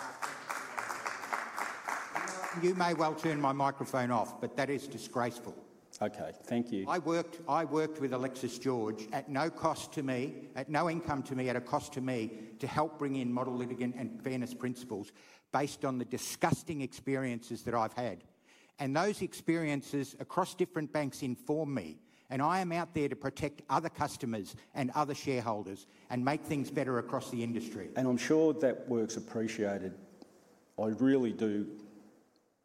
heart. You may well turn my microphone off, but that is disgraceful. Okay, thank you. I worked with Alexis George at no cost to me, at no income to me, at a cost to me to help bring in model litigant and fairness principles based on the disgusting experiences that I've had. Those experiences across different banks inform me, and I am out there to protect other customers and other shareholders and make things better across the industry. I am sure that work's appreciated. I really do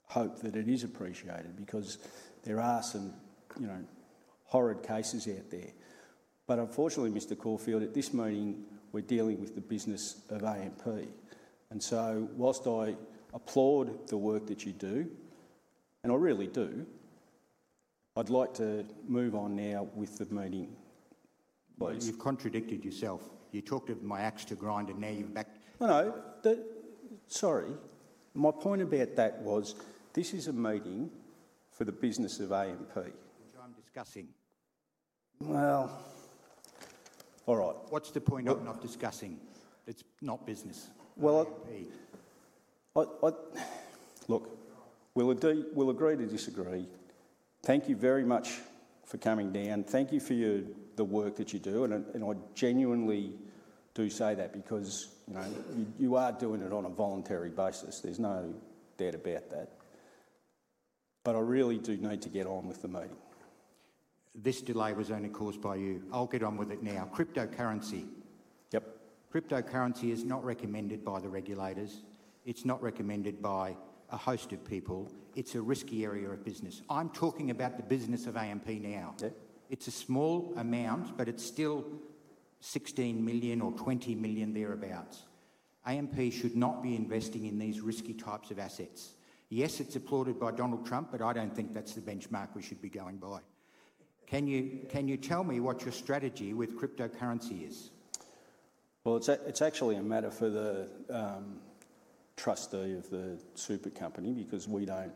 hope that it is appreciated because there are some, you know, horrid cases out there. Unfortunately, Mr. Caulfield, at this meeting, we're dealing with the business of AMP. Whilst I applaud the work that you do, and I really do, I'd like to move on now with the meeting, please. You've contradicted yourself. You talked of my axe to grind and now you're back. No, no. Sorry. My point about that was this is a meeting for the business of AMP. Which I'm discussing. All right. What's the point of not discussing? It's not business. Look, we'll agree to disagree. Thank you very much for coming down. Thank you for the work that you do, and I genuinely do say that because, you know, you are doing it on a voluntary basis. There is no doubt about that. I really do need to get on with the meeting. This delay was only caused by you. I will get on with it now. Cryptocurrency. Yep. Cryptocurrency is not recommended by the regulators. It is not recommended by a host of people. It is a risky area of business. I am talking about the business of AMP now. Yeah. It is a small amount, but it is still 16 million or 20 million thereabouts. AMP should not be investing in these risky types of assets. Yes, it is applauded by Donald Trump, but I do not think that is the benchmark we should be going by. Can you tell me what your strategy with cryptocurrency is? It's actually a matter for the trustee of the super company because we don't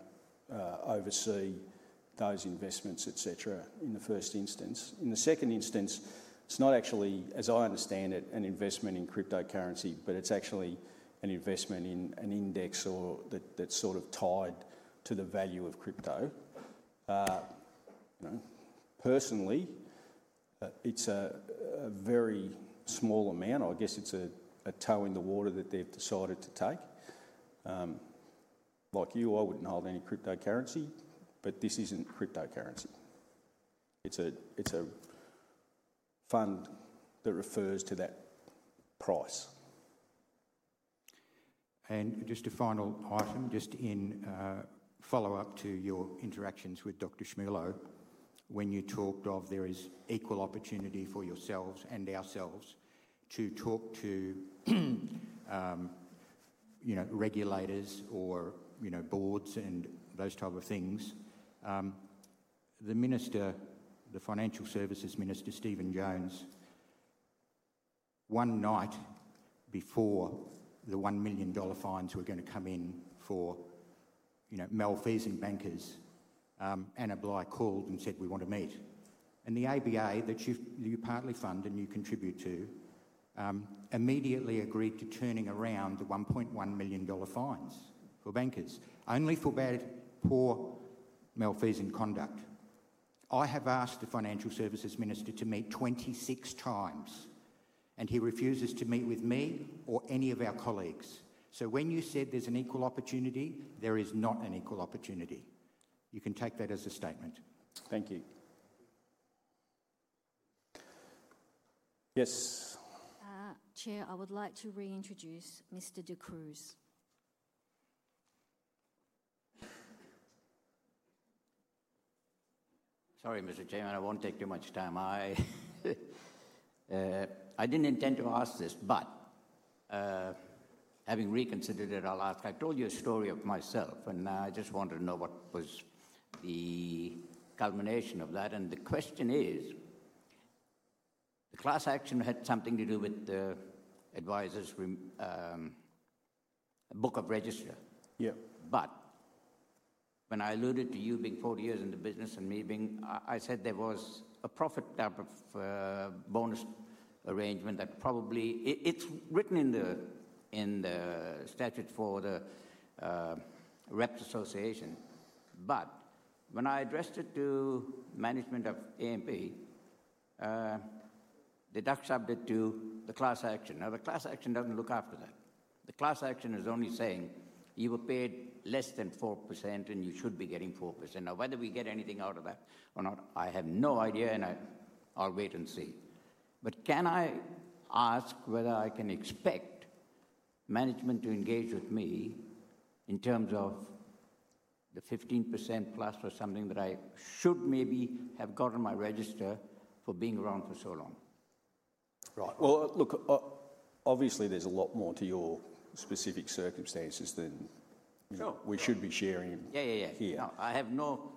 oversee those investments, etc., in the first instance. In the second instance, it's not actually, as I understand it, an investment in cryptocurrency, but it's actually an investment in an index that's sort of tied to the value of crypto. You know, personally, it's a very small amount. I guess it's a toe in the water that they've decided to take. Like you, I wouldn't hold any cryptocurrency, but this isn't cryptocurrency. It's a fund that refers to that price. Just a final item, just in follow-up to your interactions with Dr. Schmulo, when you talked of there is equal opportunity for yourselves and ourselves to talk to, you know, regulators or, you know, boards and those type of things. The minister, the financial services minister, Stephen Jones, one night before the 1 million dollar fines were going to come in for, you know, malfeasant bankers, Annably called and said, "We want to meet." And the ABA that you partly fund and you contribute to immediately agreed to turning around the 1.1 million dollar fines for bankers, only for bad poor malfeasant conduct. I have asked the financial services minister to meet 26 times, and he refuses to meet with me or any of our colleagues. When you said there's an equal opportunity, there is not an equal opportunity. You can take that as a statement. Thank you. Yes. Chair, I would like to reintroduce Mr. De Cruz. Sorry, Mr. Chairman, I won't take too much time. I didn't intend to ask this, but having reconsidered it, I'll ask. I told you a story of myself, and I just wanted to know what was the culmination of that. The question is, the class action had something to do with the advisor's book of register. Yeah. When I alluded to you being 40 years in the business and me being, I said there was a profit type of bonus arrangement that probably it's written in the statute for the Reps Association. When I addressed it to management of AMP, the ducks hubbed it to the class action. The class action doesn't look after that. The class action is only saying you were paid less than 4% and you should be getting 4%. Whether we get anything out of that or not, I have no idea, and I'll wait and see. But can I ask whether I can expect management to engage with me in terms of the 15% plus or something that I should maybe have got on my register for being around for so long? Right. Obviously there's a lot more to your specific circumstances than we should be sharing here. Yeah, yeah, yeah. I have no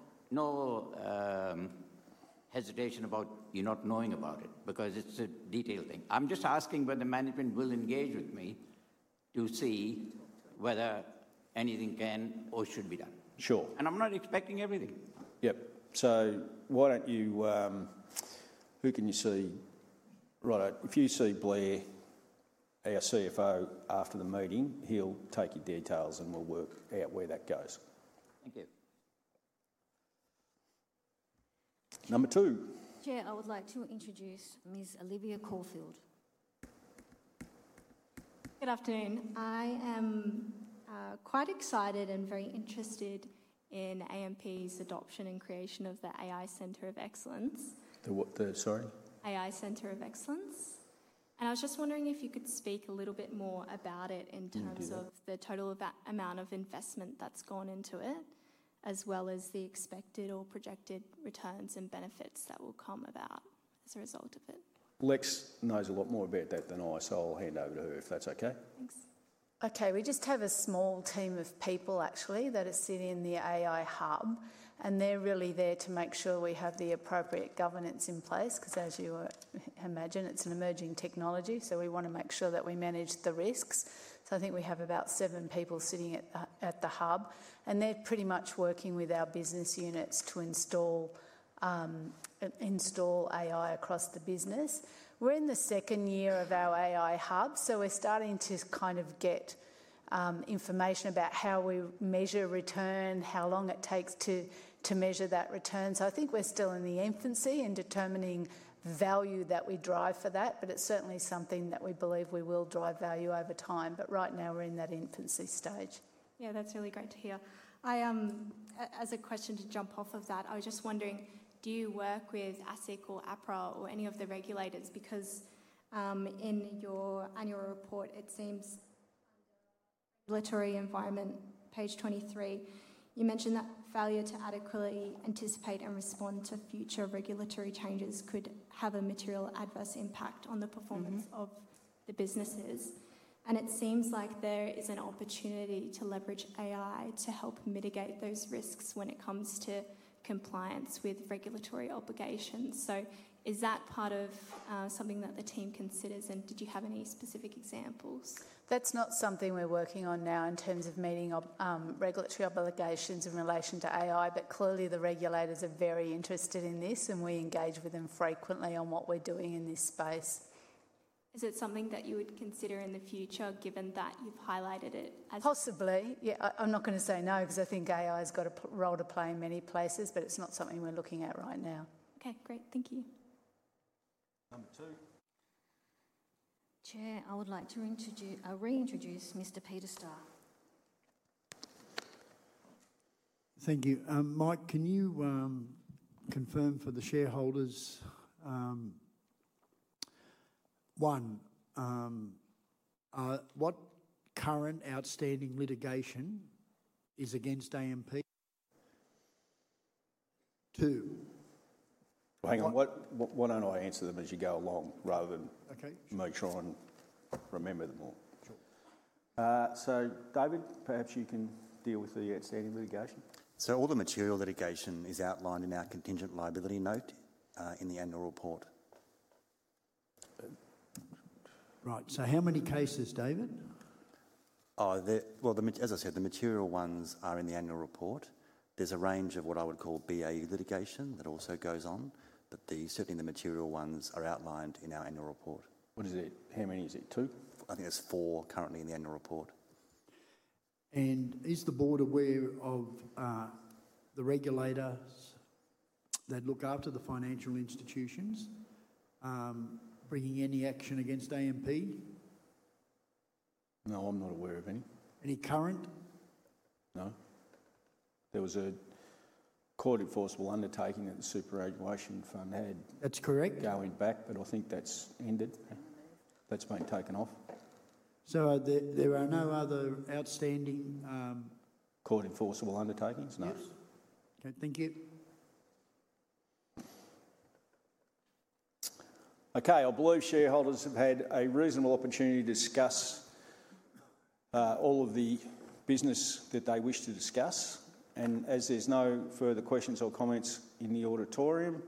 hesitation about you not knowing about it because it's a detailed thing. I'm just asking whether management will engage with me to see whether anything can or should be done. Sure. I'm not expecting everything. Yep. Who can you see? Right, if you see Blair, our CFO, after the meeting, he'll take your details and we'll work out where that goes. Thank you. Number two. Chair, I would like to introduce Miss Olivia Caulfield. Good afternoon. I am quite excited and very interested in AMP's adoption and creation of the AI Center of Excellence. The what? The sorry? AI Center of Excellence. I was just wondering if you could speak a little bit more about it in terms of the total amount of investment that's gone into it, as well as the expected or projected returns and benefits that will come about as a result of it. Lex knows a lot more about that than I, so I'll hand over to her if that's okay. Thanks. Okay, we just have a small team of people actually that are sitting in the AI hub, and they're really there to make sure we have the appropriate governance in place because, as you imagine, it's an emerging technology, so we want to make sure that we manage the risks. I think we have about seven people sitting at the hub, and they're pretty much working with our business units to install AI across the business. We're in the second year of our AI hub, so we're starting to kind of get information about how we measure return, how long it takes to measure that return. I think we're still in the infancy in determining value that we drive for that, but it's certainly something that we believe we will drive value over time. Right now we're in that infancy stage. Yeah, that's really great to hear. As a question to jump off of that, I was just wondering, do you work with ASIC or APRA or any of the regulators? Because in your annual report, it seems under regulatory environment, page 23, you mentioned that failure to adequately anticipate and respond to future regulatory changes could have a material adverse impact on the performance of the businesses. It seems like there is an opportunity to leverage AI to help mitigate those risks when it comes to compliance with regulatory obligations. Is that part of something that the team considers? Did you have any specific examples? That's not something we're working on now in terms of meeting regulatory obligations in relation to AI, but clearly the regulators are very interested in this, and we engage with them frequently on what we're doing in this space. Is it something that you would consider in the future given that you've highlighted it as? Possibly, yeah. I'm not going to say no because I think AI has got a role to play in many places, but it's not something we're looking at right now. Okay, great. Thank you. Number two. Chair, I would like to reintroduce Mr. Peter Starr. Thank you. Mike, can you confirm for the shareholders? One, what current outstanding litigation is against AMP? Two. Hang on. Why don't I answer them as you go along rather than make sure and remember them all? Sure. So David, perhaps you can deal with the outstanding litigation. So all the material litigation is outlined in our contingent liability note in the annual report. Right, so how many cases, David? As I said, the material ones are in the annual report. There's a range of what I would call BAE litigation that also goes on, but certainly the material ones are outlined in our annual report. What is it? How many is it? Two? I think there's four currently in the annual report. Is the board aware of the regulators that look after the financial institutions bringing any action against AMP? No, I'm not aware of any. Any current? No. There was a court-enforceable undertaking that the superannuation fund had. That's correct. Going back, but I think that's ended. That's been taken off. There are no other outstanding court-enforceable undertakings, no? Yes. Okay, thank you. Our blue shareholders have had a reasonable opportunity to discuss all of the business that they wish to discuss. As there's no further questions or comments in the auditorium,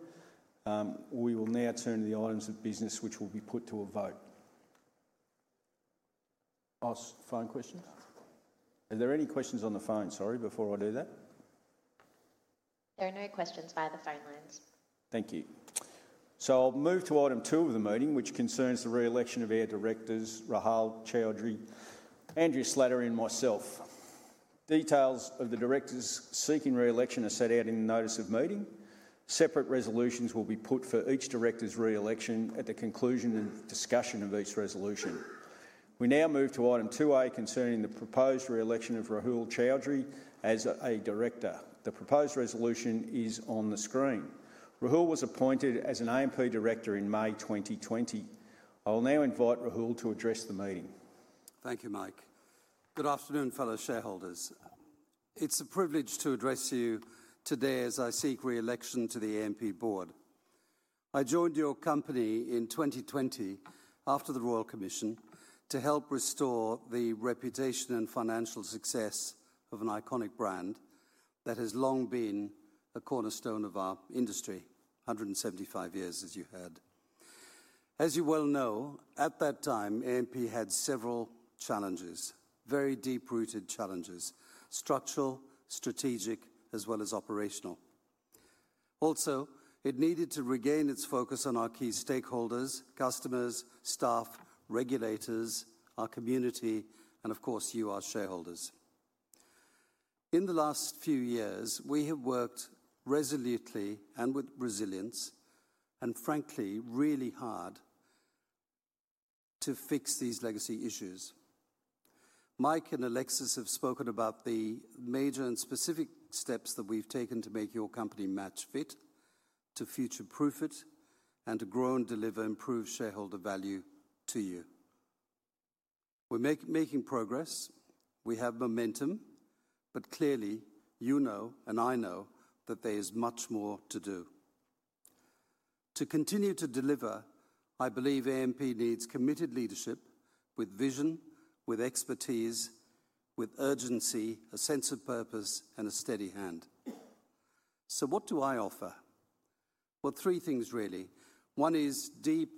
we will now turn to the items of business, which will be put to a vote. Phone questions? Are there any questions on the phone, sorry, before I do that? There are no questions via the phone lines. Thank you. I'll move to item two of the meeting, which concerns the re-election of our directors, Rahul Choudhary, Andrew Slattery, and myself. Details of the directors seeking re-election are set out in the notice of meeting. Separate resolutions will be put for each director's re-election at the conclusion and discussion of each resolution. We now move to item two A concerning the proposed re-election of Rahul Choudhary as a director. The proposed resolution is on the screen. Rahul was appointed as an AMP director in May 2020. I will now invite Rahul to address the meeting. Thank you, Mike. Good afternoon, fellow shareholders. It's a privilege to address you today as I seek re-election to the AMP board. I joined your company in 2020 after the Royal Commission to help restore the reputation and financial success of an iconic brand that has long been a cornerstone of our industry, 175 years, as you heard. As you well know, at that time, AMP had several challenges, very deep-rooted challenges, structural, strategic, as well as operational. Also, it needed to regain its focus on our key stakeholders, customers, staff, regulators, our community, and of course, you, our shareholders. In the last few years, we have worked resolutely and with resilience and, frankly, really hard to fix these legacy issues. Mike and Alexis have spoken about the major and specific steps that we've taken to make your company match fit, to future-proof it, and to grow and deliver improved shareholder value to you. We're making progress. We have momentum, but clearly, you know, and I know that there is much more to do. To continue to deliver, I believe AMP needs committed leadership with vision, with expertise, with urgency, a sense of purpose, and a steady hand. What do I offer? Three things, really. One is deep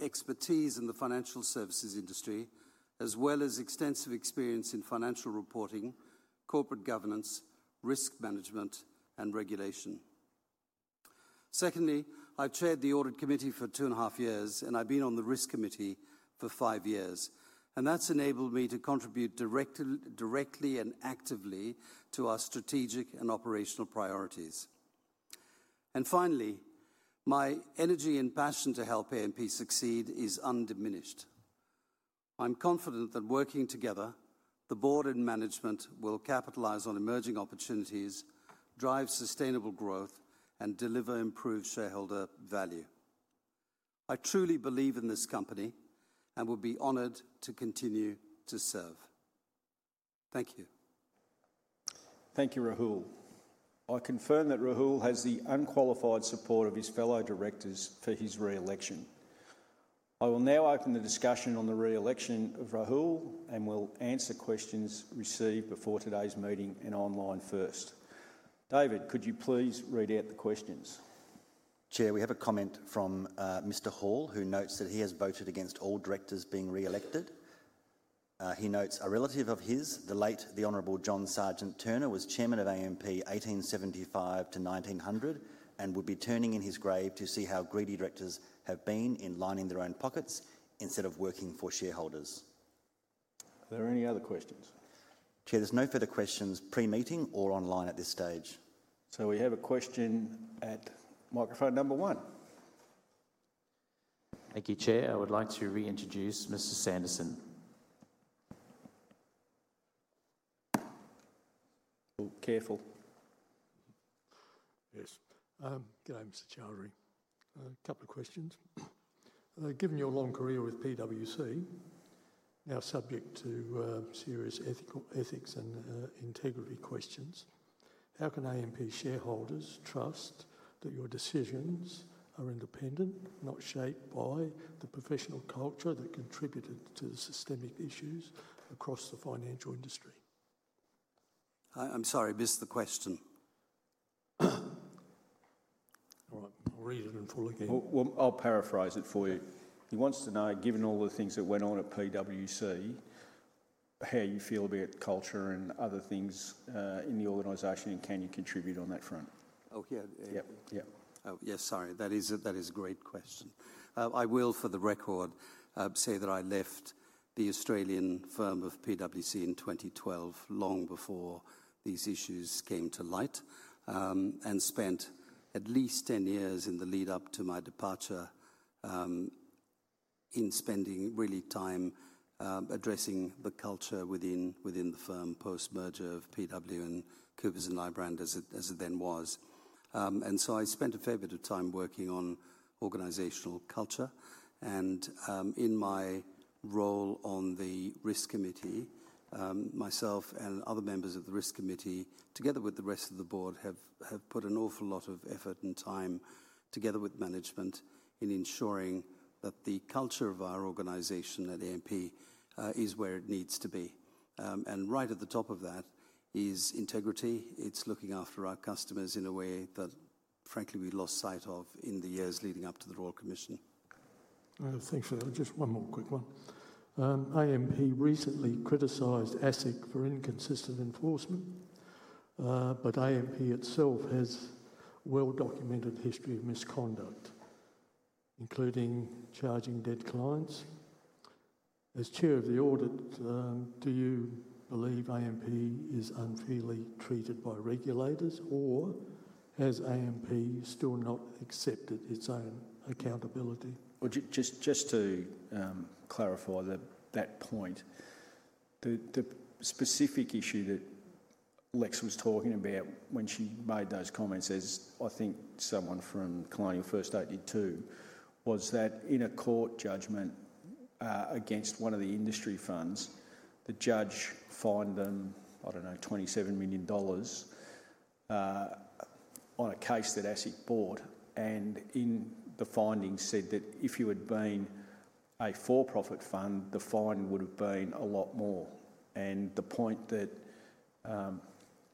expertise in the financial services industry, as well as extensive experience in financial reporting, corporate governance, risk management, and regulation. Secondly, I've chaired the audit committee for two and a half years, and I've been on the risk committee for five years. That has enabled me to contribute directly and actively to our strategic and operational priorities. Finally, my energy and passion to help AMP succeed is undiminished. I'm confident that working together, the board and management will capitalize on emerging opportunities, drive sustainable growth, and deliver improved shareholder value. I truly believe in this company and will be honored to continue to serve. Thank you. Thank you, Rahul. I confirm that Rahul has the unqualified support of his fellow directors for his re-election. I will now open the discussion on the re-election of Rahul and will answer questions received before today's meeting and online first. David, could you please read out the questions? Chair, we have a comment from Mr. Hall who notes that he has voted against all directors being re-elected. He notes a relative of his, the late the Honorable John Sargent Turner, was chairman of AMP 1875 to 1900 and would be turning in his grave to see how greedy directors have been in lining their own pockets instead of working for shareholders. Are there any other questions? Chair, there's no further questions pre-meeting or online at this stage. We have a question at microphone number one. Thank you, Chair. I would like to reintroduce Mr. Sanderson. Careful. Yes. Go, Mr. Chaoudhary. A couple of questions. Given your long career with PWC, now subject to serious ethics and integrity questions, how can AMP shareholders trust that your decisions are independent, not shaped by the professional culture that contributed to the systemic issues across the financial industry? I'm sorry, missed the question. All right. I'll read it in full again. I'll paraphrase it for you. He wants to know, given all the things that went on at PWC, how you feel about culture and other things in the organization and can you contribute on that front? Oh, yeah. Yeah. Oh, yes, sorry. That is a great question. I will, for the record, say that I left the Australian firm of PwC in 2012, long before these issues came to light, and spent at least 10 years in the lead-up to my departure in spending really time addressing the culture within the firm post-merger of PW and Coopers & Lybrand as it then was. I spent a fair bit of time working on organizational culture. In my role on the risk committee, myself and other members of the risk committee, together with the rest of the board, have put an awful lot of effort and time together with management in ensuring that the culture of our organization at AMP is where it needs to be. Right at the top of that is integrity. It's looking after our customers in a way that, frankly, we lost sight of in the years leading up to the Royal Commission. Thanks for that. Just one more quick one. AMP recently criticized ASIC for inconsistent enforcement, but AMP itself has a well-documented history of misconduct, including charging dead clients. As Chair of the Audit, do you believe AMP is unfairly treated by regulators, or has AMP still not accepted its own accountability? Just to clarify that point, the specific issue that Lex was talking about when she made those comments as, I think, someone from Colonial First Aid did too, was that in a court judgment against one of the industry funds, the judge fined them, I don't know, 27 million dollars on a case that ASIC bought. In the findings said that if you had been a for-profit fund, the fine would have been a lot more. The point that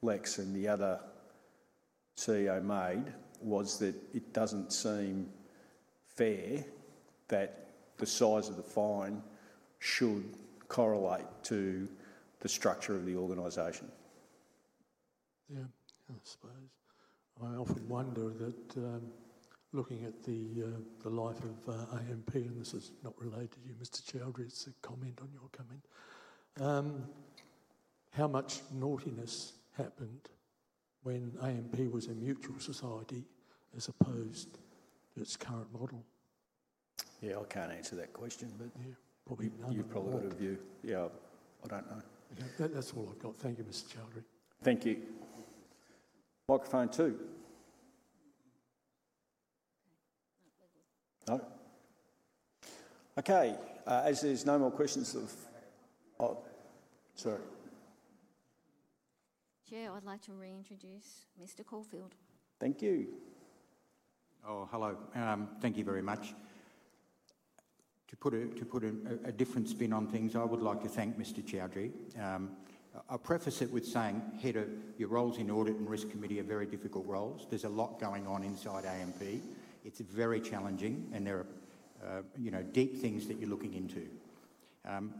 Lex and the other CEO made was that it does not seem fair that the size of the fine should correlate to the structure of the organization. I suppose. I often wonder that looking at the life of AMP, and this is not related to you, Mr. Chaoudhary, it is a comment on your comment, how much naughtiness happened when AMP was a mutual society as opposed to its current model. I cannot answer that question, but you probably would have viewed. I do not know. That is all I have got. Thank you, Mr. Chaoudhary. Thank you. Microphone two. Okay. As there are no more questions of—sorry. Chair, I would like to reintroduce Mr. Caulfield. Thank you. Oh, hello. Thank you very much. To put a different spin on things, I would like to thank Mr. Choudhary. I'll preface it with saying, Heather, your roles in Audit and Risk Committee are very difficult roles. There's a lot going on inside AMP. It's very challenging, and there are deep things that you're looking into.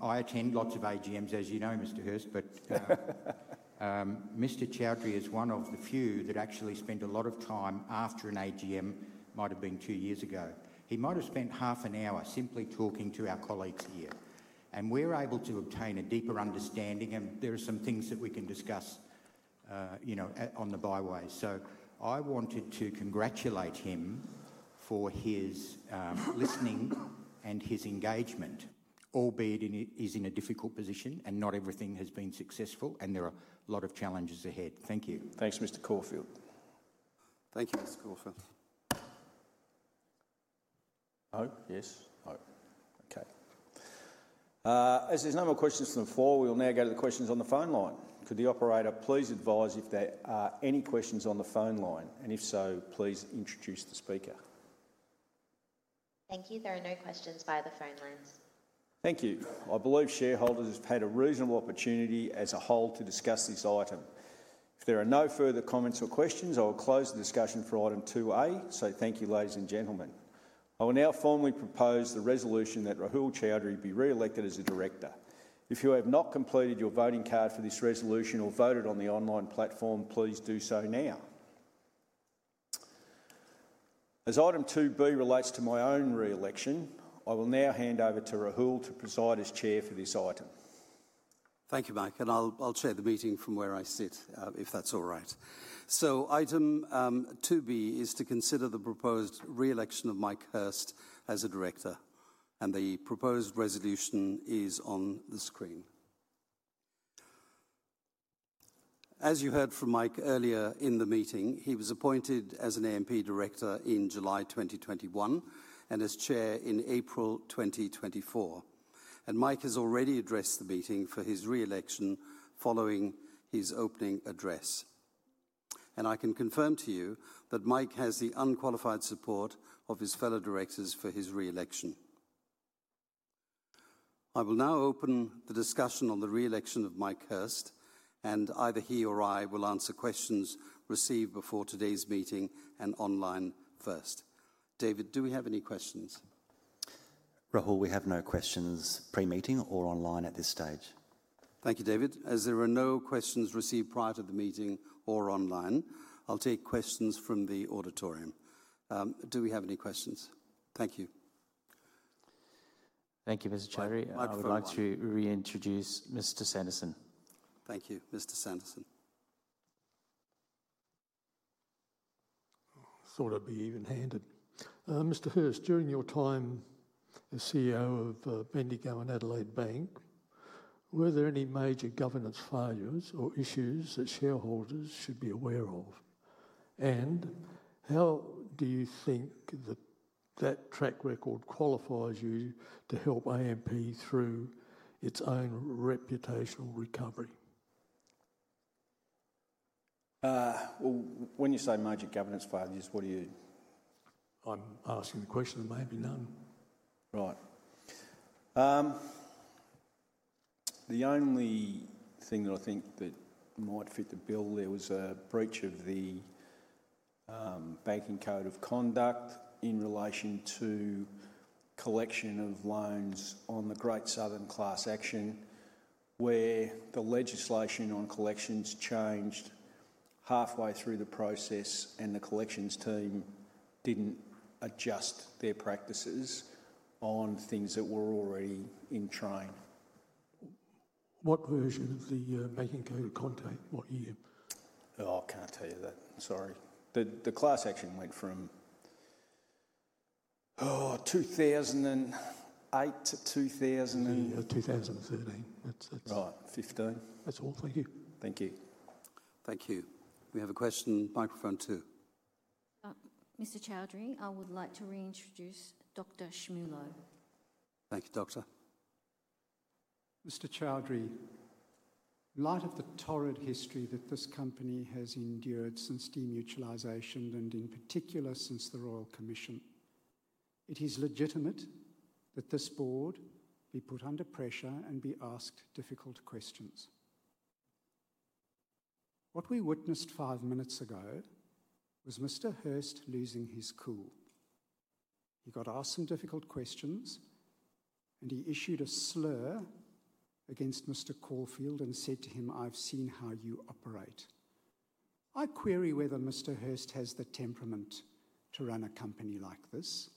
I attend lots of AGMs, as you know, Mr. Hurst, but Mr. Choudhary is one of the few that actually spent a lot of time after an AGM, might have been two years ago. He might have spent half an hour simply talking to our colleagues here. And we're able to obtain a deeper understanding, and there are some things that we can discuss on the byway. I wanted to congratulate him for his listening and his engagement, albeit he's in a difficult position and not everything has been successful, and there are a lot of challenges ahead. Thank you. Thanks, Mr. Caulfield. Thank you, Mr. Caulfield. Oh, yes. Oh. Okay. As there are no more questions from the floor, we will now go to the questions on the phone line. Could the operator please advise if there are any questions on the phone line? If so, please introduce the speaker. Thank you. There are no questions via the phone lines. Thank you. I believe shareholders have had a reasonable opportunity as a whole to discuss this item. If there are no further comments or questions, I will close the discussion for item two A. Thank you, ladies and gentlemen. I will now formally propose the resolution that Rahul Choudhary be re-elected as a director. If you have not completed your voting card for this resolution or voted on the online platform, please do so now. As item two B relates to my own re-election, I will now hand over to Rahul to preside as chair for this item. Thank you, Mike. I'll chair the meeting from where I sit, if that's all right. Item two B is to consider the proposed re-election of Mike Hurst as a director. The proposed resolution is on the screen. As you heard from Mike earlier in the meeting, he was appointed as an AMP director in July 2021 and as chair in April 2024. Mike has already addressed the meeting for his re-election following his opening address. I can confirm to you that Mike has the unqualified support of his fellow directors for his re-election. I will now open the discussion on the re-election of Mike Hurst, and either he or I will answer questions received before today's meeting and online first. David, do we have any questions? Rahul, we have no questions pre-meeting or online at this stage. Thank you, David. As there are no questions received prior to the meeting or online, I'll take questions from the auditorium. Do we have any questions? Thank you. Thank you, Mr. Choudhary. I would like to reintroduce Mr. Sanderson. Thank you, Mr. Sanderson. Thought I'd be even-handed. Mr. Hurst, during your time as CEO of Bendigo and Adelaide Bank, were there any major governance failures or issues that shareholders should be aware of? How do you think that that track record qualifies you to help AMP through its own reputational recovery? When you say major governance failures, what are you? I'm asking the question. There may be none. Right. The only thing that I think that might fit the bill, there was a breach of the banking code of conduct in relation to collection of loans on the Great Southern Class Action, where the legislation on collections changed halfway through the process, and the collections team did not adjust their practices on things that were already in train. What version of the banking code of conduct? What year? Oh, I cannot tell you that. Sorry. The class action went from 2008 to 2013. Right. Fifteen. That is all. Thank you. Thank you. Thank you. We have a question. Microphone two. Mr. Choudhary, I would like to reintroduce Dr. Shmulo. Thank you, Doctor. Mr. Choudhary, in light of the torrid history that this company has endured since demutualisation and in particular since the Royal Commission, it is legitimate that this board be put under pressure and be asked difficult questions. What we witnessed five minutes ago was Mr. Hurst losing his cool. He got asked some difficult questions, and he issued a slur against Mr. Caulfield and said to him, "I've seen how you operate." I query whether Mr. Hurst has the temperament to run a company like this,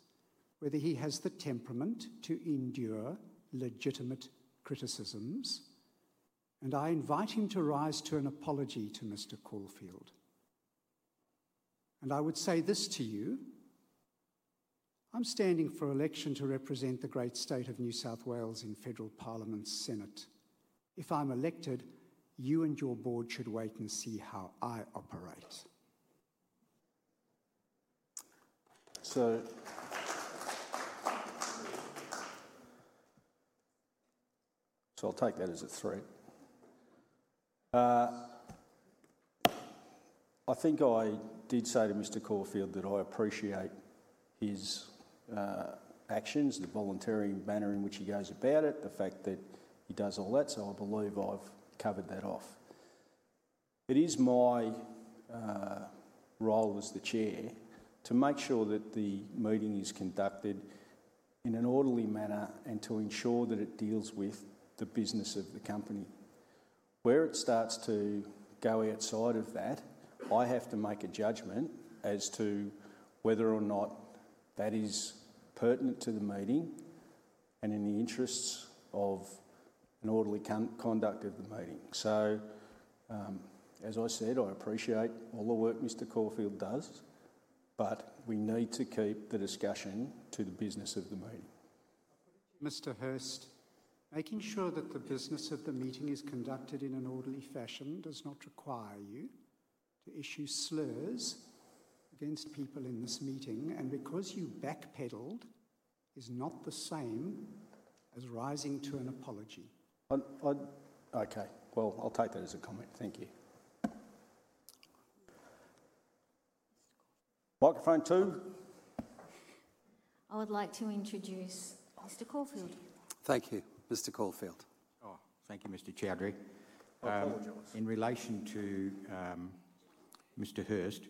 whether he has the temperament to endure legitimate criticisms, and I invite him to rise to an apology to Mr. Caulfield. I would say this to you, I'm standing for election to represent the great state of New South Wales in Federal Parliament Senate. If I'm elected, you and your board should wait and see how I operate. I'll take that as it's three. I think I did say to Mr. Caulfield that I appreciate his actions, the voluntary manner in which he goes about it, the fact that he does all that. I believe I've covered that off. It is my role as the Chair to make sure that the meeting is conducted in an orderly manner and to ensure that it deals with the business of the company. Where it starts to go outside of that, I have to make a judgment as to whether or not that is pertinent to the meeting and in the interests of an orderly conduct of the meeting. As I said, I appreciate all the work Mr. Caulfield does, but we need to keep the discussion to the business of the meeting. Mr. Hurst, making sure that the business of the meeting is conducted in an orderly fashion does not require you to issue slurs against people in this meeting. Because you backpedaled is not the same as rising to an apology. Okay. I'll take that as a comment. Thank you. Microphone two. I would like to introduce Mr. Caulfield. Thank you, Mr. Caulfield. Thank you, Mr. Chaoudhary. In relation to Mr. Hurst,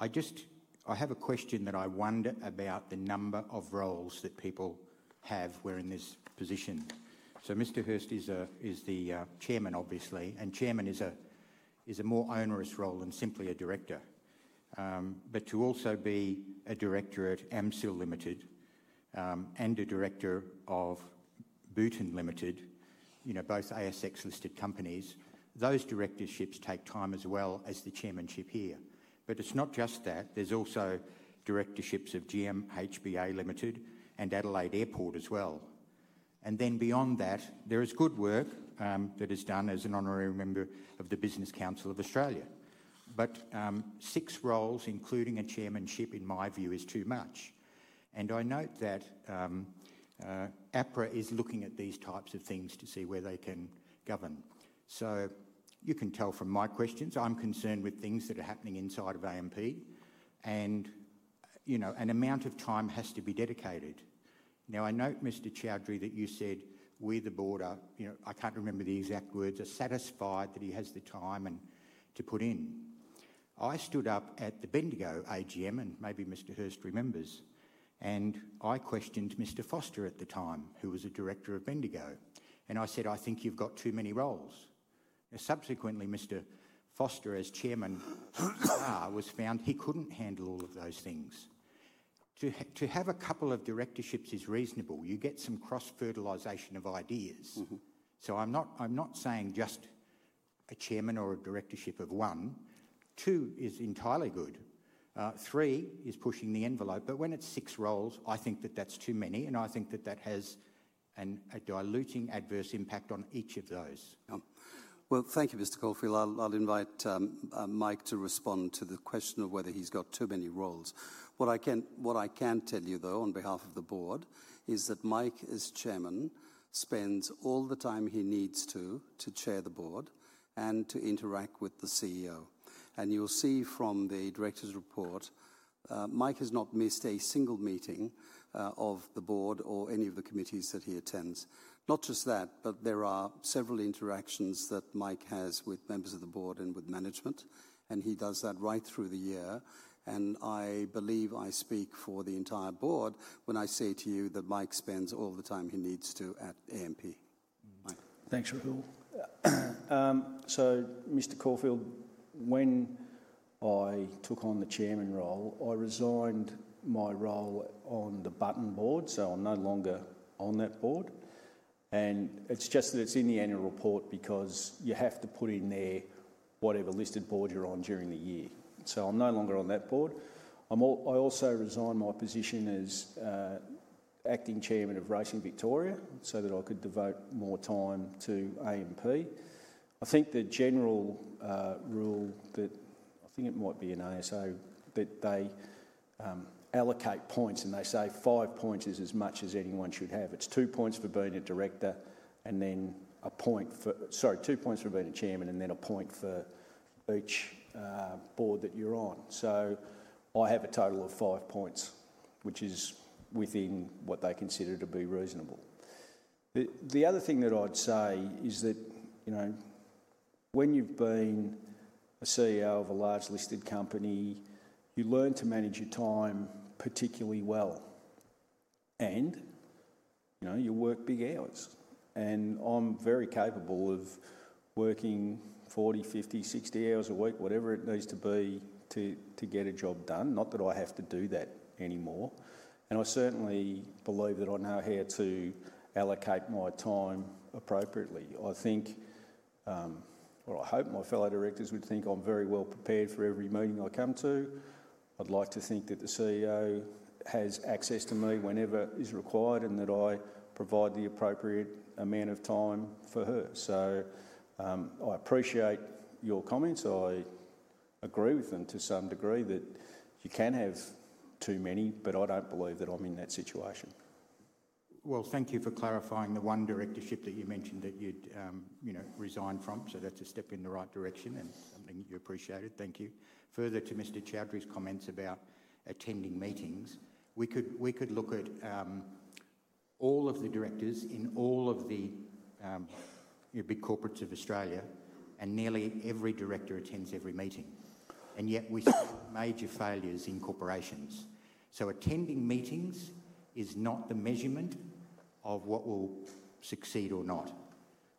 I have a question that I wonder about the number of roles that people have where in this position. Mr. Hurst is the Chairman, obviously, and Chairman is a more onerous role than simply a director. To also be a director at Amsil Limited and a director of Bouton Limited, both ASX-listed companies, those directorships take time as well as the chairmanship here. It is not just that. There are also directorships of GMHBA Limited and Adelaide Airport as well. Beyond that, there is good work that is done as an honorary member of the Business Council of Australia. Six roles, including a chairmanship, in my view, is too much. I note that APRA is looking at these types of things to see where they can govern. You can tell from my questions, I'm concerned with things that are happening inside of AMP, and an amount of time has to be dedicated. I note, Mr. Choudhary, that you said, "We're the board are—I can't remember the exact words—satisfied that he has the time to put in." I stood up at the Bendigo AGM, and maybe Mr. Hurst remembers, and I questioned Mr. Foster at the time, who was a director of Bendigo. I said, "I think you've got too many roles." Subsequently, Mr. Foster, as chairman, was found he couldn't handle all of those things. To have a couple of directorships is reasonable. You get some cross-fertilisation of ideas. I'm not saying just a chairman or a directorship of one. Two is entirely good. Three is pushing the envelope. But when it's six roles, I think that that's too many, and I think that that has a diluting adverse impact on each of those. Thank you, Mr. Caulfield. I'll invite Mike to respond to the question of whether he's got too many roles. What I can tell you, though, on behalf of the board, is that Mike, as Chairman, spends all the time he needs to to chair the board and to interact with the CEO. You'll see from the director's report, Mike has not missed a single meeting of the board or any of the committees that he attends. Not just that, but there are several interactions that Mike has with members of the board and with management, and he does that right through the year. I believe I speak for the entire board when I say to you that Mike spends all the time he needs to at AMP. Thanks, Rahul. Mr. Caulfield, when I took on the Chairman role, I resigned my role on the Button board. I am no longer on that board. It is just that it is in the annual report because you have to put in there whatever listed board you are on during the year. I am no longer on that board. I also resigned my position as acting Chairman of Racing Victoria so that I could devote more time to AMP. I think the general rule is that it might be an ASO that they allocate points, and they say five points is as much as anyone should have. It's two points for being a director and then a point for—sorry, two points for being a chairman and then a point for each board that you're on. So I have a total of five points, which is within what they consider to be reasonable. The other thing that I'd say is that when you've been a CEO of a large listed company, you learn to manage your time particularly well. You work big hours. I'm very capable of working 40, 50, 60 hours a week, whatever it needs to be to get a job done. Not that I have to do that anymore. I certainly believe that I know how to allocate my time appropriately. I think, or I hope my fellow directors would think I'm very well prepared for every meeting I come to. I'd like to think that the CEO has access to me whenever is required and that I provide the appropriate amount of time for her. I appreciate your comments. I agree with them to some degree that you can have too many, but I don't believe that I'm in that situation. Thank you for clarifying the one directorship that you mentioned that you'd resigned from. That's a step in the right direction and something you appreciated. Thank you. Further to Mr. Choudhary's comments about attending meetings, we could look at all of the directors in all of the big corporates of Australia, and nearly every director attends every meeting. Yet we see major failures in corporations. Attending meetings is not the measurement of what will succeed or not.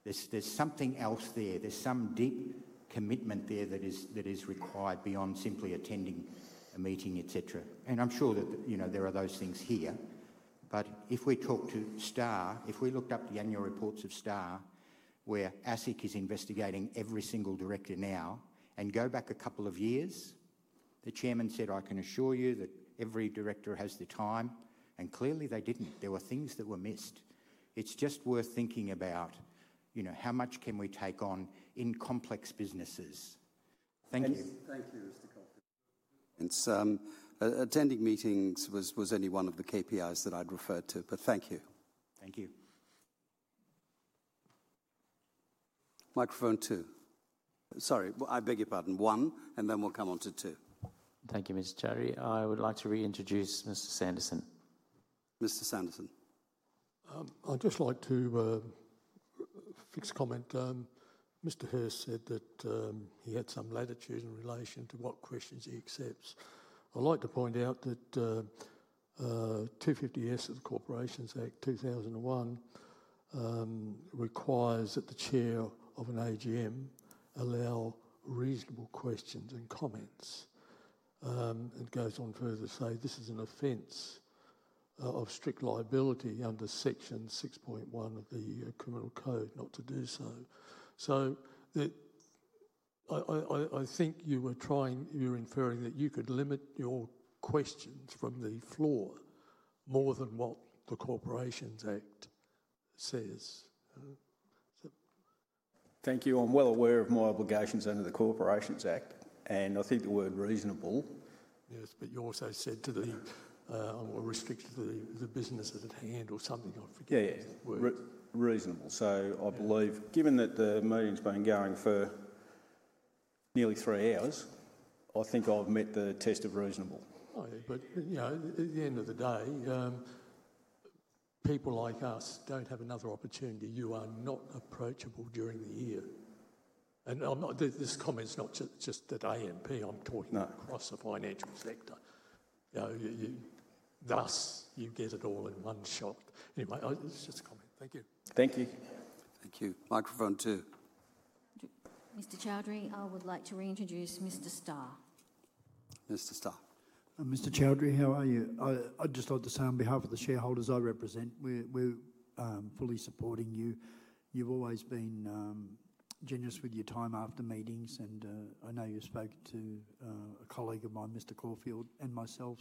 There's something else there. There's some deep commitment there that is required beyond simply attending a meeting, etc. I'm sure that there are those things here. If we talk to STAR, if we looked up the annual reports of STAR, where ASIC is investigating every single director now, and go back a couple of years, the chairman said, "I can assure you that every director has the time," and clearly they didn't. There were things that were missed. It's just worth thinking about how much can we take on in complex businesses. Thank you. Thank you, Mr. Caulfield. Attending meetings was only one of the KPIs that I'd referred to, but thank you. Thank you. Microphone two. Sorry, I beg your pardon. One, and then we'll come on to two. Thank you, Mr. Choudhary. I would like to reintroduce Mr. Sanderson. Mr. Sanderson. I'd just like to fix a comment. Mr. Hearst said that he had some latitude in relation to what questions he accepts. I'd like to point out that 250 S of the Corporations Act 2001 requires that the chair of an AGM allow reasonable questions and comments. It goes on further to say, "This is an offence of strict liability under section 6.1 of the Criminal Code, not to do so." I think you were trying—you were inferring that you could limit your questions from the floor more than what the Corporations Act says. Thank you. I'm well aware of my obligations under the Corporations Act, and I think the word reasonable. Yes, but you also said to the—I'm restricted to the businesses at hand or something. I forget. Yeah, yeah, reasonable. I believe, given that the meeting's been going for nearly three hours, I think I've met the test of reasonable. At the end of the day, people like us don't have another opportunity. You are not approachable during the year. This comment's not just at AMP. I'm talking across the financial sector. Thus, you get it all in one shot. Anyway, it's just a comment. Thank you. Thank you. Thank you. Microphone two. Mr. Choudhary, I would like to reintroduce Mr. Star. Mr. Star. Mr. Choudhary, how are you? I'd just like to say on behalf of the shareholders I represent, we're fully supporting you. You've always been generous with your time after meetings, and I know you spoke to a colleague of mine, Mr. Caulfield, and myself.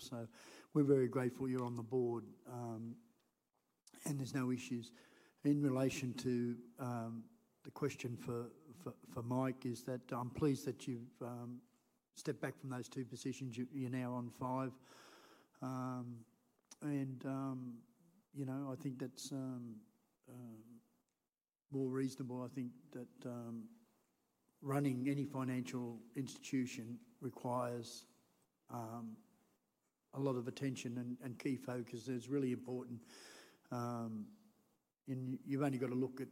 We're very grateful you're on the board, and there's no issues. In relation to the question for Mike, I'm pleased that you've stepped back from those two positions. You're now on five. I think that's more reasonable. I think that running any financial institution requires a lot of attention and key focus. It's really important. You've only got to look at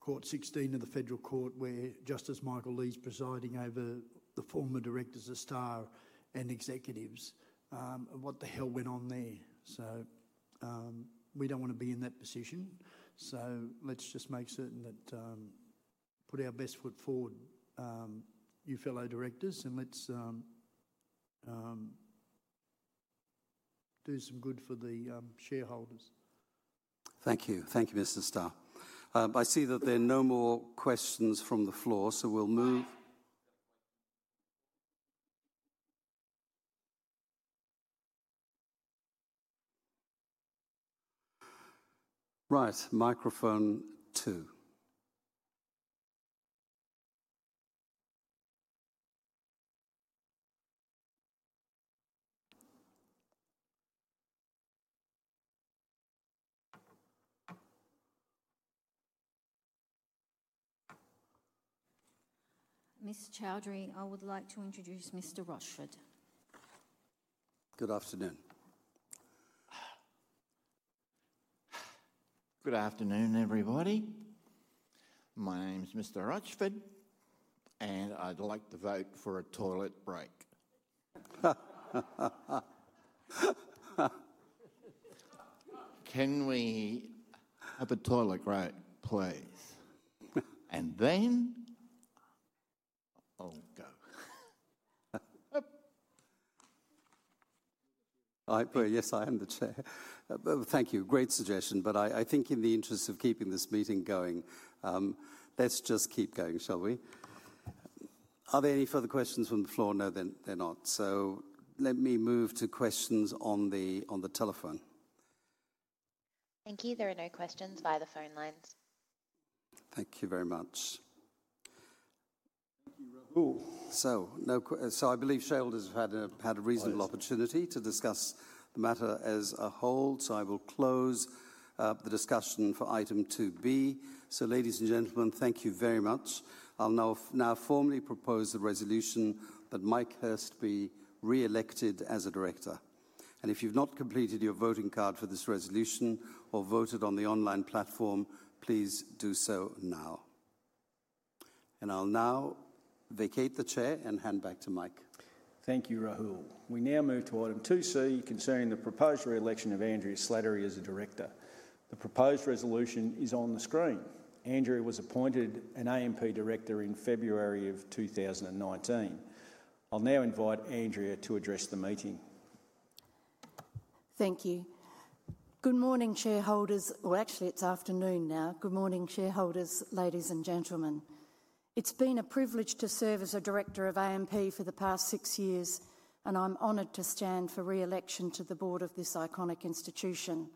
Court 16 of the Federal Court where Justice Michael Lee is presiding over the former directors of STAR and executives. What the hell went on there? We don't want to be in that position. Let's just make certain that we put our best foot forward, you fellow directors, and let's do some good for the shareholders. Thank you. Thank you, Mr. Star. I see that there are no more questions from the floor, so we'll move. Right, microphone two. Ms. Chaoudry, I would like to introduce Mr. Rutshford. Good afternoon. Good afternoon, everybody. My name's Mr. Rutshford, and I'd like to vote for a toilet break. Can we have a toilet break, please? And then I'll go. Yes, I am the Chair. Thank you. Great suggestion. I think in the interest of keeping this meeting going, let's just keep going, shall we? Are there any further questions from the floor? No, there are not. Let me move to questions on the telephone. Thank you. There are no questions via the phone lines. Thank you very much. Thank you. I believe Sheldon has had a reasonable opportunity to discuss the matter as a whole. I will close the discussion for item 2B. Ladies and gentlemen, thank you very much. I'll now formally propose the resolution that Mike Hurst be re-elected as a director. If you've not completed your voting card for this resolution or voted on the online platform, please do so now. I'll now vacate the Chair and hand back to Mike. Thank you, Rahul. We now move to item 2C concerning the proposed re-election of Andrea Slattery as a director. The proposed resolution is on the screen. Andrea was appointed an AMP director in February of 2019. I'll now invite Andrea to address the meeting. Thank you. Good morning, shareholders. Actually, it's afternoon now. Good morning, shareholders, ladies and gentlemen. It's been a privilege to serve as a director of AMP for the past six years, and I'm honored to stand for re-election to the board of this iconic institution.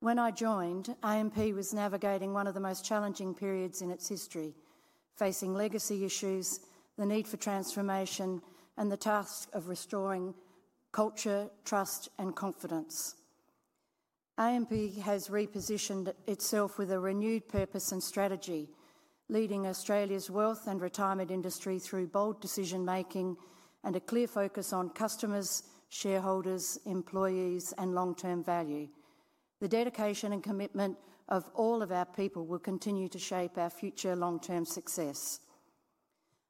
When I joined, AMP was navigating one of the most challenging periods in its history, facing legacy issues, the need for transformation, and the task of restoring culture, trust, and confidence. AMP has repositioned itself with a renewed purpose and strategy, leading Australia's wealth and retirement industry through bold decision-making and a clear focus on customers, shareholders, employees, and long-term value. The dedication and commitment of all of our people will continue to shape our future long-term success.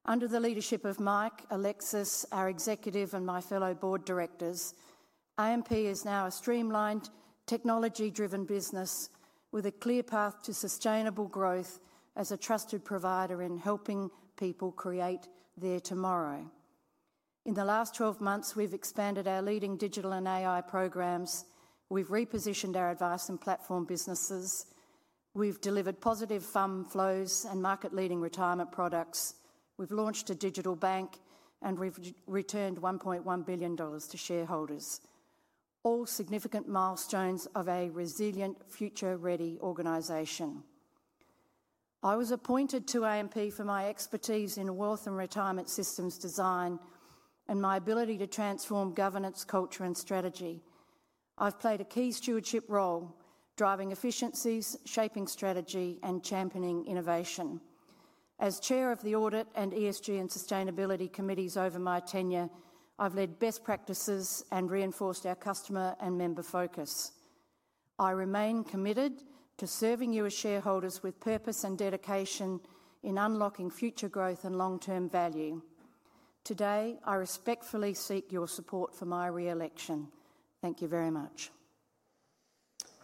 Under the leadership of Mike, Alexis, our executive, and my fellow board directors, AMP is now a streamlined, technology-driven business with a clear path to sustainable growth as a trusted provider in helping people create their tomorrow. In the last 12 months, we've expanded our leading digital and AI programs. We've repositioned our advice and platform businesses. We've delivered positive fund flows and market-leading retirement products. We've launched a digital bank, and we've returned 1.1 billion dollars to shareholders. All significant milestones of a resilient, future-ready organization. I was appointed to AMP for my expertise in wealth and retirement systems design and my ability to transform governance, culture, and strategy. I've played a key stewardship role, driving efficiencies, shaping strategy, and championing innovation. As Chair of the Audit and ESG and Sustainability Committees over my tenure, I've led best practices and reinforced our customer and member focus. I remain committed to serving you as shareholders with purpose and dedication in unlocking future growth and long-term value. Today, I respectfully seek your support for my re-election. Thank you very much.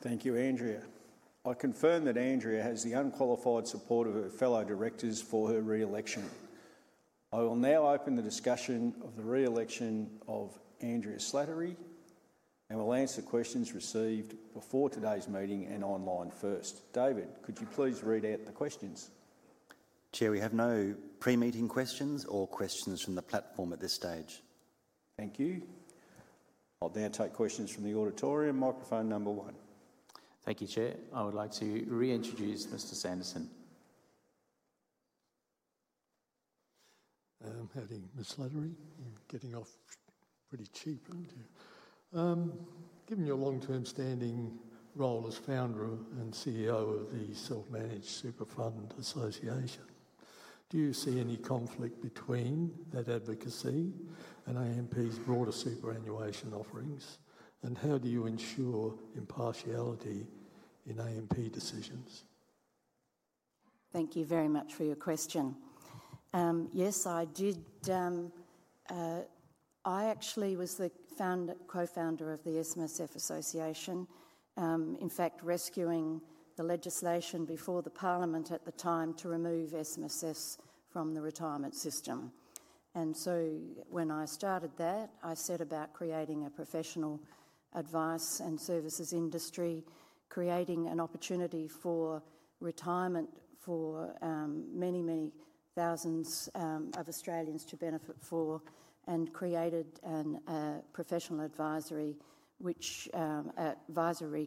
Thank you, Andrea. I confirm that Andrea has the unqualified support of her fellow directors for her re-election. I will now open the discussion of the re-election of Andrea Slattery and will answer questions received before today's meeting and online first. David, could you please read out the questions? Chair, we have no pre-meeting questions or questions from the platform at this stage. Thank you. I'll now take questions from the auditorium. Microphone number one. Thank you, Chair. I would like to reintroduce Mr. Sanderson. Howdy, Ms. Slattery. You're getting off pretty cheap, aren't you? Given your long-term standing role as founder and CEO of the Self-Managed Superfund Association, do you see any conflict between that advocacy and AMP's broader superannuation offerings? How do you ensure impartiality in AMP decisions? Thank you very much for your question. Yes, I did. I actually was the co-founder of the SMSF Association, in fact, rescuing the legislation before the Parliament at the time to remove SMSF from the retirement system. When I started that, I set about creating a professional advice and services industry, creating an opportunity for retirement for many, many thousands of Australians to benefit from, and created a professional advisory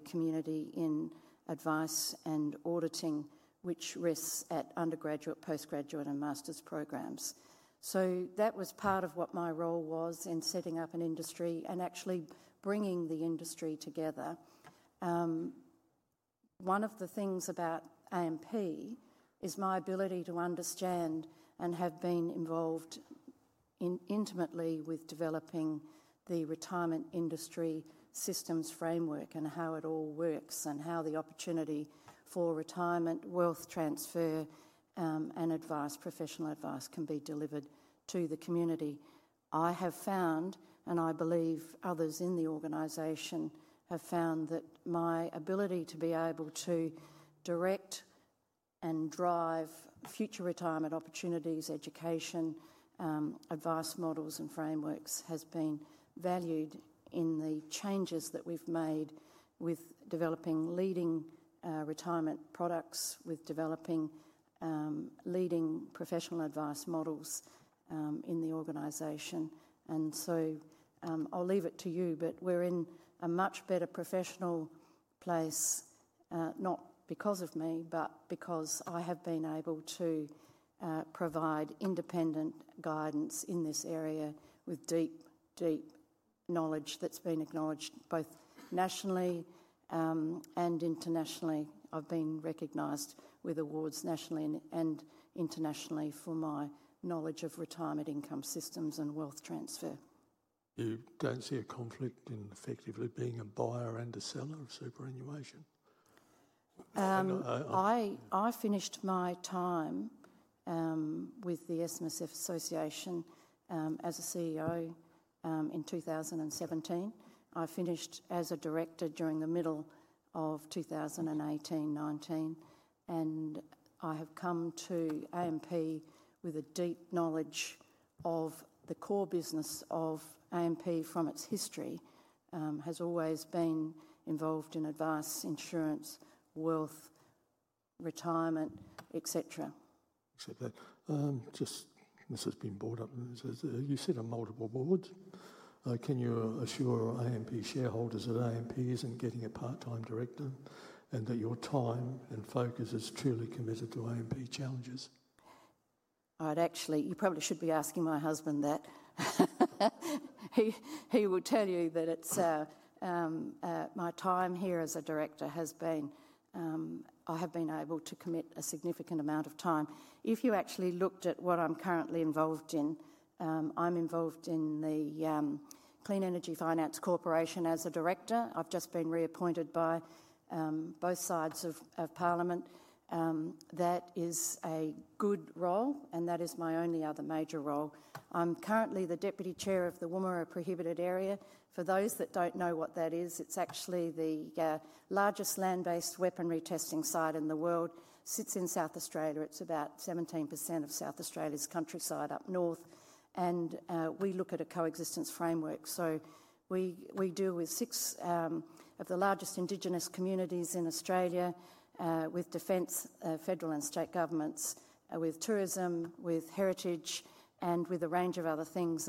community in advice and auditing, which rests at undergraduate, postgraduate, and master's programs. That was part of what my role was in setting up an industry and actually bringing the industry together. One of the things about AMP is my ability to understand and have been involved intimately with developing the retirement industry systems framework and how it all works and how the opportunity for retirement, wealth transfer, and advice, professional advice can be delivered to the community. I have found, and I believe others in the organisation have found that my ability to be able to direct and drive future retirement opportunities, education, advice models, and frameworks has been valued in the changes that we've made with developing leading retirement products, with developing leading professional advice models in the organisation. I'll leave it to you, but we're in a much better professional place, not because of me, but because I have been able to provide independent guidance in this area with deep, deep knowledge that's been acknowledged both nationally and internationally. I've been recognised with awards nationally and internationally for my knowledge of retirement income systems and wealth transfer. You don't see a conflict in effectively being a buyer and a seller of superannuation? I finished my time with the SMSF Association as a CEO in 2017. I finished as a director during the middle of 2018-2019. And I have come to AMP with a deep knowledge of the core business of AMP from its history. Has always been involved in advice, insurance, wealth, retirement, etc. Except that this has been brought up. You sit on multiple boards. Can you assure AMP shareholders that AMP isn't getting a part-time director and that your time and focus is truly committed to AMP challenges? I'd actually—you probably should be asking my husband that. He would tell you that my time here as a director has been—I have been able to commit a significant amount of time. If you actually looked at what I'm currently involved in, I'm involved in the Clean Energy Finance Corporation as a director. I've just been reappointed by both sides of Parliament. That is a good role, and that is my only other major role. I'm currently the Deputy Chair of the Woomera Prohibited Area. For those that don't know what that is, it's actually the largest land-based weaponry testing site in the world. It sits in South Australia. It's about 17% of South Australia's countryside up north. We look at a coexistence framework. We deal with six of the largest indigenous communities in Australia, with defence, federal and state governments, with tourism, with heritage, and with a range of other things.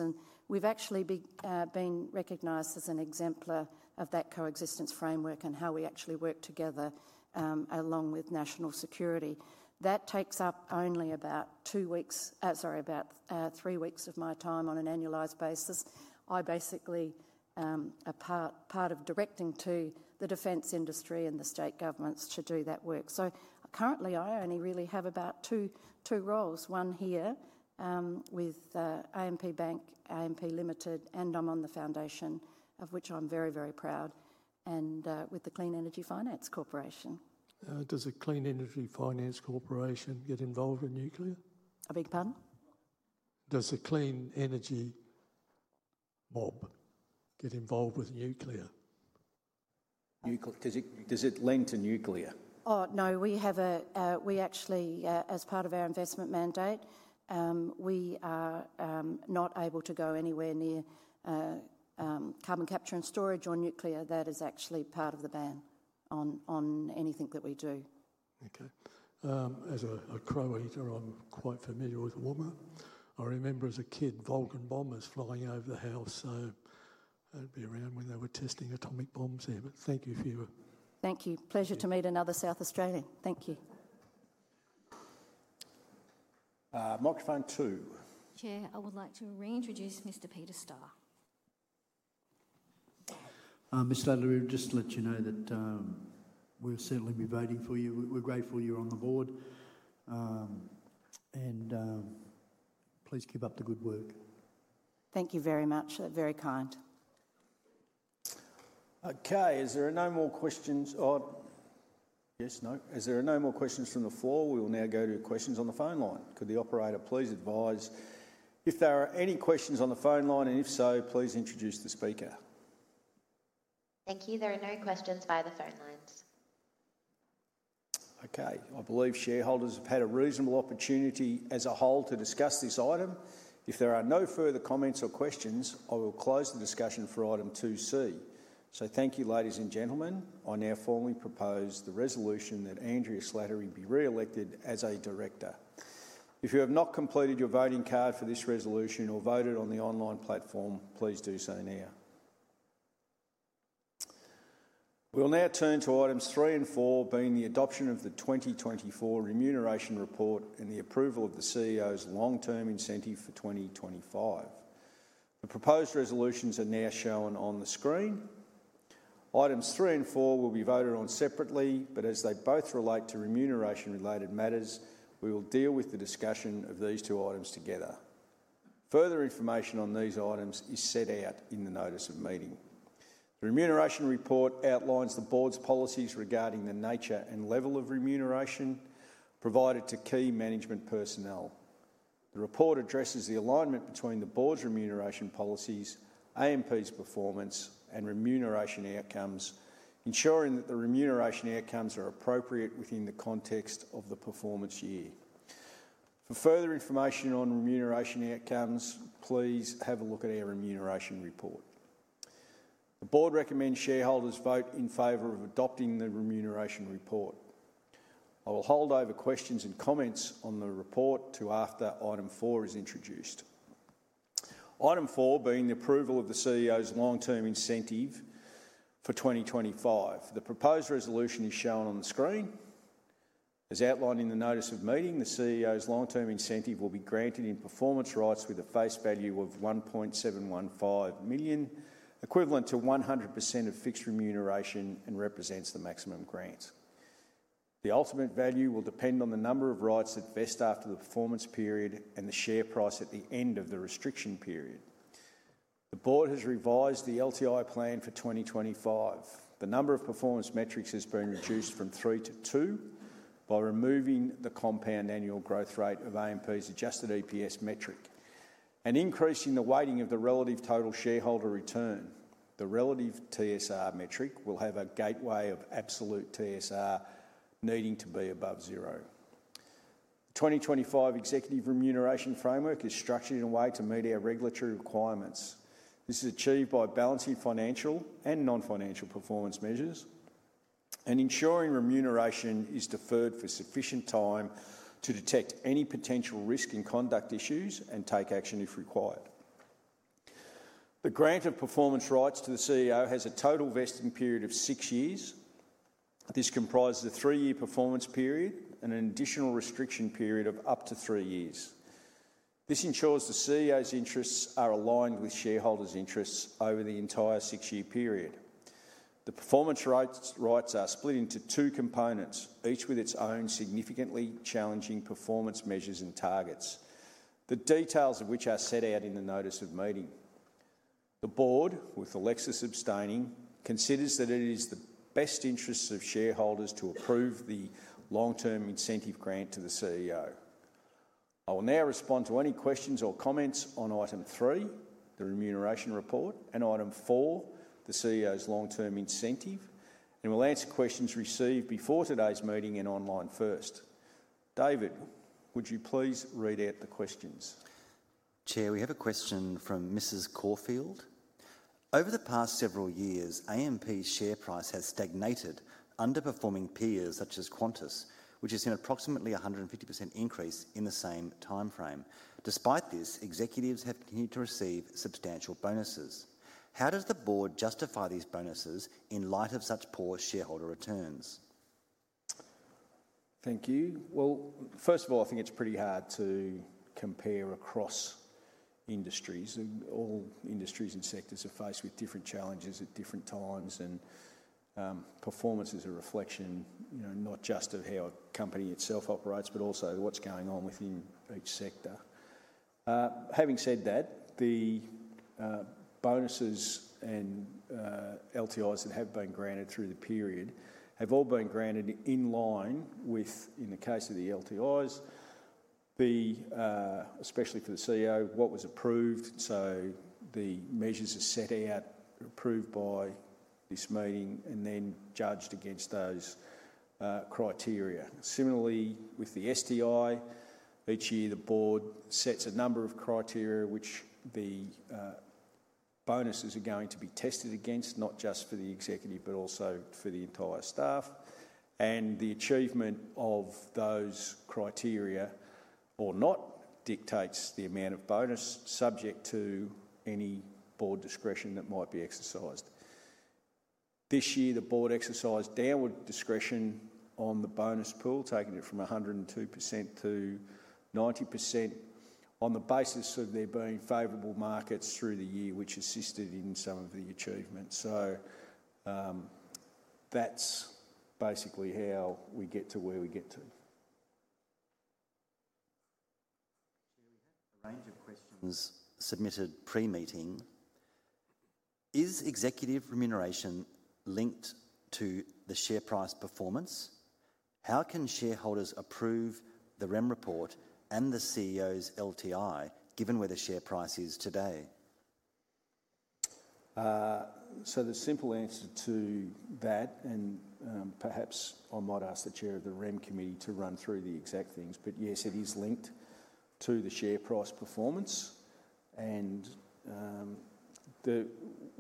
We have actually been recognized as an exemplar of that coexistence framework and how we actually work together along with national security. That takes up only about three weeks of my time on an annualized basis. I am basically a part of directing to the defense industry and the state governments to do that work. Currently, I only really have about two roles. One here with AMP Bank, AMP Limited, and I am on the foundation of which I am very, very proud, and with the Clean Energy Finance Corporation. Does the Clean Energy Finance Corporation get involved in nuclear? A big pun. Does the Clean Energy Mob get involved with nuclear? Does it lend to nuclear? Oh, no. We have a—we actually, as part of our investment mandate, we are not able to go anywhere near carbon capture and storage on nuclear. That is actually part of the ban on anything that we do. Okay. As a Croatian, I'm quite familiar with Woomera. I remember as a kid, Vulcan bombers flying over the house. That would be around when they were testing atomic bombs here. Thank you for your— Thank you. Pleasure to meet another South Australian. Thank you. Microphone two. Chair, I would like to reintroduce Mr. Peter Star. Mr. Slattery, just to let you know that we'll certainly be voting for you. We're grateful you're on the board. Please keep up the good work. Thank you very much. Very kind. Okay. Is there no more questions? Yes, no. Is there no more questions from the floor? We will now go to questions on the phone line. Could the operator please advise if there are any questions on the phone line? If so, please introduce the speaker. Thank you. There are no questions via the phone lines. Okay. I believe shareholders have had a reasonable opportunity as a whole to discuss this item. If there are no further comments or questions, I will close the discussion for item 2C. Thank you, ladies and gentlemen. I now formally propose the resolution that Andrea Slattery be re-elected as a director. If you have not completed your voting card for this resolution or voted on the online platform, please do so now. We will now turn to items three and four, being the adoption of the 2024 remuneration report and the approval of the CEO's long-term incentive for 2025. The proposed resolutions are now shown on the screen. Items three and four will be voted on separately, but as they both relate to remuneration-related matters, we will deal with the discussion of these two items together. Further information on these items is set out in the notice of meeting. The remuneration report outlines the board's policies regarding the nature and level of remuneration provided to key management personnel. The report addresses the alignment between the board's remuneration policies, AMP's performance, and remuneration outcomes, ensuring that the remuneration outcomes are appropriate within the context of the performance year. For further information on remuneration outcomes, please have a look at our remuneration report. The board recommends shareholders vote in favor of adopting the remuneration report. I will hold over questions and comments on the report to after item four is introduced. Item four being the approval of the CEO's long-term incentive for 2025. The proposed resolution is shown on the screen. As outlined in the notice of meeting, the CEO's long-term incentive will be granted in performance rights with a face value of 1.715 million, equivalent to 100% of fixed remuneration, and represents the maximum grant. The ultimate value will depend on the number of rights that vest after the performance period and the share price at the end of the restriction period. The Board has revised the LTI plan for 2025. The number of performance metrics has been reduced from three to two by removing the compound annual growth rate of AMP's adjusted EPS metric and increasing the weighting of the relative total shareholder return. The relative TSR metric will have a gateway of absolute TSR needing to be above zero. The 2025 executive remuneration framework is structured in a way to meet our regulatory requirements. This is achieved by balancing financial and non-financial performance measures and ensuring remuneration is deferred for sufficient time to detect any potential risk and conduct issues and take action if required. The grant of performance rights to the CEO has a total vesting period of six years. This comprises a three-year performance period and an additional restriction period of up to three years. This ensures the CEO's interests are aligned with shareholders' interests over the entire six-year period. The performance rights are split into two components, each with its own significantly challenging performance measures and targets, the details of which are set out in the notice of meeting. The board, with Alexis abstaining, considers that it is the best interests of shareholders to approve the long-term incentive grant to the CEO. I will now respond to any questions or comments on item three, the remuneration report, and item four, the CEO's long-term incentive, and will answer questions received before today's meeting and online first. David, would you please read out the questions? Chair, we have a question from Mrs. Caulfield. Over the past several years, AMP's share price has stagnated, underperforming peers such as Qantas, which has seen an approximately 150% increase in the same timeframe. Despite this, executives have continued to receive substantial bonuses. How does the board justify these bonuses in light of such poor shareholder returns? Thank you. First of all, I think it's pretty hard to compare across industries. All industries and sectors are faced with different challenges at different times, and performance is a reflection not just of how a company itself operates, but also what's going on within each sector. Having said that, the bonuses and LTIs that have been granted through the period have all been granted in line with, in the case of the LTIs, especially for the CEO, what was approved. So the measures are set out, approved by this meeting, and then judged against those criteria. Similarly, with the STI, each year the board sets a number of criteria which the bonuses are going to be tested against, not just for the executive, but also for the entire staff. The achievement of those criteria or not dictates the amount of bonus subject to any board discretion that might be exercised. This year, the board exercised downward discretion on the bonus pool, taking it from 102% to 90% on the basis of there being favourable markets through the year, which assisted in some of the achievement. That's basically how we get to where we get to. Chair, we have a range of questions submitted pre-meeting. Is executive remuneration linked to the share price performance? How can shareholders approve the REM report and the CEO's LTI, given where the share price is today? The simple answer to that, and perhaps I might ask the Chair of the REM Committee to run through the exact things, but yes, it is linked to the share price performance.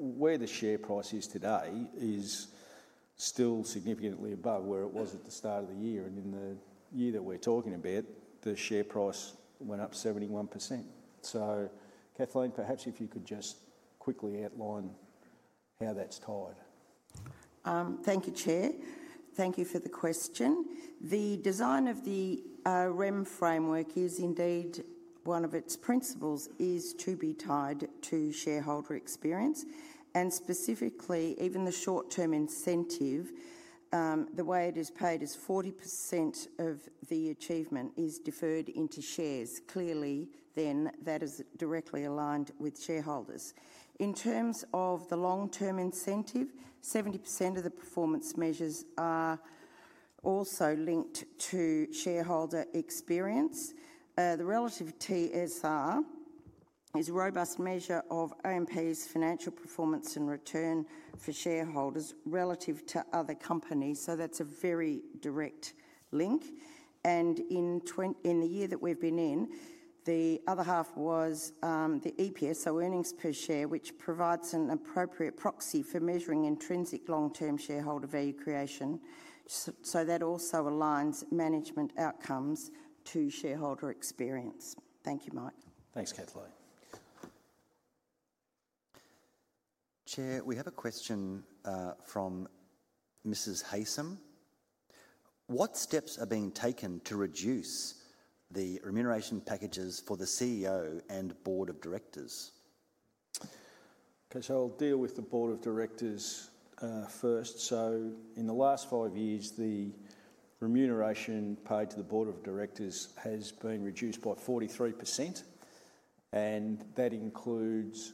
Where the share price is today is still significantly above where it was at the start of the year. In the year that we're talking about, the share price went up 71%. Kathleen, perhaps if you could just quickly outline how that's tied. Thank you, Chair. Thank you for the question. The design of the REM framework is indeed one of its principles is to be tied to shareholder experience. Specifically, even the short-term incentive, the way it is paid is 40% of the achievement is deferred into shares. Clearly, then that is directly aligned with shareholders. In terms of the long-term incentive, 70% of the performance measures are also linked to shareholder experience. The relative TSR is a robust measure of AMP's financial performance and return for shareholders relative to other companies. That is a very direct link. In the year that we've been in, the other half was the EPS, or earnings per share, which provides an appropriate proxy for measuring intrinsic long-term shareholder value creation. That also aligns management outcomes to shareholder experience. Thank you, Mike. Thanks, Kathleen. Chair, we have a question from Mrs. Haysom. What steps are being taken to reduce the remuneration packages for the CEO and board of directors? Okay, I'll deal with the board of directors first. In the last five years, the remuneration paid to the board of directors has been reduced by 43%. That includes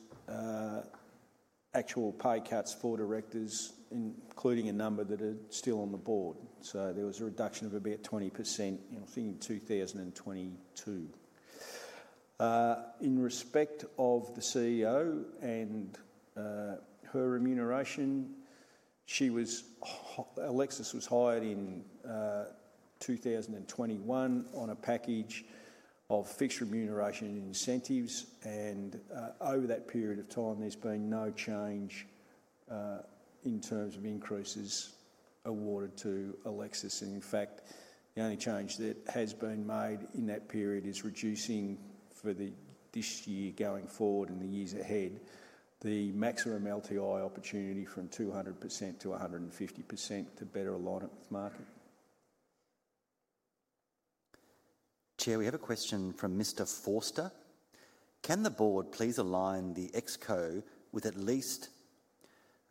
actual pay cuts for directors, including a number that are still on the board. There was a reduction of about 20%, I think in 2022. In respect of the CEO and her remuneration, Alexis was hired in 2021 on a package of fixed remuneration incentives. Over that period of time, there's been no change in terms of increases awarded to Alexis. In fact, the only change that has been made in that period is reducing for this year going forward and the years ahead the maximum LTI opportunity from 200% to 150% to better align it with market. Chair, we have a question from Mr. Forster. Can the board please align the exco with at least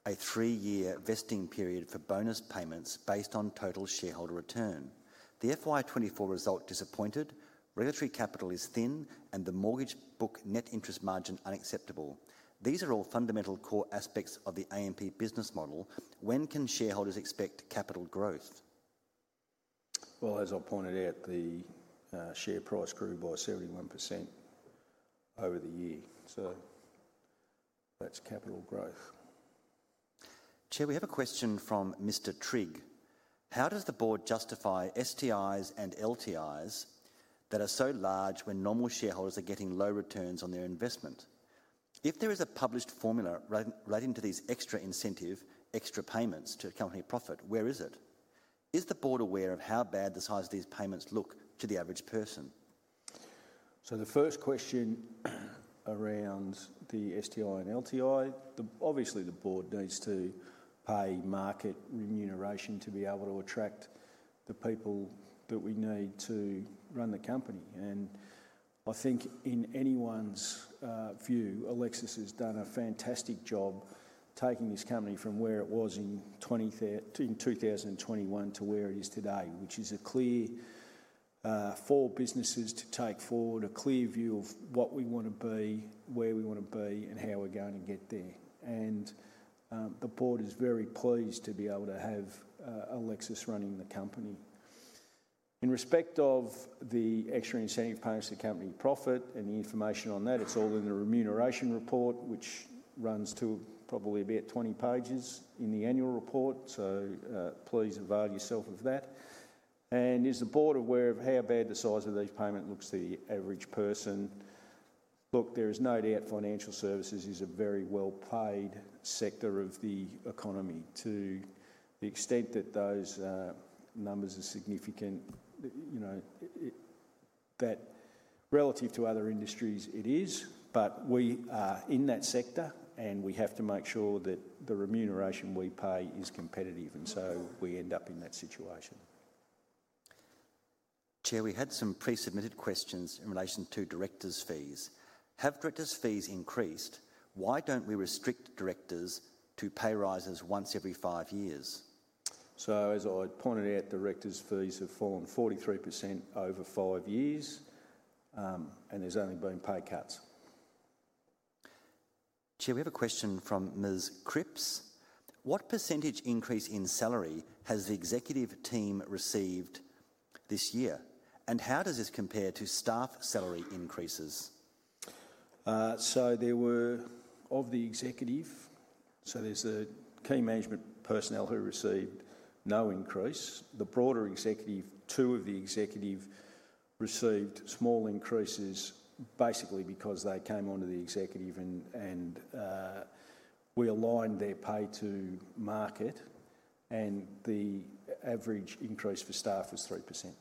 a three-year vesting period for bonus payments based on total shareholder return? The FY24 result disappointed. Regulatory capital is thin, and the mortgage book net interest margin unacceptable. These are all fundamental core aspects of the AMP business model. When can shareholders expect capital growth? As I pointed out, the share price grew by 71% over the year. That is capital growth. Chair, we have a question from Mr. Trigg. How does the board justify STIs and LTIs that are so large when normal shareholders are getting low returns on their investment? If there is a published formula relating to these extra incentives, extra payments to accompany profit, where is it? Is the board aware of how bad the size of these payments look to the average person? The first question around the STI and LTI, obviously the board needs to pay market remuneration to be able to attract the people that we need to run the company. I think in anyone's view, Alexis has done a fantastic job taking this company from where it was in 2021 to where it is today, which is a clear for businesses to take forward, a clear view of what we want to be, where we want to be, and how we're going to get there. The board is very pleased to be able to have Alexis running the company. In respect of the extra incentive payments to accompany profit and the information on that, it's all in the remuneration report, which runs to probably about 20 pages in the annual report. Please avail yourself of that. Is the board aware of how bad the size of those payments looks to the average person? Look, there is no doubt financial services is a very well-paid sector of the economy. To the extent that those numbers are significant, that relative to other industries, it is. We are in that sector, and we have to make sure that the remuneration we pay is competitive. We end up in that situation. Chair, we had some pre-submitted questions in relation to directors' fees. Have directors' fees increased? Why do we not restrict directors to pay rises once every five years? As I pointed out, directors' fees have fallen 43% over five years, and there have only been pay cuts. Chair, we have a question from Ms. Cripps. What percentage increase in salary has the executive team received this year? How does this compare to staff salary increases? There were of the executive, so there's the key management personnel who received no increase. The broader executive, two of the executive received small increases basically because they came onto the executive, and we aligned their pay to market, and the average increase for staff was 3%.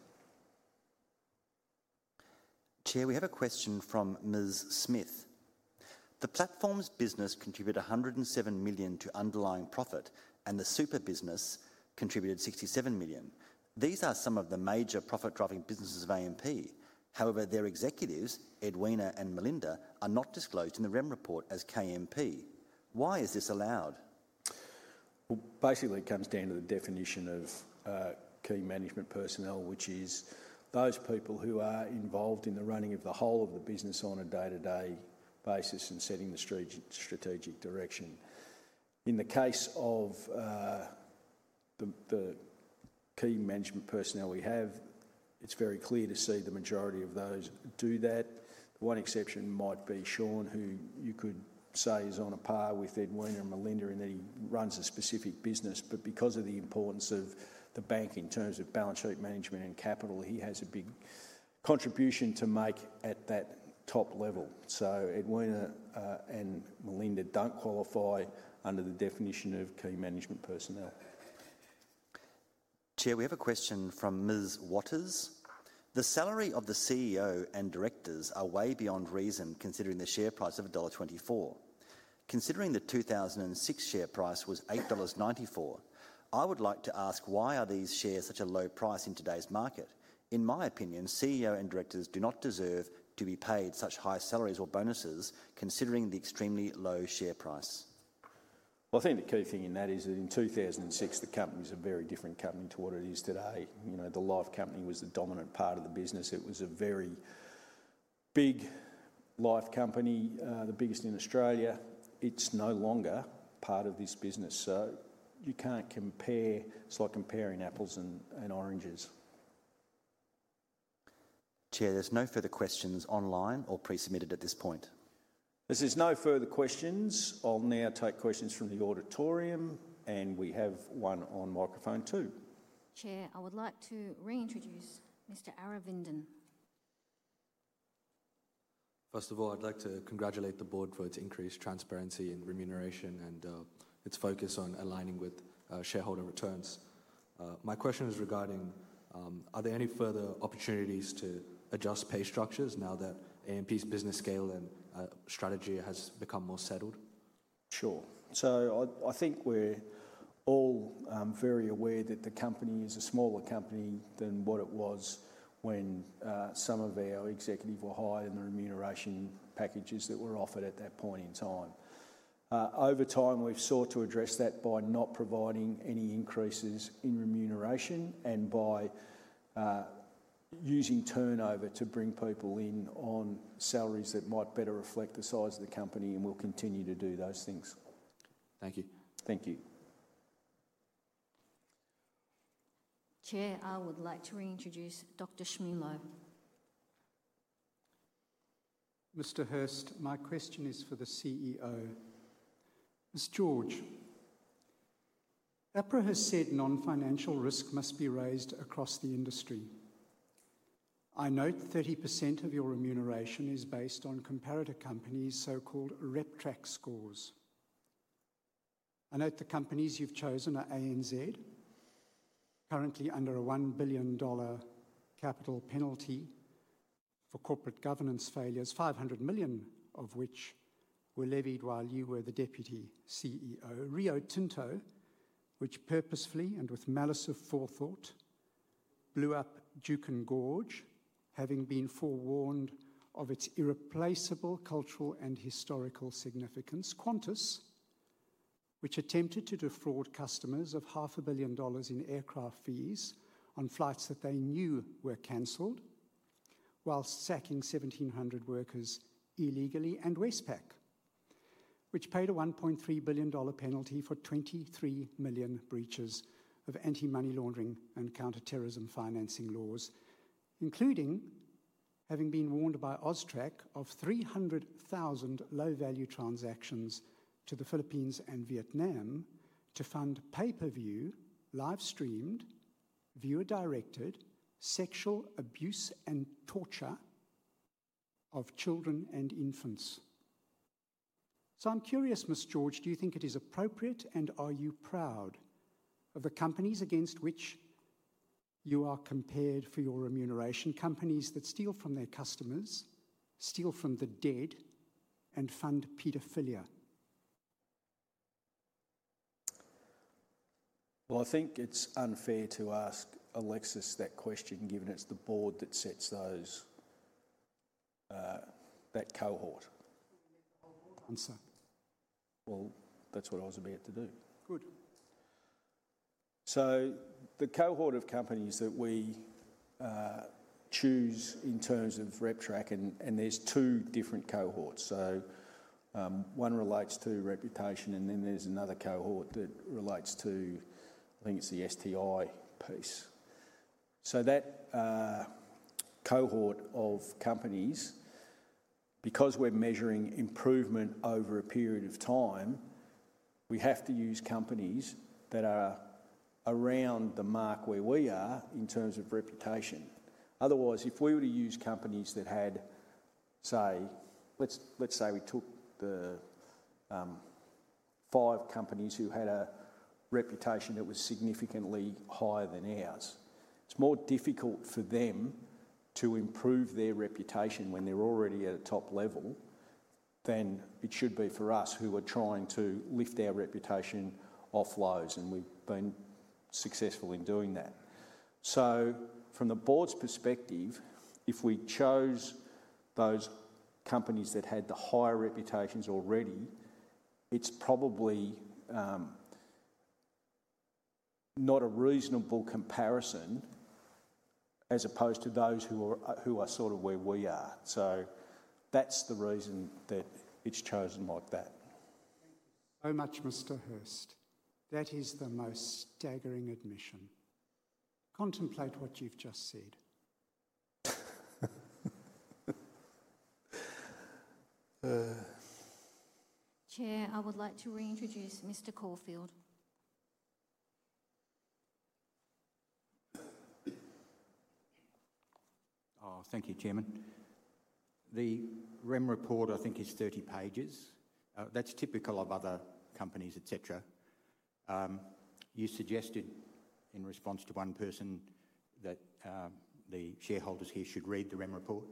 Chair, we have a question from Ms. Smith. The platform's business contributed 107 million to underlying profit, and the super business contributed 67 million. These are some of the major profit-driving businesses of AMP. However, their executives, Edwina and Melinda, are not disclosed in the REM report as KMP. Why is this allowed? Basically it comes down to the definition of key management personnel, which is those people who are involved in the running of the whole of the business on a day-to-day basis and setting the strategic direction. In the case of the key management personnel we have, it's very clear to see the majority of those do that. One exception might be Sean, who you could say is on a par with Edwina and Melinda in that he runs a specific business. Because of the importance of the bank in terms of balance sheet management and capital, he has a big contribution to make at that top level. Edwina and Melinda don't qualify under the definition of key management personnel. Chair, we have a question from Ms. Waters. The salary of the CEO and directors are way beyond reason considering the share price of dollar 1.24. Considering the 2006 share price was 8.94 dollars, I would like to ask why are these shares such a low price in today's market? In my opinion, CEO and directors do not deserve to be paid such high salaries or bonuses considering the extremely low share price. I think the key thing in that is that in 2006, the company was a very different company to what it is today. The life company was the dominant part of the business. It was a very big life company, the biggest in Australia. It's no longer part of this business. You can't compare; it's like comparing apples and oranges. Chair, there's no further questions online or pre-submitted at this point. There's no further questions. I'll now take questions from the auditorium, and we have one on microphone two. Chair, I would like to reintroduce Mr. Aravindan. First of all, I'd like to congratulate the board for its increased transparency in remuneration and its focus on aligning with shareholder returns. My question is regarding are there any further opportunities to adjust pay structures now that AMP's business scale and strategy has become more settled? Sure. I think we're all very aware that the company is a smaller company than what it was when some of our executive were hired in the remuneration packages that were offered at that point in time. Over time, we've sought to address that by not providing any increases in remuneration and by using turnover to bring people in on salaries that might better reflect the size of the company, and we'll continue to do those things. Thank you. Thank you. Chair, I would like to reintroduce Dr. Shmilo. Mr. Hurst, my question is for the CEO. Ms. George, APRA has said non-financial risk must be raised across the industry. I note 30% of your remuneration is based on comparator companies' so-called rep track scores. I note the companies you've chosen are ANZ, currently under a 1 billion dollar capital penalty for corporate governance failures, 500 million of which were levied while you were the Deputy CEO. Rio Tinto, which purposefully and with malice of forethought blew up Juukan Gorge, having been forewarned of its irreplaceable cultural and historical significance. Qantas, which attempted to defraud customers of 500 million dollars in aircraft fees on flights that they knew were cancelled, while sacking 1,700 workers illegally, and Westpac, which paid a 1.3 billion dollar penalty for 23 million breaches of anti-money laundering and counterterrorism financing laws, including having been warned by AUSTRAC of 300,000 low-value transactions to the Philippines and Vietnam to fund pay-per-view, live-streamed, viewer-directed sexual abuse and torture of children and infants. I'm curious, Ms. George, do you think it is appropriate, and are you proud of the companies against which you are compared for your remuneration, companies that steal from their customers, steal from the dead, and fund pedophilia? I think it's unfair to ask Alexis that question given it's the board that sets that cohort. That's what I was about to do. Good. The cohort of companies that we choose in terms of rep track, and there's two different cohorts. One relates to reputation, and then there's another cohort that relates to, I think it's the STI piece. That cohort of companies, because we're measuring improvement over a period of time, we have to use companies that are around the mark where we are in terms of reputation. Otherwise, if we were to use companies that had, say, let's say we took the five companies who had a reputation that was significantly higher than ours, it's more difficult for them to improve their reputation when they're already at a top level than it should be for us who are trying to lift our reputation off lows, and we've been successful in doing that. From the board's perspective, if we chose those companies that had the higher reputations already, it's probably not a reasonable comparison as opposed to those who are sort of where we are. That's the reason that it's chosen like that. Thank you so much, Mr. Hurst. That is the most staggering admission. Contemplate what you've just said. Chair, I would like to reintroduce Mr. Caulfield. Oh, thank you, Chairman. The REM report, I think, is 30 pages. That's typical of other companies, etc. You suggested in response to one person that the shareholders here should read the REM report.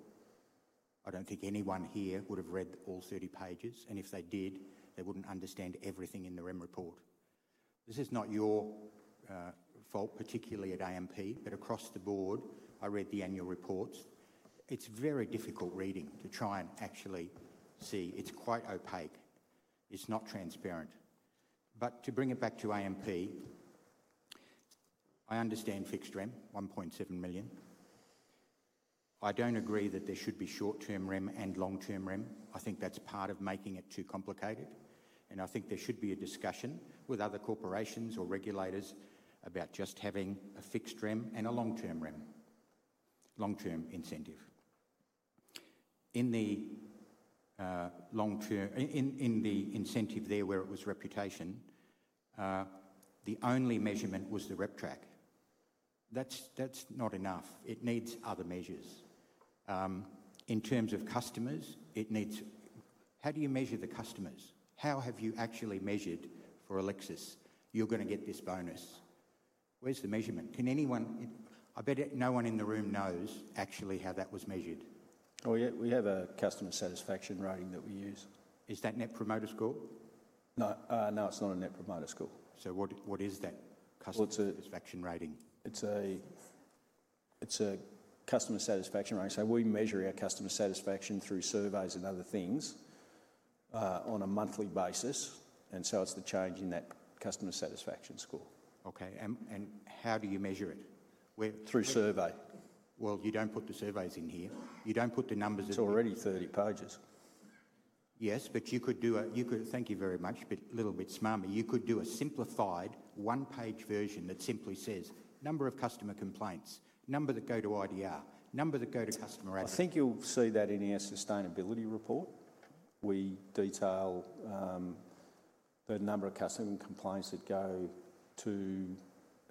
I do not think anyone here would have read all 30 pages. If they did, they would not understand everything in the REM report. This is not your fault, particularly at AMP, but across the board, I read the annual reports. It is very difficult reading to try and actually see. It is quite opaque. It is not transparent. To bring it back to AMP, I understand fixed REM, 1.7 million. I do not agree that there should be short-term REM and long-term REM. I think that is part of making it too complicated. I think there should be a discussion with other corporations or regulators about just having a fixed REM and a long-term REM, long-term incentive. In the incentive there where it was reputation, the only measurement was the rep track. That is not enough. It needs other measures. In terms of customers, it needs how do you measure the customers? How have you actually measured for Alexis? You're going to get this bonus. Where's the measurement? I bet no one in the room knows actually how that was measured. Oh, yeah. We have a customer satisfaction rating that we use. Is that Net Promoter Score? No, it's not a Net Promoter Score. What is that customer satisfaction rating? It's a customer satisfaction rating. We measure our customer satisfaction through surveys and other things on a monthly basis. It is the change in that customer satisfaction score. Okay. How do you measure it? Through survey. You don't put the surveys in here. You don't put the numbers in here. It's already 30 pages. Yes, but you could do a—thank you very much, but a little bit smarmer. You could do a simplified one-page version that simply says number of customer complaints, number that go to IDR, number that go to customer access. I think you'll see that in our sustainability report. We detail the number of customer complaints that go to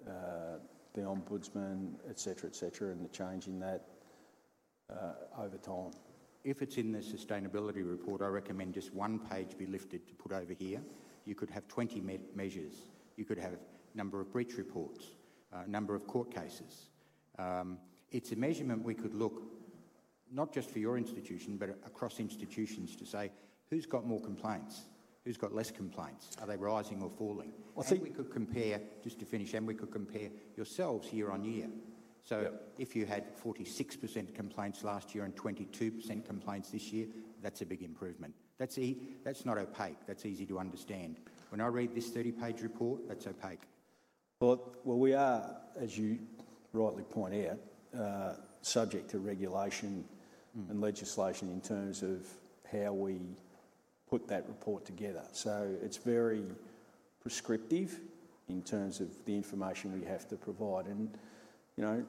the ombudsman, etc., and the change in that over time. If it's in the sustainability report, I recommend just one page be lifted to put over here. You could have 20 measures. You could have number of breach reports, number of court cases. It's a measurement we could look not just for your institution, but across institutions to say who's got more complaints, who's got less complaints, are they rising or falling? We could compare—just to finish—we could compare yourselves year on year. If you had 46% complaints last year and 22% complaints this year, that's a big improvement. That's not opaque. That's easy to understand. When I read this 30-page report, that's opaque. As you rightly point out, we are subject to regulation and legislation in terms of how we put that report together. It is very prescriptive in terms of the information we have to provide. I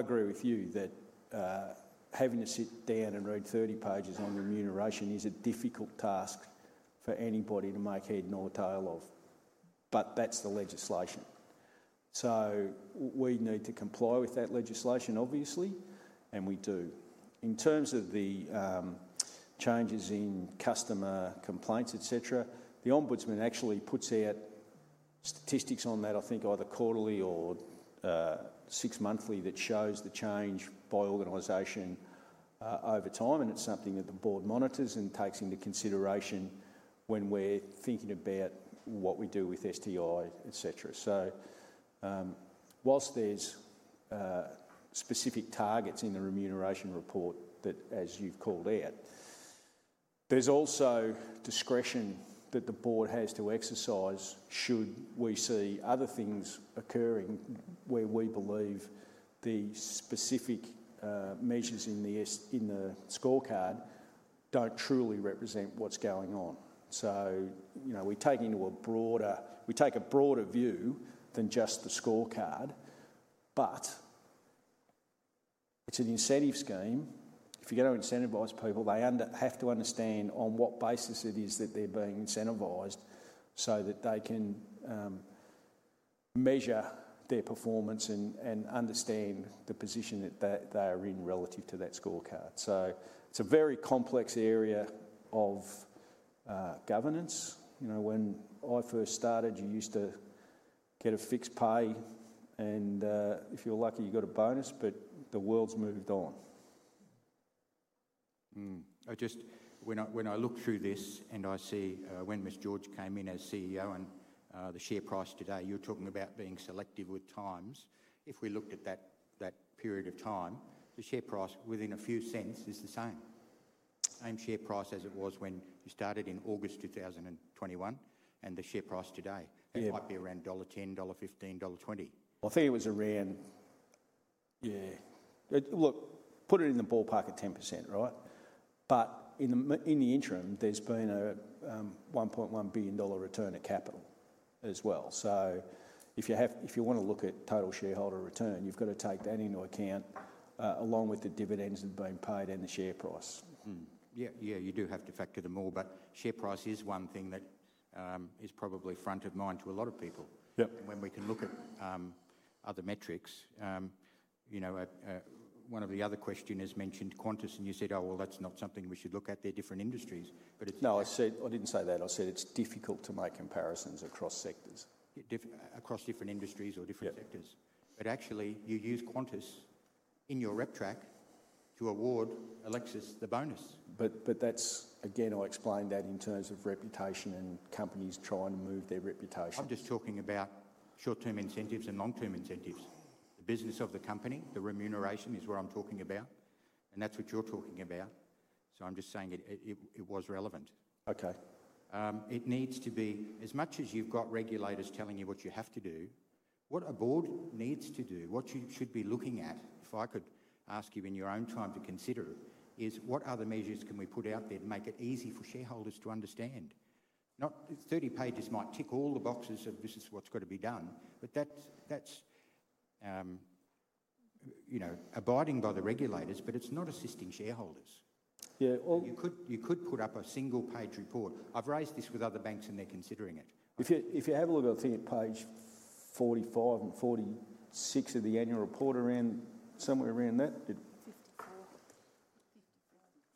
agree with you that having to sit down and read 30 pages on remuneration is a difficult task for anybody to make head nor tail of. That is the legislation. We need to comply with that legislation, obviously, and we do. In terms of the changes in customer complaints, etc., the ombudsman actually puts out statistics on that, I think either quarterly or six-monthly, that shows the change by organisation over time. It is something that the board monitors and takes into consideration when we are thinking about what we do with STI, etc. Whilst there's specific targets in the remuneration report that, as you've called out, there's also discretion that the board has to exercise should we see other things occurring where we believe the specific measures in the scorecard don't truly represent what's going on. We take a broader view than just the scorecard. It's an incentive scheme. If you go to incentivise people, they have to understand on what basis it is that they're being incentivised so that they can measure their performance and understand the position that they are in relative to that scorecard. It's a very complex area of governance. When I first started, you used to get a fixed pay, and if you were lucky, you got a bonus, but the world's moved on. When I look through this and I see when Ms. George came in as CEO and the share price today, you're talking about being selective with times. If we looked at that period of time, the share price within a few cents is the same. Same share price as it was when you started in August 2021 and the share price today. It might be around dollar 1.10, dollar 1.15, dollar 1.20. I think it was around—yeah. Look, put it in the ballpark of 10%, right? In the interim, there's been an 1.1 billion dollar return of capital as well. If you want to look at total shareholder return, you've got to take that into account along with the dividends that have been paid and the share price. Yeah, yeah, you do have to factor them all. Share price is one thing that is probably front of mind to a lot of people. When we can look at other metrics, one of the other questioners mentioned Qantas, and you said, "Oh, that's not something we should look at. They're different industries." No, I didn't say that. I said it's difficult to make comparisons across sectors. Across different industries or different sectors. Actually, you use Qantas in your rep track to award Alexis the bonus. I explained that in terms of reputation and companies trying to move their reputation. I'm just talking about short-term incentives and long-term incentives. The business of the company, the remuneration is what I'm talking about. That's what you're talking about. I'm just saying it was relevant. Okay. It needs to be as much as you've got regulators telling you what you have to do, what a board needs to do, what you should be looking at. If I could ask you in your own time to consider, is what other measures can we put out there to make it easy for shareholders to understand? Thirty pages might tick all the boxes of this is what's got to be done, but that's abiding by the regulators, but it's not assisting shareholders. You could put up a single-page report. I've raised this with other banks and they're considering it. If you have a look at page 45 and 46 of the annual report, somewhere around that.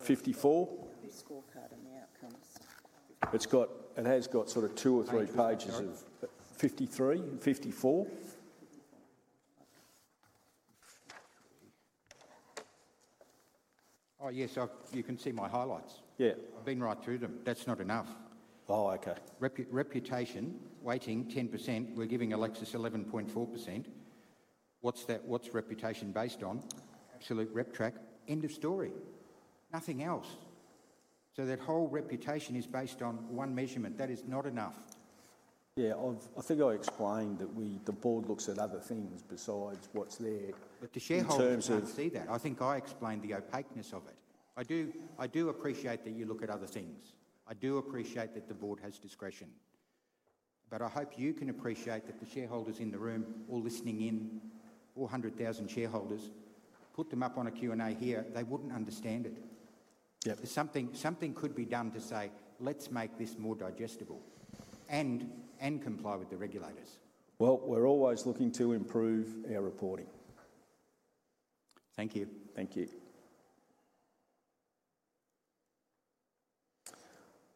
Fifty-four? Scorecard and the outcomes. It has got sort of two or three pages of 53 and 54. Oh, yes, you can see my highlights. I've been right through them. That's not enough. Oh, okay. Reputation, weighting 10%, we're giving Alexis 11.4%. What's reputation based on? Absolute rep track. End of story. Nothing else. So that whole reputation is based on one measurement. That is not enough. I think I explained that the board looks at other things besides what's there. The shareholders can't see that. I think I explained the opaqueness of it. I do appreciate that you look at other things. I do appreciate that the board has discretion. I hope you can appreciate that the shareholders in the room are listening in, 400,000 shareholders. Put them up on a Q&A here. They wouldn't understand it. Something could be done to say, "Let's make this more digestible and comply with the regulators." We're always looking to improve our reporting. Thank you. Thank you.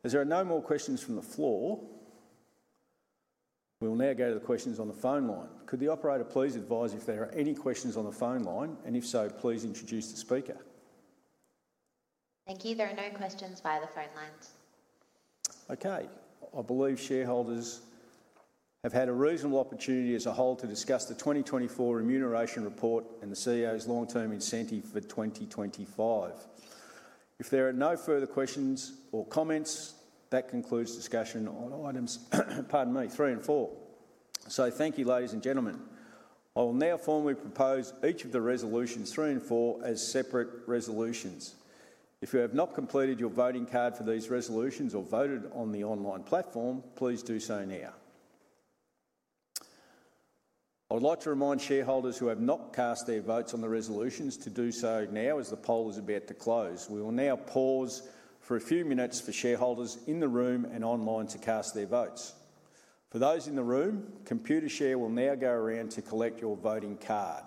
If there are no more questions from the floor, we will now go to the questions on the phone line. Could the operator please advise if there are any questions on the phone line? If so, please introduce the speaker. Thank you. There are no questions via the phone lines. Okay. I believe shareholders have had a reasonable opportunity as a whole to discuss the 2024 remuneration report and the CEO's long-term incentive for 2025. If there are no further questions or comments, that concludes discussion on items, pardon me, three and four. Thank you, ladies and gentlemen. I will now formally propose each of the resolutions three and four as separate resolutions. If you have not completed your voting card for these resolutions or voted on the online platform, please do so now. I would like to remind shareholders who have not cast their votes on the resolutions to do so now as the poll is about to close. We will now pause for a few minutes for shareholders in the room and online to cast their votes. For those in the room, Computershare will now go around to collect your voting card.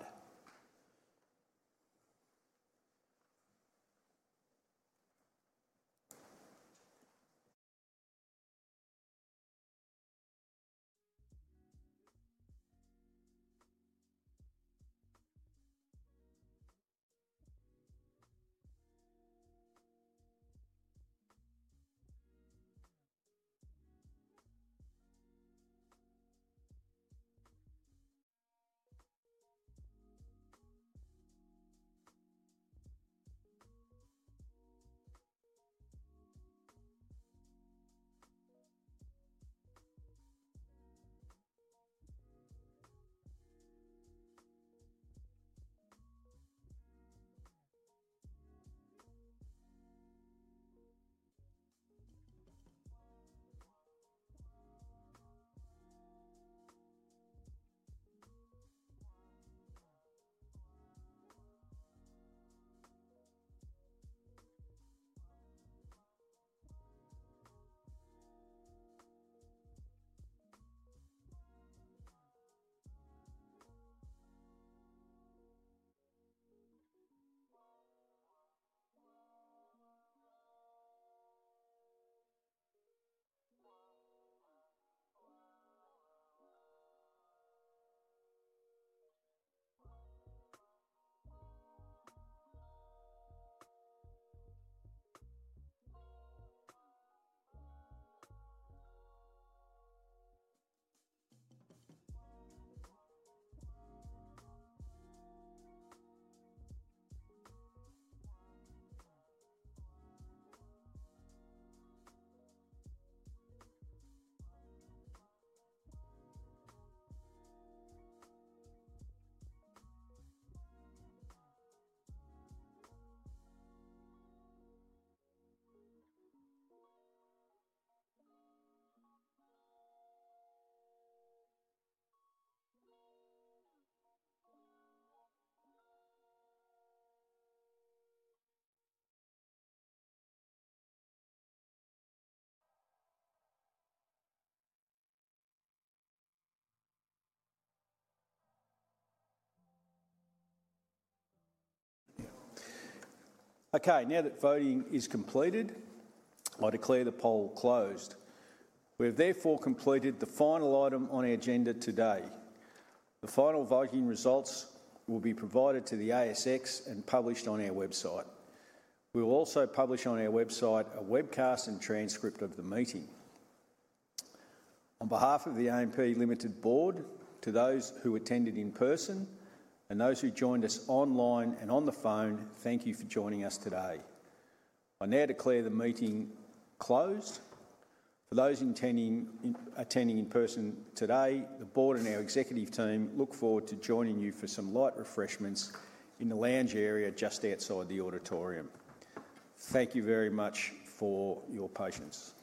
Okay, now that voting is completed, I declare the poll closed. We have therefore completed the final item on our agenda today. The final voting results will be provided to the ASX and published on our website. We will also publish on our website a webcast and transcript of the meeting. On behalf of the AMP Board, to those who attended in person and those who joined us online and on the phone, thank you for joining us today. I now declare the meeting closed. For those attending in person today, the board and our executive team look forward to joining you for some light refreshments in the lounge area just outside the auditorium. Thank you very much for your patience.